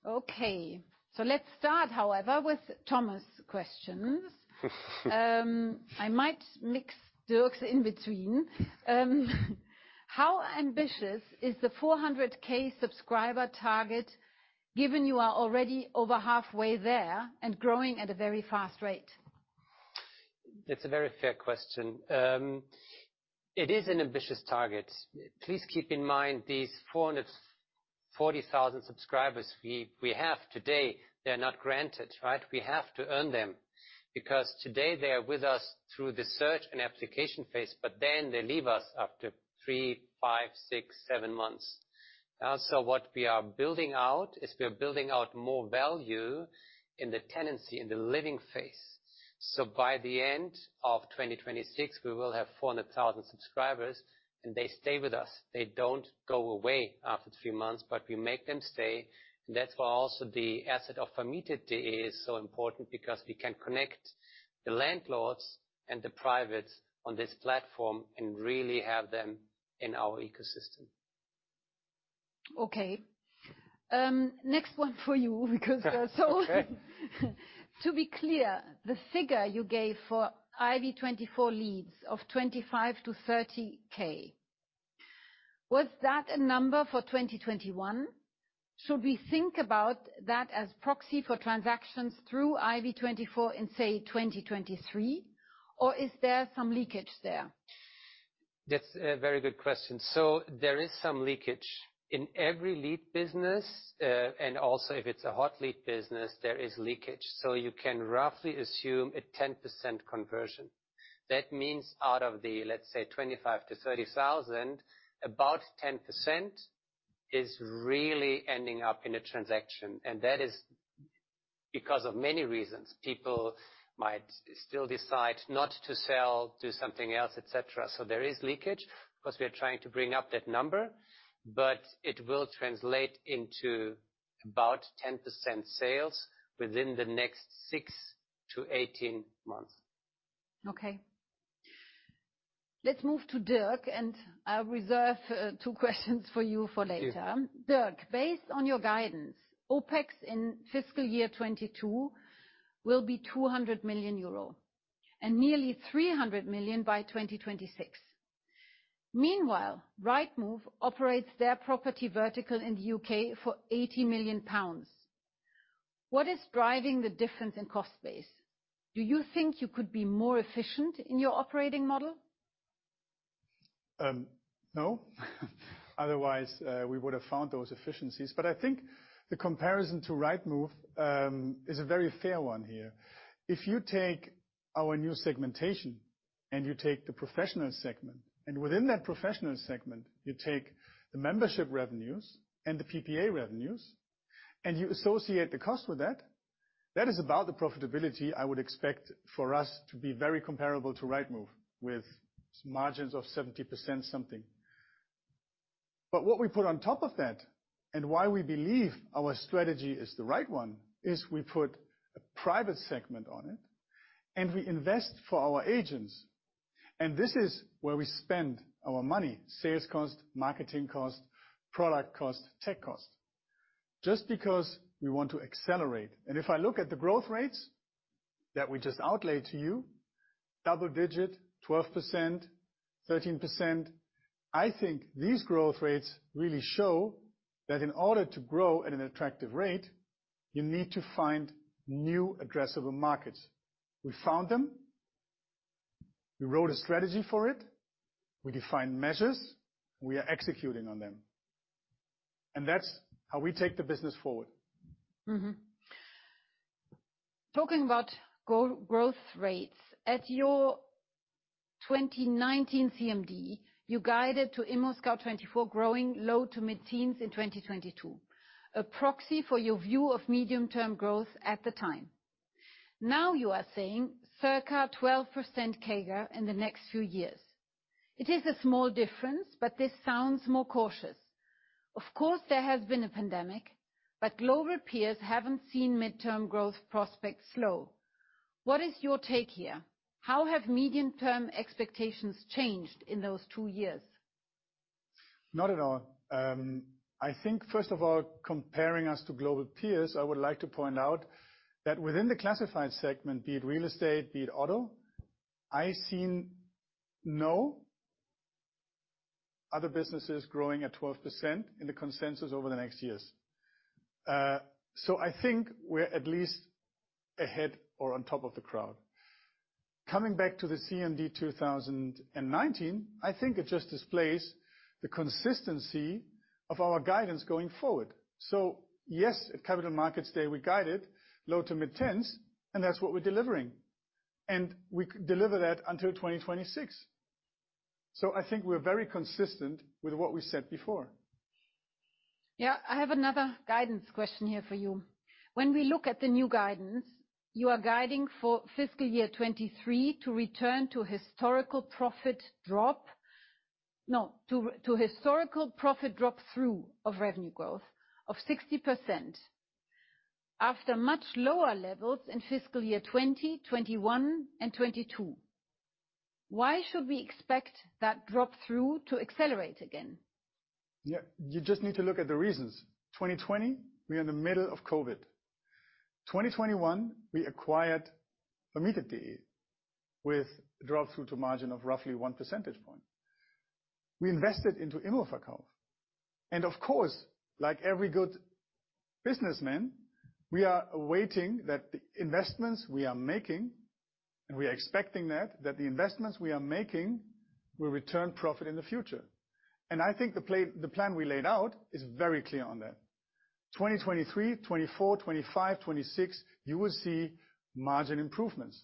Okay. Let's start, however, with Thomas' questions. I might mix Dirk's in between. How ambitious is the 400k subscriber target given you are already over halfway there and growing at a very fast rate? It's a very fair question. It is an ambitious target. Please keep in mind these 440,000 subscribers we have today, they're not granted, right? We have to earn them, because today they are with us through the search and application phase, but then they leave us after three, five, six, seven months. So what we are building out is we are building out more value in the tenancy, in the living phase. By the end of 2026, we will have 400,000 subscribers, and they stay with us. They don't go away after three months, but we make them stay. That's why also the asset of Vermietet.de is so important because we can connect the landlords and the privates on this platform and really have them in our ecosystem. Okay. Next one for you because they're so- Okay. To be clear, the figure you gave for ImmoScout24 leads of 25,000-30,000, was that a number for 2021? Should we think about that as proxy for transactions through ImmoScout24 in, say, 2023? Or is there some leakage there? That's a very good question. There is some leakage. In every lead business, and also if it's a hot lead business, there is leakage. You can roughly assume a 10% conversion. That means out of the, let's say, 25,000-30,000, about 10% is really ending up in a transaction. That is because of many reasons. People might still decide not to sell, do something else, et cetera. There is leakage. Of course, we are trying to bring up that number, but it will translate into about 10% sales within the next six-18 months. Okay. Let's move to Dirk, and I'll reserve two questions for you for later. Thank you. Dirk, based on your guidance, OpEx in fiscal year 2022 will be 200 million euro and nearly 300 million by 2026. Meanwhile, Rightmove operates their property vertical in the U.K. for 80 million pounds. What is driving the difference in cost base? Do you think you could be more efficient in your operating model? No. Otherwise, we would have found those efficiencies. I think the comparison to Rightmove is a very fair one here. If you take our new segmentation and you take the professional segment, and within that professional segment, you take the membership revenues and the PPA revenues, and you associate the cost with that is about the profitability I would expect for us to be very comparable to Rightmove, with margins of 70% something. What we put on top of that, and why we believe our strategy is the right one, is we put a private segment on it, and we invest for our agents. This is where we spend our money, sales cost, marketing cost, product cost, tech cost, just because we want to accelerate. If I look at the growth rates that we just outlined to you, double-digit, 12%, 13%, I think these growth rates really show that in order to grow at an attractive rate, you need to find new addressable markets. We found them. We wrote a strategy for it. We defined measures. We are executing on them. That's how we take the business forward. Talking about growth rates, at your 2019 CMD, you guided to ImmoScout24, Scout24 growing low- to mid-teens% in 2022, a proxy for your view of medium-term growth at the time. Now you are saying circa 12% CAGR in the next few years. It is a small difference, but this sounds more cautious. Of course, there has been a pandemic, but global peers haven't seen medium-term growth prospects slow. What is your take here? How have medium-term expectations changed in those two years? Not at all. I think, first of all, comparing us to global peers, I would like to point out that within the classified segment, be it real estate, be it auto, I've seen no other businesses growing at 12% in the consensus over the next years. I think we're at least ahead or on top of the crowd. Coming back to the CMD 2019, I think it just displays the consistency of our guidance going forward. Yes, at Capital Markets Day, we guided low to mid-tens, and that's what we're delivering. We can deliver that until 2026. I think we're very consistent with what we said before. Yeah. I have another guidance question here for you. When we look at the new guidance, you are guiding for fiscal year 2023 to return to historical profit drop-through of revenue growth of 60%. After much lower levels in fiscal year 2020, 2021, and 2022, why should we expect that drop-through to accelerate again? Yeah. You just need to look at the reasons. 2020, we are in the middle of COVID. 2021 we acquired Vermietet.de, with drop-through to margin of roughly one percentage point. We invested into immoverkauf24. Of course, like every good businessman, we are awaiting that the investments we are making, and we are expecting that the investments we are making will return profit in the future. I think the plan we laid out is very clear on that. 2023, 2024, 2025, 2026, you will see margin improvements.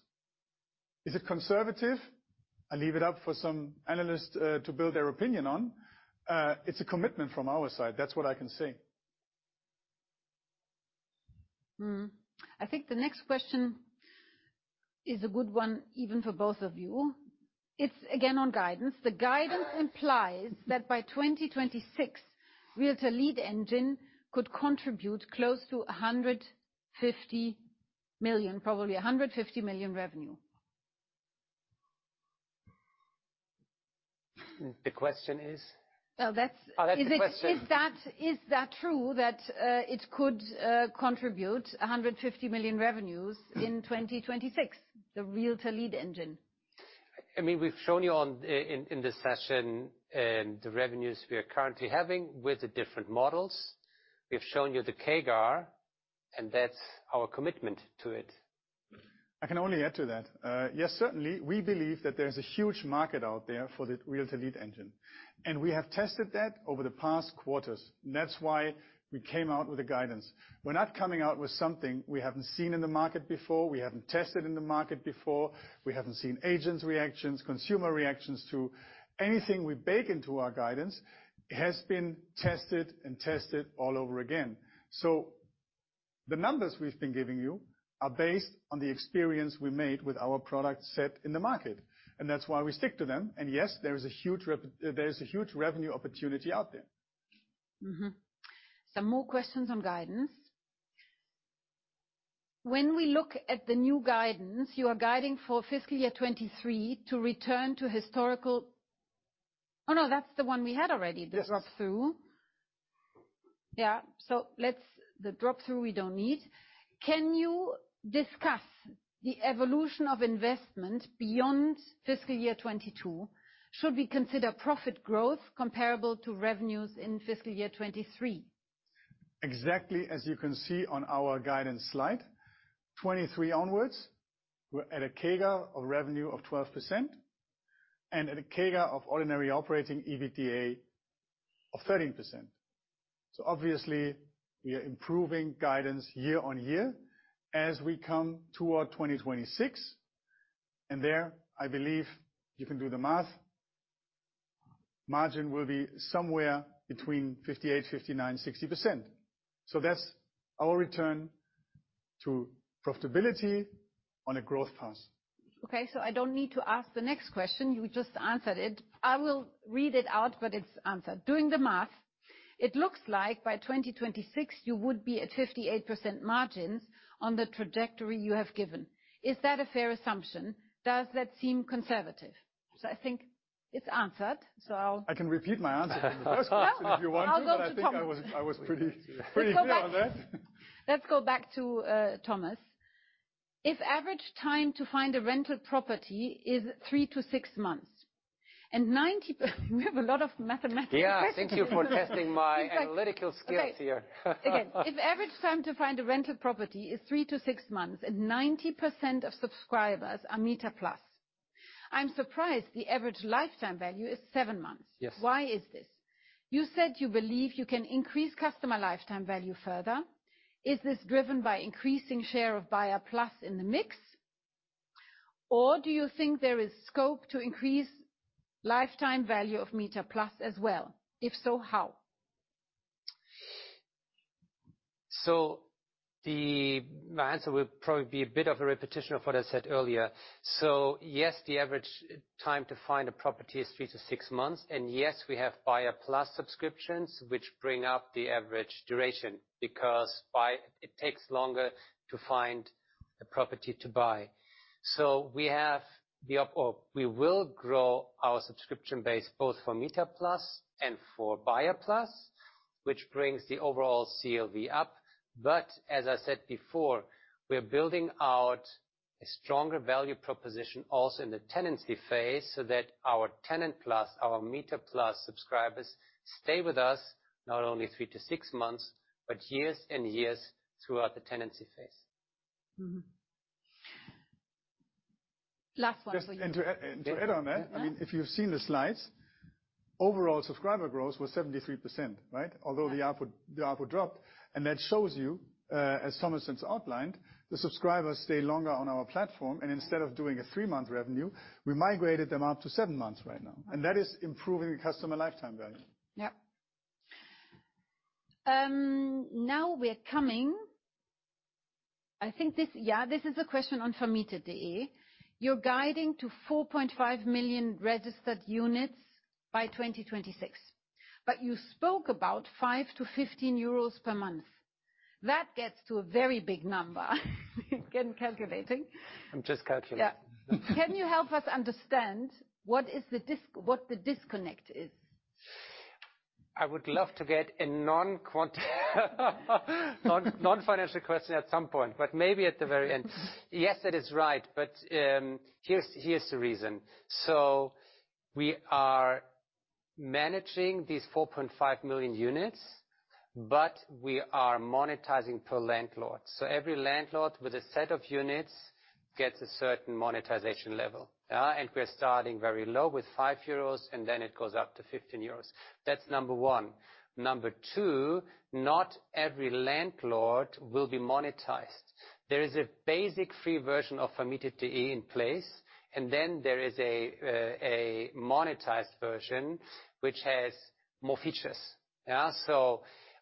Is it conservative? I leave it up for some analysts to build their opinion on. It's a commitment from our side, that's what I can say. I think the next question is a good one even for both of you. It's again on guidance. The guidance implies that by 2026, Realtor Lead Engine could contribute close to 150 million, probably 150 million revenue. The question is? No, that's. Oh, that's the question. Is that true that it could contribute 150 million in revenues in 2026? The Realtor Lead Engine. I mean, we've shown you in this session the revenues we are currently having with the different models. We have shown you the CAGR, and that's our commitment to it. I can only add to that. Yes, certainly, we believe that there's a huge market out there for the Realtor Lead Engine, and we have tested that over the past quarters. That's why we came out with a guidance. We're not coming out with something we haven't seen in the market before, we haven't tested in the market before, we haven't seen agents' reactions, consumer reactions to. Anything we bake into our guidance has been tested and tested all over again. The numbers we've been giving you are based on the experience we made with our product set in the market. That's why we stick to them. Yes, there is a huge revenue opportunity out there. Some more questions on guidance. When we look at the new guidance, you are guiding for fiscal year 2023. Yes Can you discuss the evolution of investment beyond fiscal year 2022? Should we consider profit growth comparable to revenues in fiscal year 2023? Exactly as you can see on our guidance slide. 2023 onwards, we're at a CAGR of revenue of 12%, and at a CAGR of ordinary operating EBITDA of 13%. Obviously we are improving guidance year-on-year as we come toward 2026. There, I believe you can do the math, margin will be somewhere between 58%, 59%, 60%. That's our return to profitability on a growth path. Okay, so I don't need to ask the next question. You just answered it. I will read it out, but it's answered. Doing the math, it looks like by 2026 you would be at 58% margins on the trajectory you have given. Is that a fair assumption? Does that seem conservative? I think it's answered. I can repeat my answer from the first question if you want to. No, I'll go to Thomas. I think I was pretty clear on that. Let's go back to Thomas. If average time to find a rental property is three-six months, we have a lot of mathematical questions. Yeah. Thank you for testing my analytical skills here. Okay. Again, if average time to find a rental property is three-six months, and 90% of subscribers are MieterPlus, I'm surprised the average lifetime value is seven months. Yes. Why is this? You said you believe you can increase customer lifetime value further. Is this driven by increasing share of Buyer Plus in the mix? Or do you think there is scope to increase lifetime value of MieterPlus as well? If so, how? My answer will probably be a bit of a repetition of what I said earlier. Yes, the average time to find a property is three-six months, and yes, we have Buyer Plus subscriptions, which bring up the average duration, because it takes longer to find a property to buy. Or we will grow our subscription base both for Mieter Plus and for Buyer Plus, which brings the overall CLV up. As I said before, we are building out a stronger value proposition also in the tenancy phase, so that our Tenant Plus, our MieterPlus subscribers stay with us not only three-six months, but years and years throughout the tenancy phase. Mm-hmm. Last one for you. Just, and to a- Yeah. To add on that. Mm-hmm. I mean, if you've seen the slides, overall subscriber growth was 73%, right? Although the output dropped. That shows you, as Thomas has outlined, the subscribers stay longer on our platform, and instead of doing a three month revenue, we migrated them up to 7 months right now. That is improving the customer lifetime value. Yeah, this is a question on vermietet.de. You're guiding to 4.5 million registered units by 2026, but you spoke about 5-15 euros per month. That gets to a very big number. Again, calculating. I'm just calculating. Yeah. Can you help us understand what the disconnect is? I would love to get a non-financial question at some point, but maybe at the very end. Yes, that is right. Here's the reason. We are managing these 4.5 million units, but we are monetizing per landlord. Every landlord with a set of units gets a certain monetization level. And we are starting very low with 5 euros, and then it goes up to 15 euros. That's number one. Number two, not every landlord will be monetized. There is a basic free version of vermietet.de in place, and then there is a monetized version which has more features. Yeah?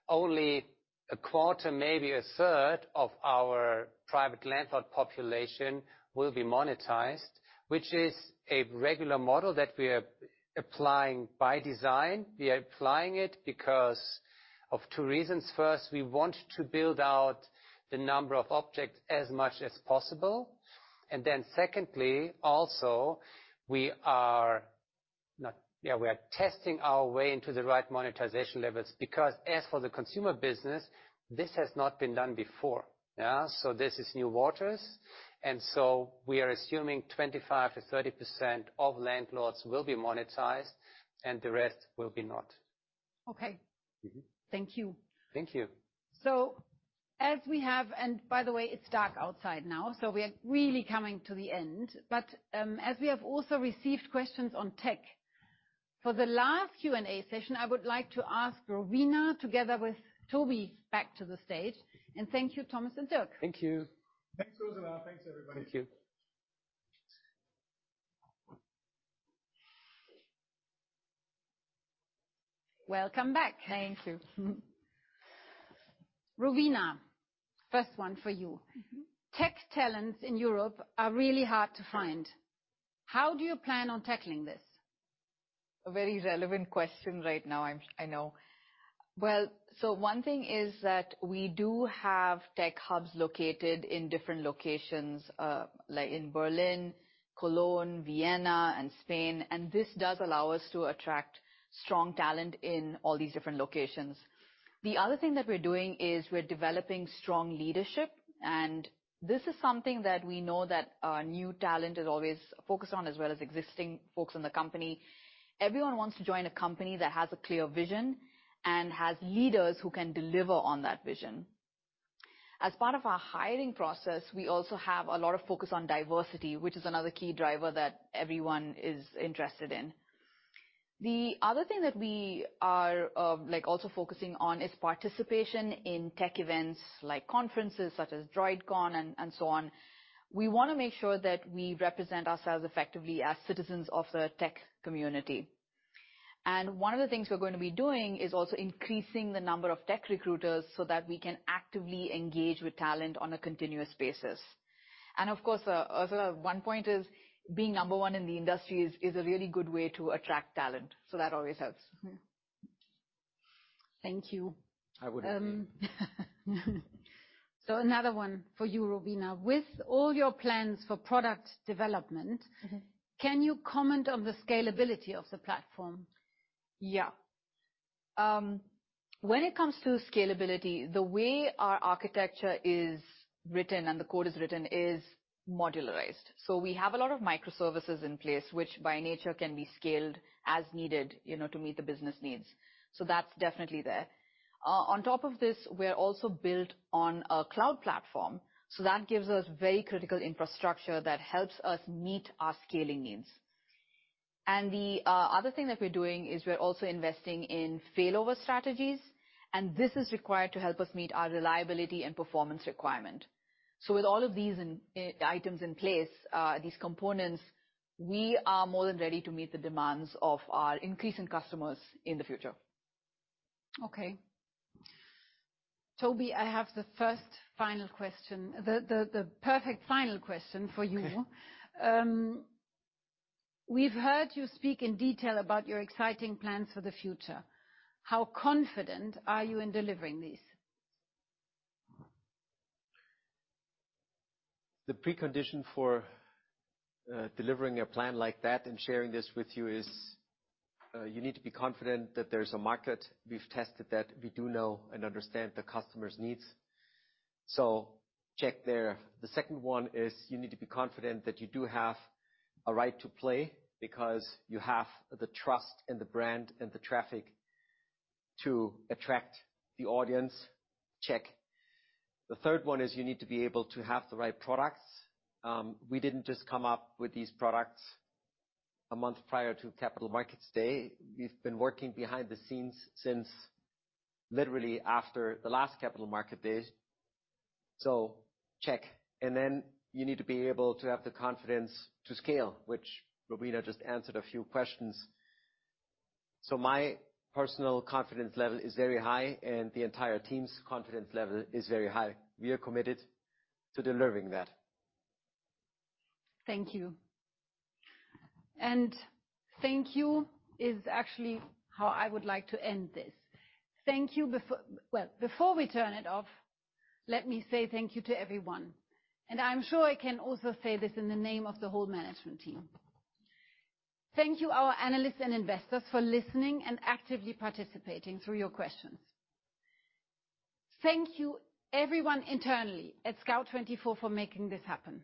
Only a quarter, maybe a third of our private landlord population will be monetized, which is a regular model that we are applying by design. We are applying it because of two reasons. First, we want to build out the number of objects as much as possible. Secondly, also we are testing our way into the right monetization levels because as for the consumer business, this has not been done before. Yeah. This is new waters, and so we are assuming 25%-30% of landlords will be monetized and the rest will be not. Okay. Mm-hmm. Thank you. Thank you. By the way, it's dark outside now, so we are really coming to the end. As we have also received questions on tech, for the last Q&A session, I would like to ask Rowena together with Toby back to the stage. Thank you, Thomas and Dirk. Thank you. Thanks, Rowena. Thanks, everybody. Thank you. Welcome back. Thank you. Rowena, first one for you. Mm-hmm. Tech talents in Europe are really hard to find. How do you plan on tackling this? A very relevant question right now. I know. Well, one thing is that we do have tech hubs located in different locations, like in Berlin, Cologne, Vienna and Spain, and this does allow us to attract strong talent in all these different locations. The other thing that we're doing is we're developing strong leadership, and this is something that we know that new talent is always focused on, as well as existing folks in the company. Everyone wants to join a company that has a clear vision and has leaders who can deliver on that vision. As part of our hiring process, we also have a lot of focus on diversity, which is another key driver that everyone is interested in. The other thing that we are, like, also focusing on is participation in tech events like conferences such as Droidcon and so on. We wanna make sure that we represent ourselves effectively as citizens of the tech community. One of the things we're gonna be doing is also increasing the number of tech recruiters so that we can actively engage with talent on a continuous basis. Of course, also one point is being number one in the industry is a really good way to attract talent. That always helps. Thank you. I would agree. Another one for you, Rowena. With all your plans for product development. Mm-hmm. Can you comment on the scalability of the platform? Yeah, when it comes to scalability, the way our architecture is written and the code is written is modularized. We have a lot of microservices in place, which by nature can be scaled as needed, you know, to meet the business needs. That's definitely there. On top of this, we're also built on a cloud platform, so that gives us very critical infrastructure that helps us meet our scaling needs. The other thing that we're doing is we're also investing in failover strategies, and this is required to help us meet our reliability and performance requirement. With all of these items in place, we are more than ready to meet the demands of our increasing customers in the future. Okay. Toby, I have the first final question. The perfect final question for you. Okay. We've heard you speak in detail about your exciting plans for the future. How confident are you in delivering these? The precondition for delivering a plan like that and sharing this with you is you need to be confident that there's a market. We've tested that. We do know and understand the customer's needs. Check there. The second one is you need to be confident that you do have a right to play because you have the trust in the brand and the traffic to attract the audience. Check. The third one is you need to be able to have the right products. We didn't just come up with these products a month prior to Capital Markets Day. We've been working behind the scenes since literally after the last Capital Markets Day. Check. You need to be able to have the confidence to scale, which Rowena just answered a few questions. My personal confidence level is very high, and the entire team's confidence level is very high. We are committed to delivering that. Thank you. Thank you is actually how I would like to end this. Well, before we turn it off, let me say thank you to everyone, and I'm sure I can also say this in the name of the whole management team. Thank you, our analysts and investors, for listening and actively participating through your questions. Thank you everyone internally at Scout24 for making this happen.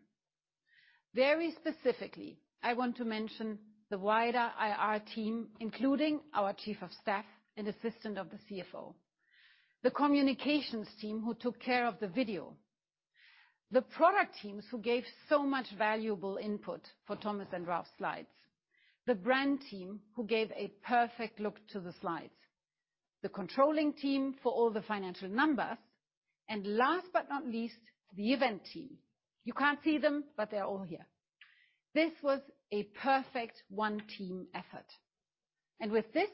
Very specifically, I want to mention the wider IR team, including our chief of staff and assistant of the CFO. The communications team who took care of the video. The product teams who gave so much valuable input for Thomas and Ralf's slides. The brand team who gave a perfect look to the slides. The controlling team for all the financial numbers. Last but not least, the event team. You can't see them, but they're all here. This was a perfect one team effort. With this,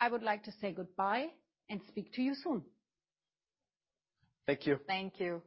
I would like to say goodbye and speak to you soon. Thank you. Thank you.